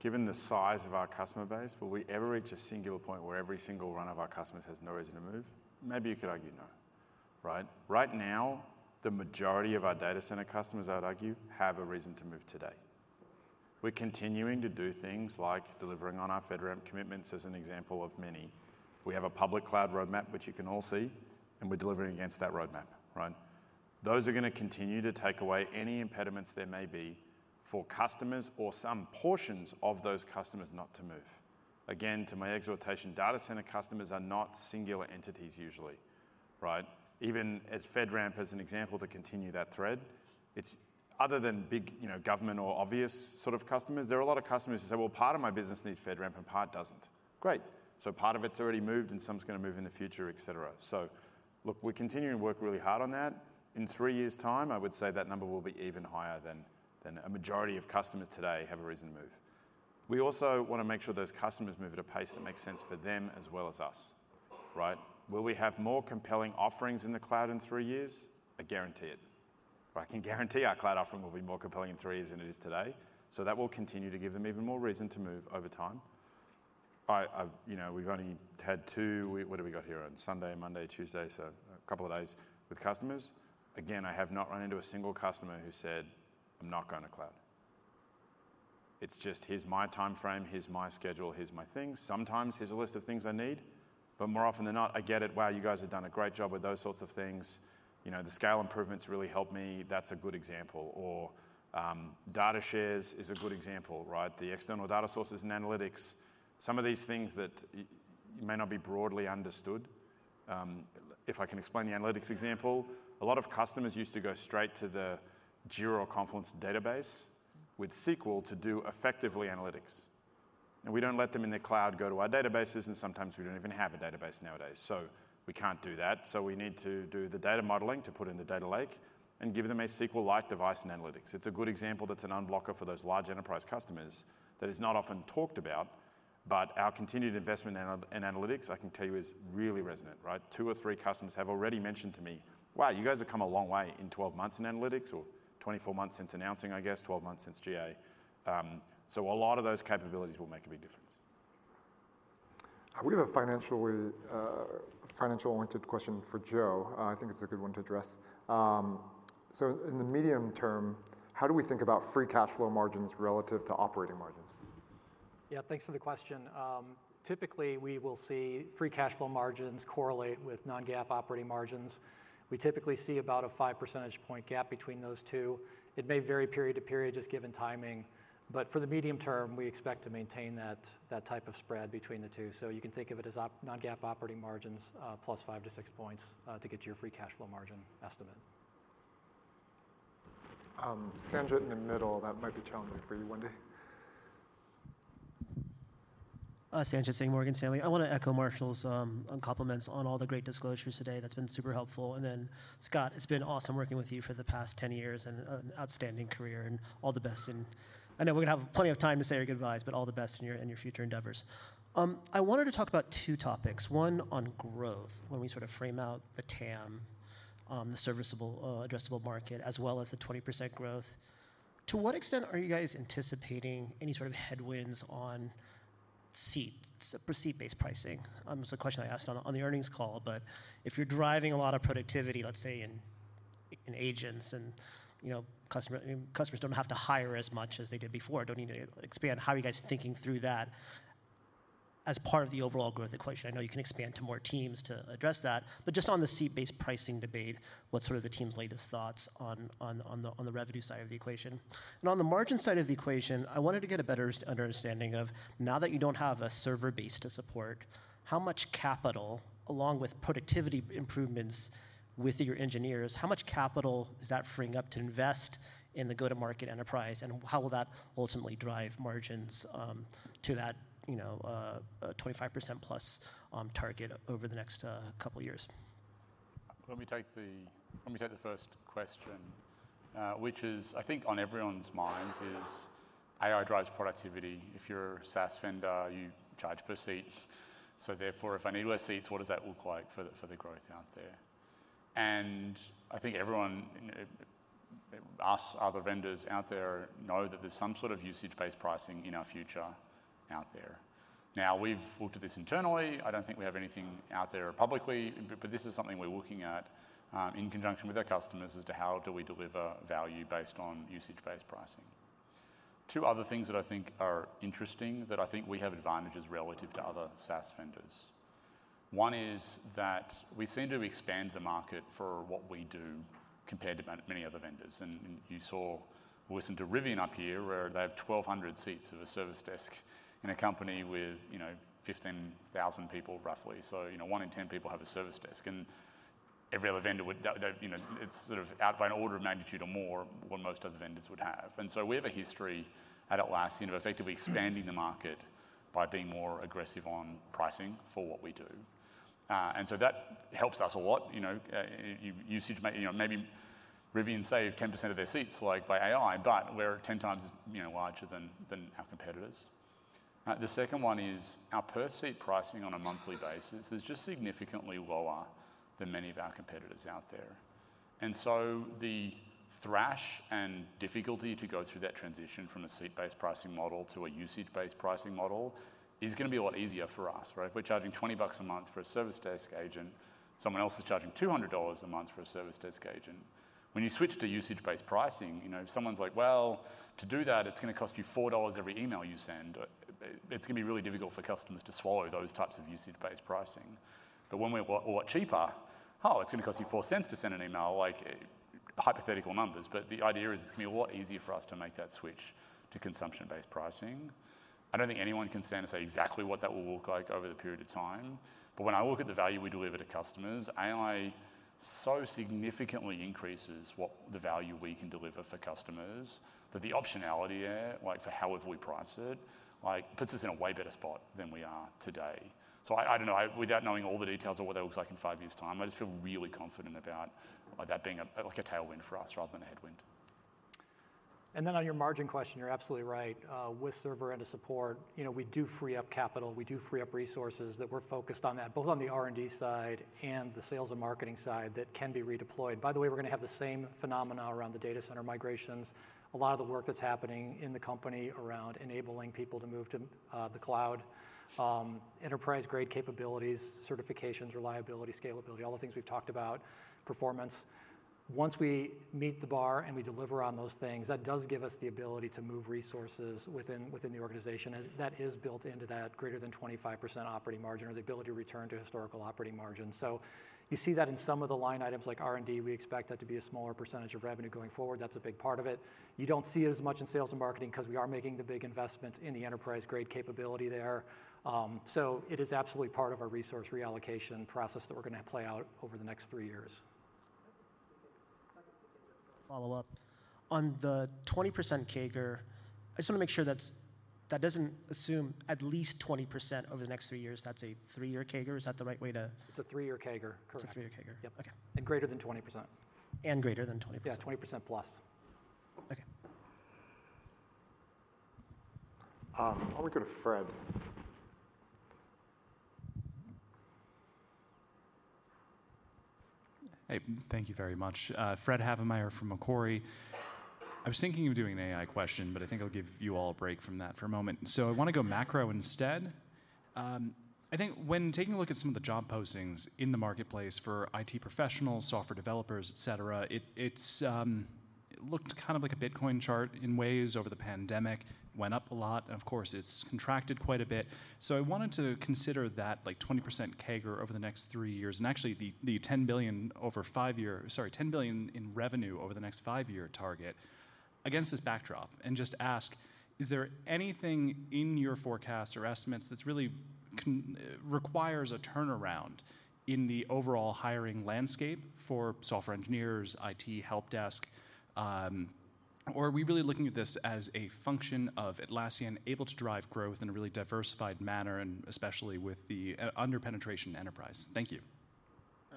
Given the size of our customer base, will we ever reach a singular point where every single run of our customers has no reason to move? Maybe you could argue no. Right now, the majority of our Data Center customers, I would argue, have a reason to move today. We're continuing to do things like delivering on our FedRAMP commitments, as an example of many. We have a public Cloud roadmap, which you can all see. And we're delivering against that roadmap. Those are going to continue to take away any impediments there may be for customers or some portions of those customers not to move. Again, to my exhortation, Data Center customers are not singular entities, usually. Even as FedRAMP, as an example to continue that thread, other than big government or obvious sort of customers, there are a lot of customers who say, "Well, part of my business needs FedRAMP, and part doesn't." Great. So part of it's already moved. And some's going to move in the future, et cetera. So look, we're continuing to work really hard on that. In three years' time, I would say that number will be even higher than a majority of customers today have a reason to move. We also want to make sure those customers move at a pace that makes sense for them as well as us. Will we have more compelling offerings in the cloud in three years? I guarantee it. I can guarantee our cloud offering will be more compelling in three years than it is today. So that will continue to give them even more reason to move over time. We've only had two—what have we got here? On Sunday, Monday, Tuesday, so a couple of days with customers. Again, I have not run into a single customer who said, "I'm not going to cloud." It's just, "Here's my time frame. Here's my schedule. Here's my thing. Sometimes, here's a list of things I need." But more often than not, I get it. Wow, you guys have done a great job with those sorts of things. The scale improvements really helped me. That's a good example. Or data shares is a good example. The external data sources and analytics, some of these things that may not be broadly understood. If I can explain the analytics example, a lot of customers used to go straight to the Jira or Confluence database with SQL to do effectively analytics. And we don't let them in their cloud go to our databases. And sometimes, we don't even have a database nowadays. So we need to do the data modeling to put in the data lake and give them a SQL-like interface and analytics. It's a good example that's an unblocker for those large enterprise customers that is not often talked about. But our continued investment in analytics, I can tell you, is really resonant. Two or three customers have already mentioned to me, "Wow, you guys have come a long way in 12 months in analytics or 24 months since announcing, I guess, 12 months since GA." So a lot of those capabilities will make a big difference. We have a financial-oriented question for Joe. I think it's a good one to address. In the medium term, how do we think about free cash flow margins relative to operating margins? Yeah, thanks for the question. Typically, we will see free cash flow margins correlate with non-GAAP operating margins. We typically see about a five percentage point gap between those two. It may vary period to period, just given timing. But for the medium term, we expect to maintain that type of spread between the two. So you can think of it as non-GAAP operating margins plus five to six points to get your free cash flow margin estimate. Sandra in the middle. That might be challenging for you, Wendy. Sanjit Singh, Morgan Stanley. I want to echo Marshall's compliments on all the great disclosures today. That's been super helpful. Then Scott, it's been awesome working with you for the past 10 years and an outstanding career. All the best. I know we're going to have plenty of time to say your goodbyes. All the best in your future endeavors. I wanted to talk about two topics, one on growth when we sort of frame out the TAM, the serviceable, addressable market, as well as the 20% growth. To what extent are you guys anticipating any sort of headwinds on seat-based pricing? It was a question I asked on the earnings call. But if you're driving a lot of productivity, let's say, in agents and customers don't have to hire as much as they did before, don't need to expand, how are you guys thinking through that as part of the overall growth equation? I know you can expand to more teams to address that. But just on the seat-based pricing debate, what's sort of the team's latest thoughts on the revenue side of the equation? And on the margin side of the equation, I wanted to get a better understanding of now that you don't have a server base to support, how much capital, along with productivity improvements with your engineers, how much capital does that freeing up to invest in the go-to-market enterprise? And how will that ultimately drive margins to that 25%+ target over the next couple of years? Let me take the first question, which is, I think, on everyone's minds: AI drives productivity. If you're a SaaS vendor, you charge per seat. So therefore, if I need less seats, what does that look like for the growth out there? And I think everyone asks other vendors out there know that there's some sort of usage-based pricing in our future out there. Now, we've looked at this internally. I don't think we have anything out there publicly. But this is something we're looking at in conjunction with our customers as to how do we deliver value based on usage-based pricing? Two other things that I think are interesting that I think we have advantages relative to other SaaS vendors. One is that we seem to expand the market for what we do compared to many other vendors. And you saw we listened to Rivian up here, where they have 1,200 seats of a service desk in a company with 15,000 people, roughly. So one in 10 people have a service desk. And every other vendor, it's sort of out by an order of magnitude or more what most other vendors would have. And so we have a history at Atlassian of effectively expanding the market by being more aggressive on pricing for what we do. And so that helps us a lot. Maybe Rivian saved 10% of their seats by AI. But we're 10 times larger than our competitors. The second one is our per-seat pricing on a monthly basis is just significantly lower than many of our competitors out there. So the thrash and difficulty to go through that transition from a seat-based pricing model to a usage-based pricing model is going to be a lot easier for us. If we're charging $20 a month for a service desk agent, someone else is charging $200 a month for a service desk agent. When you switch to usage-based pricing, if someone's like, "Well, to do that, it's going to cost you $4 every email you send," it's going to be really difficult for customers to swallow those types of usage-based pricing. But when we're a lot cheaper, "Oh, it's going to cost you $0.04 to send an email," hypothetical numbers. But the idea is, it's going to be a lot easier for us to make that switch to consumption-based pricing. I don't think anyone can stand to say exactly what that will look like over the period of time. But when I look at the value we deliver to customers, AI so significantly increases the value we can deliver for customers that the optionality there, for however we price it, puts us in a way better spot than we are today. So I don't know. Without knowing all the details of what that looks like in five years' time, I just feel really confident about that being a tailwind for us rather than a headwind. And then on your margin question, you're absolutely right. With Server end of support, we do free up capital. We do free up resources that we're focused on that, both on the R&D side and the sales and marketing side that can be redeployed. By the way, we're going to have the same phenomena around the Data Center migrations, a lot of the work that's happening in the company around enabling people to move to the Cloud, enterprise-grade capabilities, certifications, reliability, scalability, all the things we've talked about, performance. Once we meet the bar and we deliver on those things, that does give us the ability to move resources within the organization. And that is built into that greater than 25% operating margin or the ability to return to historical operating margin. So you see that in some of the line items like R&D. We expect that to be a smaller percentage of revenue going forward. That's a big part of it. You don't see it as much in sales and marketing because we are making the big investments in the enterprise-grade capability there. It is absolutely part of our resource reallocation process that we're going to play out over the next three years. If I could speak in just one follow-up on the 20% CAGR, I just want to make sure that doesn't assume at least 20% over the next three years. That's a three-year CAGR. Is that the right way to? It's a three-year CAGR. Correct. It's a three-year CAGR. Yep. And greater than 20%. Greater than 20%. Yeah, 20%+. I'll go to Fred. Hey, thank you very much. Fred Havemeyer from Macquarie. I was thinking of doing an AI question. But I think I'll give you all a break from that for a moment. So I want to go macro instead. I think when taking a look at some of the job postings in the marketplace for IT professionals, software developers, et cetera, it looked kind of like a Bitcoin chart in ways over the pandemic, went up a lot. And of course, it's contracted quite a bit. So I wanted to consider that 20% CAGR over the next 3 years and actually the $10 billion over five year sorry, $10 billion in revenue over the next five-year target against this backdrop and just ask, is there anything in your forecast or estimates that really requires a turnaround in the overall hiring landscape for software engineers, IT, help desk? Or are we really looking at this as a function of Atlassian able to drive growth in a really diversified manner, and especially with the under-penetration enterprise? Thank you.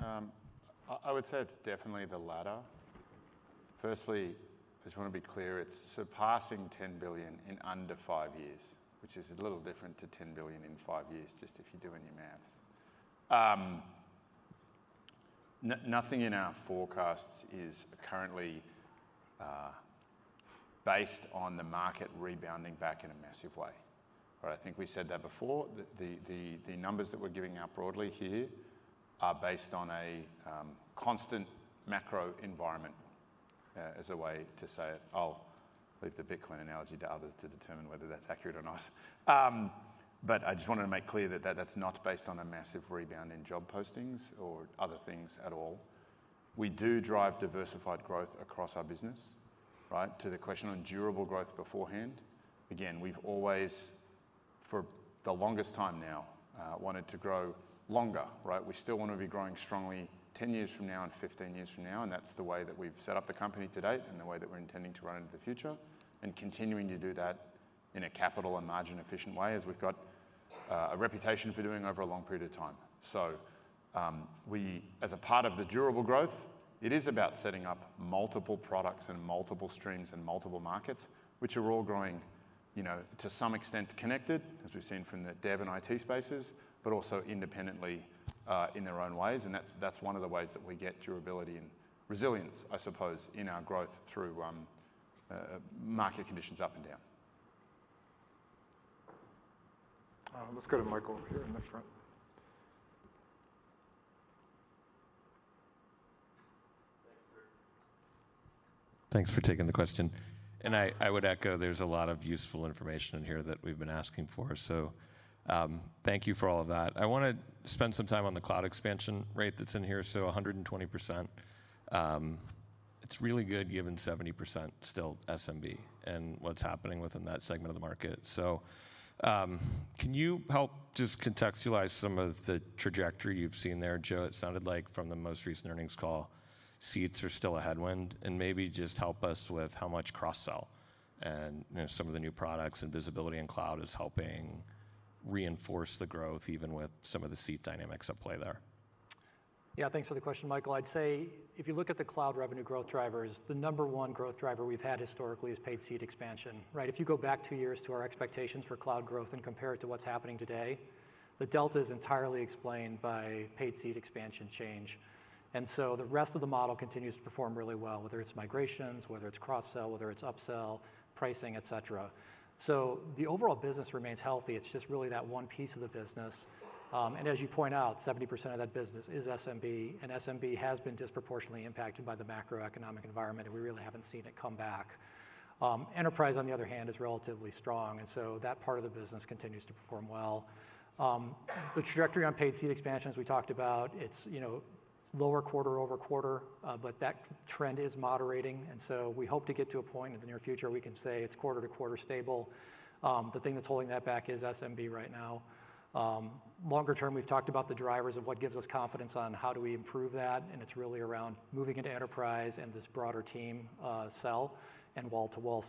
I would say it's definitely the latter. Firstly, I just want to be clear. It's surpassing $10 billion in under five years, which is a little different to $10 billion in five years, just if you do any math. Nothing in our forecasts is currently based on the market rebounding back in a massive way. I think we said that before. The numbers that we're giving out broadly here are based on a constant macro environment as a way to say it. I'll leave the Bitcoin analogy to others to determine whether that's accurate or not. But I just wanted to make clear that that's not based on a massive rebound in job postings or other things at all. We do drive diversified growth across our business. To the question on durable growth beforehand, again, we've always, for the longest time now, wanted to grow longer. We still want to be growing strongly 10 years from now and 15 years from now. That's the way that we've set up the company to date and the way that we're intending to run into the future and continuing to do that in a capital and margin-efficient way as we've got a reputation for doing over a long period of time. As a part of the durable growth, it is about setting up multiple products and multiple streams and multiple markets, which are all growing, to some extent, connected, as we've seen from the dev and IT spaces, but also independently in their own ways. That's one of the ways that we get durability and resilience, I suppose, in our growth through market conditions up and down. Let's go to Michael here in the front. Thanks for taking the question. I would echo there's a lot of useful information in here that we've been asking for. Thank you for all of that. I want to spend some time on the cloud expansion rate that's in here, so 120%. It's really good given 70% still SMB and what's happening within that segment of the market. Can you help just contextualize some of the trajectory you've seen there, Joe? It sounded like from the most recent earnings call, seats are still a headwind. Maybe just help us with how much cross-sell and some of the new products and visibility in cloud is helping reinforce the growth, even with some of the seat dynamics at play there. Yeah, thanks for the question, Michael. I'd say if you look at the cloud revenue growth drivers, the number one growth driver we've had historically is paid seat expansion. If you go back two years to our expectations for cloud growth and compare it to what's happening today, the delta is entirely explained by paid seat expansion change. And so the rest of the model continues to perform really well, whether it's migrations, whether it's cross-sell, whether it's upsell, pricing, et cetera. So the overall business remains healthy. It's just really that one piece of the business. And as you point out, 70% of that business is SMB. And SMB has been disproportionately impacted by the macroeconomic environment. And we really haven't seen it come back. Enterprise, on the other hand, is relatively strong. And so that part of the business continues to perform well. The trajectory on paid seat expansion, as we talked about, it's lower quarter-over-quarter. But that trend is moderating. And so we hope to get to a point in the near future where we can say it's quarter-to-quarter stable. The thing that's holding that back is SMB right now. Longer term, we've talked about the drivers of what gives us confidence on how do we improve that. And it's really around moving into enterprise and this broader team sell and wall to wall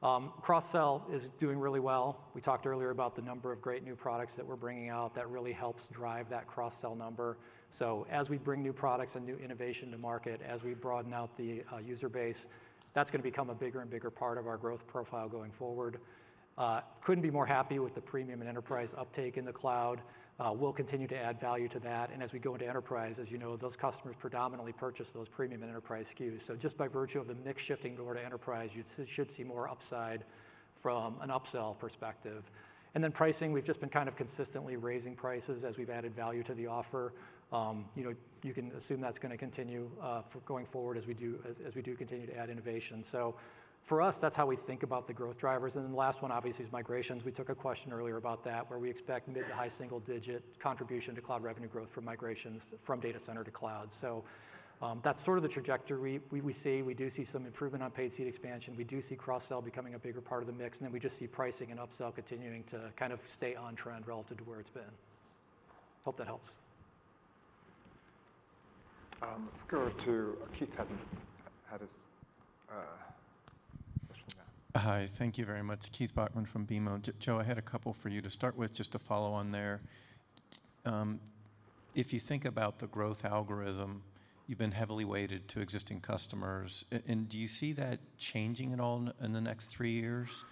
sell. Cross-sell is doing really well. We talked earlier about the number of great new products that we're bringing out that really helps drive that cross-sell number. So as we bring new products and new innovation to market, as we broaden out the user base, that's going to become a bigger and bigger part of our growth profile going forward. Couldn't be more happy with the premium and enterprise uptake in the Cloud. We'll continue to add value to that. And as we go into enterprise, as you know, those customers predominantly purchase those premium and enterprise SKUs. So just by virtue of the mix shifting over to enterprise, you should see more upside from an upsell perspective. And then pricing, we've just been kind of consistently raising prices as we've added value to the offer. You can assume that's going to continue going forward as we do continue to add innovation. So for us, that's how we think about the growth drivers. And then the last one, obviously, is migrations. We took a question earlier about that, where we expect mid to high single-digit contribution to Cloud revenue growth from migrations from Data Center to Cloud. So that's sort of the trajectory we see. We do see some improvement on paid seat expansion. We do see cross-sell becoming a bigger part of the mix. And then we just see pricing and upsell continuing to kind of stay on trend relative to where it's been. Hope that helps. Let's go to Keith. He hasn't had his question yet. Hi. Thank you very much. Keith Bachmann from BMO. Joe, I had a couple for you to start with, just to follow on there. If you think about the growth algorithm, you've been heavily weighted to existing customers. And do you see that changing at all in the next three years?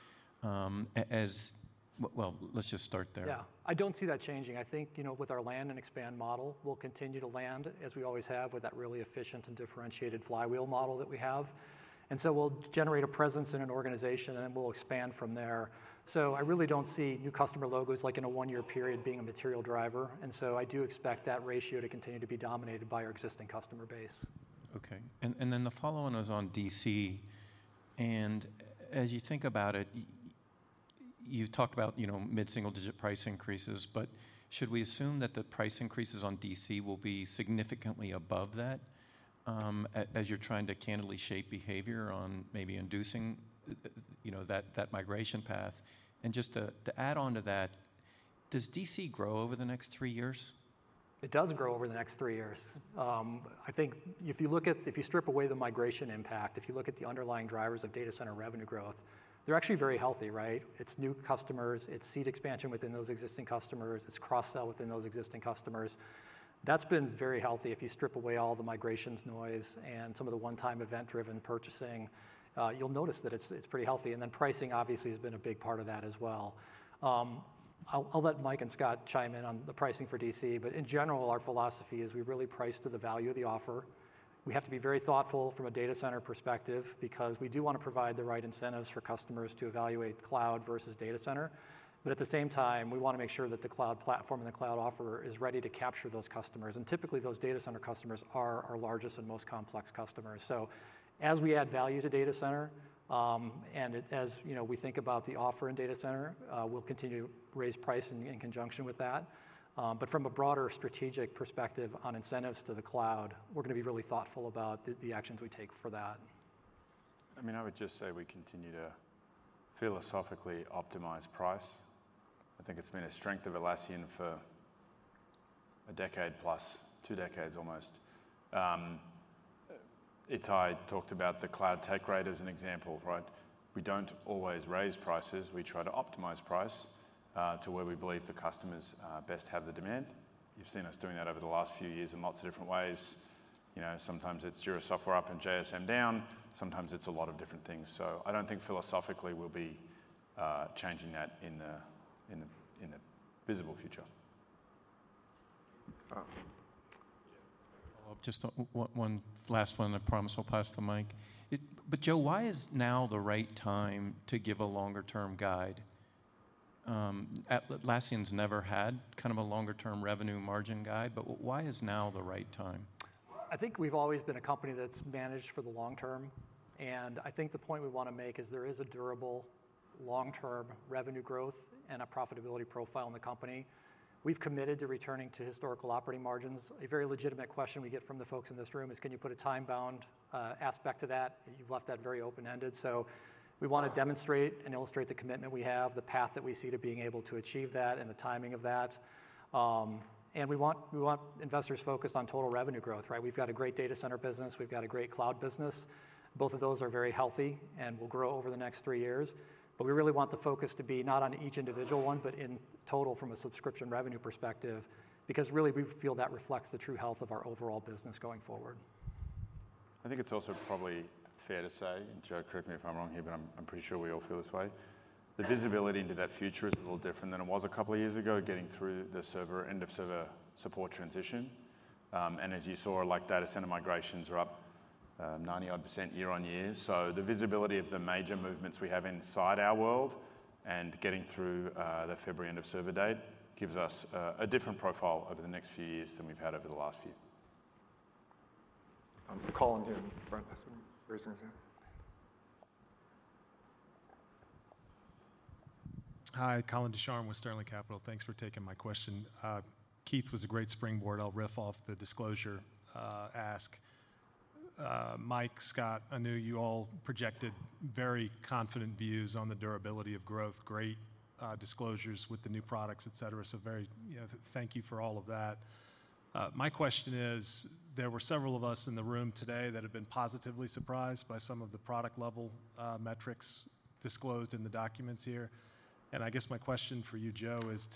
Well, let's just start there. Yeah, I don't see that changing. I think with our land and expand model, we'll continue to land, as we always have, with that really efficient and differentiated flywheel model that we have. And so we'll generate a presence in an organization. And then we'll expand from there. So I really don't see new customer logos in a one-year period being a material driver. And so I do expect that ratio to continue to be dominated by our existing customer base. OK. And then the following was on DC. And as you think about it, you've talked about mid-single-digit price increases. But should we assume that the price increases on DC will be significantly above that as you're trying to candidly shape behavior on maybe inducing that migration path? And just to add on to that, does DC grow over the next three years? It does grow over the next three years. I think if you look at if you strip away the migration impact, if you look at the underlying drivers of Data Center revenue growth, they're actually very healthy. It's new customers. It's seat expansion within those existing customers. It's cross-sell within those existing customers. That's been very healthy. If you strip away all the migrations noise and some of the one-time event-driven purchasing, you'll notice that it's pretty healthy. Then pricing, obviously, has been a big part of that as well. I'll let Mike and Scott chime in on the pricing for DC. In general, our philosophy is we really price to the value of the offer. We have to be very thoughtful from a Data Center perspective because we do want to provide the right incentives for customers to evaluate Cloud versus Data Center. But at the same time, we want to make sure that the Cloud platform and the Cloud offer is ready to capture those customers. Typically, those Data Center customers are our largest and most complex customers. As we add value to Data Center and as we think about the offer in Data Center, we'll continue to raise price in conjunction with that. But from a broader strategic perspective on incentives to the Cloud, we're going to be really thoughtful about the actions we take for that. I mean, I would just say we continue to philosophically optimize price. I think it's been a strength of Atlassian for a decade plus, two decades almost. It's, I talked about the cloud take rate as an example. We don't always raise prices. We try to optimize price to where we believe the customers best have the demand. You've seen us doing that over the last few years in lots of different ways. Sometimes it's Jira Software up and JSM down. Sometimes it's a lot of different things. So I don't think philosophically, we'll be changing that in the visible future. I'll just one last one. I promise I'll pass the mic. But Joe, why is now the right time to give a longer-term guide? Atlassian's never had kind of a longer-term revenue margin guide. But why is now the right time? I think we've always been a company that's managed for the long term. And I think the point we want to make is there is a durable long-term revenue growth and a profitability profile in the company. We've committed to returning to historical operating margins. A very legitimate question we get from the folks in this room is, can you put a time-bound aspect to that? You've left that very open-ended. So we want to demonstrate and illustrate the commitment we have, the path that we see to being able to achieve that, and the timing of that. And we want investors focused on total revenue growth. We've got a great Data Center business. We've got a great Cloud business. Both of those are very healthy. And we'll grow over the next three years. But we really want the focus to be not on each individual one, but in total from a subscription revenue perspective because really, we feel that reflects the true health of our overall business going forward. I think it's also probably fair to say, and Joe, correct me if I'm wrong here. But I'm pretty sure we all feel this way. The visibility into that future is a little different than it was a couple of years ago getting through the end-of-Server support transition. And as you saw, Data Center migrations are up 90-odd% year-over-year. So the visibility of the major movements we have inside our world and getting through the February end-of-Server date gives us a different profile over the next few years than we've had over the last few. Colin here in the front. Hi. Colin Ducharme with Sterling Capital. Thanks for taking my question. Keith was a great springboard. I'll riff off the disclosure ask. Mike, Scott, Anu, you all projected very confident views on the durability of growth, great disclosures with the new products, et cetera. So thank you for all of that. My question is, there were several of us in the room today that have been positively surprised by some of the product-level metrics disclosed in the documents here. And I guess my question for you, Joe, is,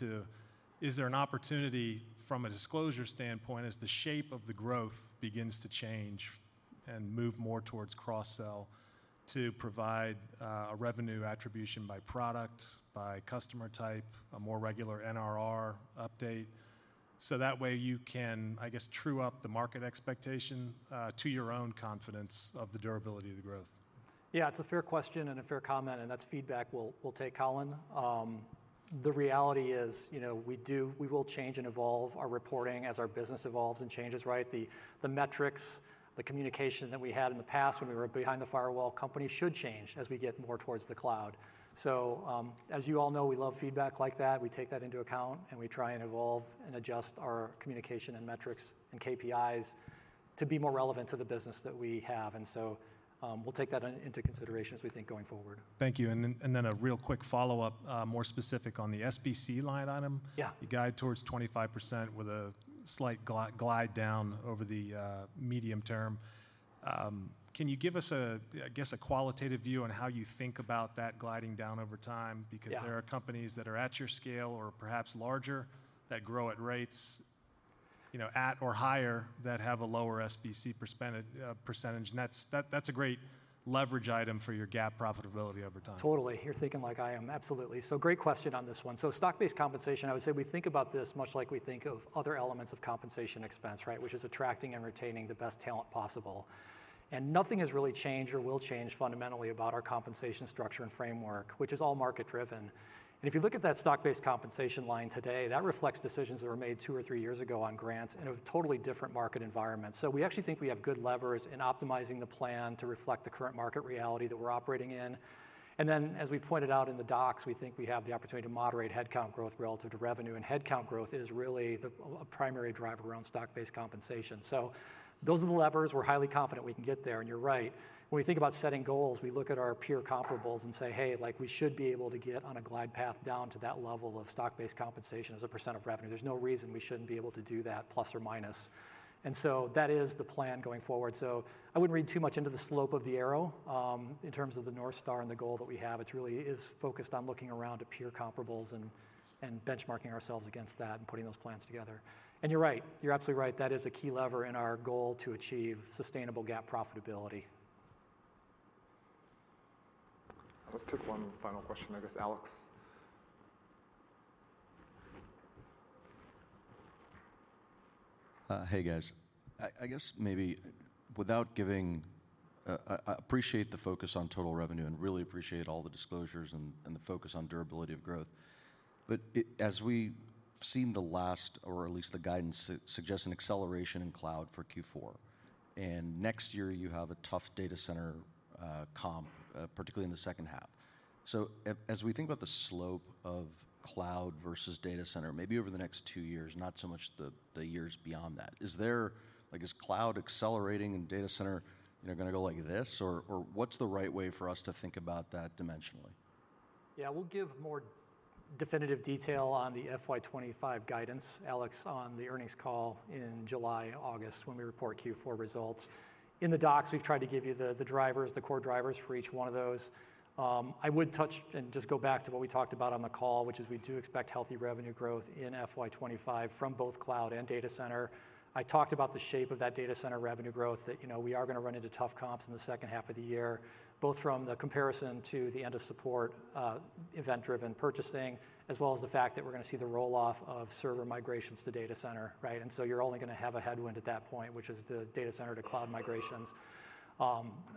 is there an opportunity from a disclosure standpoint as the shape of the growth begins to change and move more towards cross-sell to provide a revenue attribution by product, by customer type, a more regular NRR update? So that way, you can, I guess, true up the market expectation to your own confidence of the durability of the growth. Yeah, it's a fair question and a fair comment. And that's feedback we'll take, Colin. The reality is we will change and evolve our reporting as our business evolves and changes. The metrics, the communication that we had in the past when we were behind the firewall company should change as we get more towards the cloud. So as you all know, we love feedback like that. We take that into account. And we try and evolve and adjust our communication and metrics and KPIs to be more relevant to the business that we have. And so we'll take that into consideration as we think going forward. Thank you. Then a real quick follow-up, more specific on the SBC line item, you guide towards 25% with a slight glide down over the medium term. Can you give us, I guess, a qualitative view on how you think about that gliding down over time? Because there are companies that are at your scale or perhaps larger that grow at rates or higher that have a lower SBC percentage. And that's a great leverage item for your GAAP profitability over time. Totally. You're thinking like I am. Absolutely. So great question on this one. So stock-based compensation, I would say we think about this much like we think of other elements of compensation expense, which is attracting and retaining the best talent possible. Nothing has really changed or will change fundamentally about our compensation structure and framework, which is all market-driven. If you look at that stock-based compensation line today, that reflects decisions that were made two or three years ago on grants in a totally different market environment. So we actually think we have good levers in optimizing the plan to reflect the current market reality that we're operating in. Then, as we've pointed out in the docs, we think we have the opportunity to moderate headcount growth relative to revenue. Headcount growth is really a primary driver around stock-based compensation. So those are the levers. We're highly confident we can get there. You're right. When we think about setting goals, we look at our peer comparables and say, hey, we should be able to get on a glide path down to that level of stock-based compensation as a percent of revenue. There's no reason we shouldn't be able to do that plus or minus. That is the plan going forward. I wouldn't read too much into the slope of the arrow in terms of the North Star and the goal that we have. It really is focused on looking around at peer comparables and benchmarking ourselves against that and putting those plans together. You're right. You're absolutely right. That is a key lever in our goal to achieve sustainable GAAP profitability. Let's take one final question, I guess, Alex. Hey, guys. I guess maybe without giving I appreciate the focus on total revenue and really appreciate all the disclosures and the focus on durability of growth. But as we've seen the last or at least the guidance suggests an acceleration in cloud for Q4. And next year, you have a tough data center comp, particularly in the second half. So as we think about the slope of cloud versus data center, maybe over the next two years, not so much the years beyond that, is there is cloud accelerating and data center going to go like this? Or what's the right way for us to think about that dimensionally? Yeah, we'll give more definitive detail on the FY 2025 guidance, Alex, on the earnings call in July, August when we report Q4 results. In the docs, we've tried to give you the drivers, the core drivers for each one of those. I would touch and just go back to what we talked about on the call, which is we do expect healthy revenue growth in FY 2025 from both Cloud and Data Center. I talked about the shape of that Data Center revenue growth, that we are going to run into tough comps in the second half of the year, both from the comparison to the end-of-support event-driven purchasing as well as the fact that we're going to see the roll-off of Server migrations to Data Center. And so you're only going to have a headwind at that point, which is the Data Center to Cloud migrations.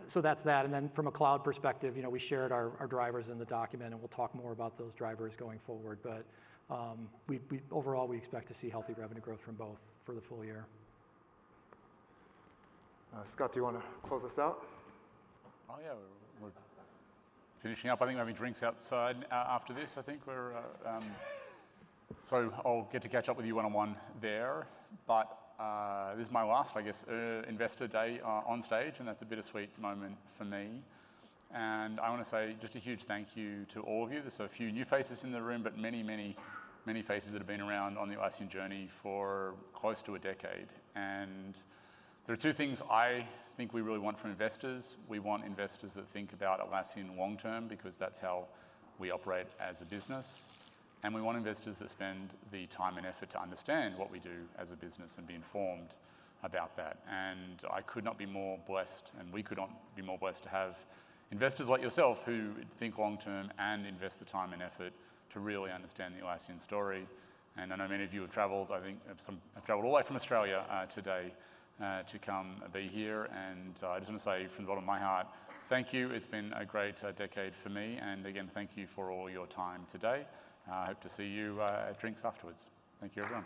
So that's that. Then from a cloud perspective, we shared our drivers in the document. We'll talk more about those drivers going forward. Overall, we expect to see healthy revenue growth from both for the full year. Scott, do you want to close us out? Oh, yeah. We're finishing up. I think we're having drinks outside after this, I think. So I'll get to catch up with you one-on-one there. But this is my last, I guess, investor day on stage. And that's a bittersweet moment for me. And I want to say just a huge thank you to all of you. There's a few new faces in the room, but many, many, many faces that have been around on the Atlassian journey for close to a decade. And there are two things I think we really want from investors. We want investors that think about Atlassian long-term because that's how we operate as a business. And we want investors that spend the time and effort to understand what we do as a business and be informed about that. And I could not be more blessed. And we could not be more blessed to have investors like yourself who think long-term and invest the time and effort to really understand the Atlassian story. And I know many of you have traveled. I think some have traveled all the way from Australia today to come be here. And I just want to say from the bottom of my heart, thank you. It's been a great decade for me. And again, thank you for all your time today. I hope to see you at drinks afterwards. Thank you, everyone.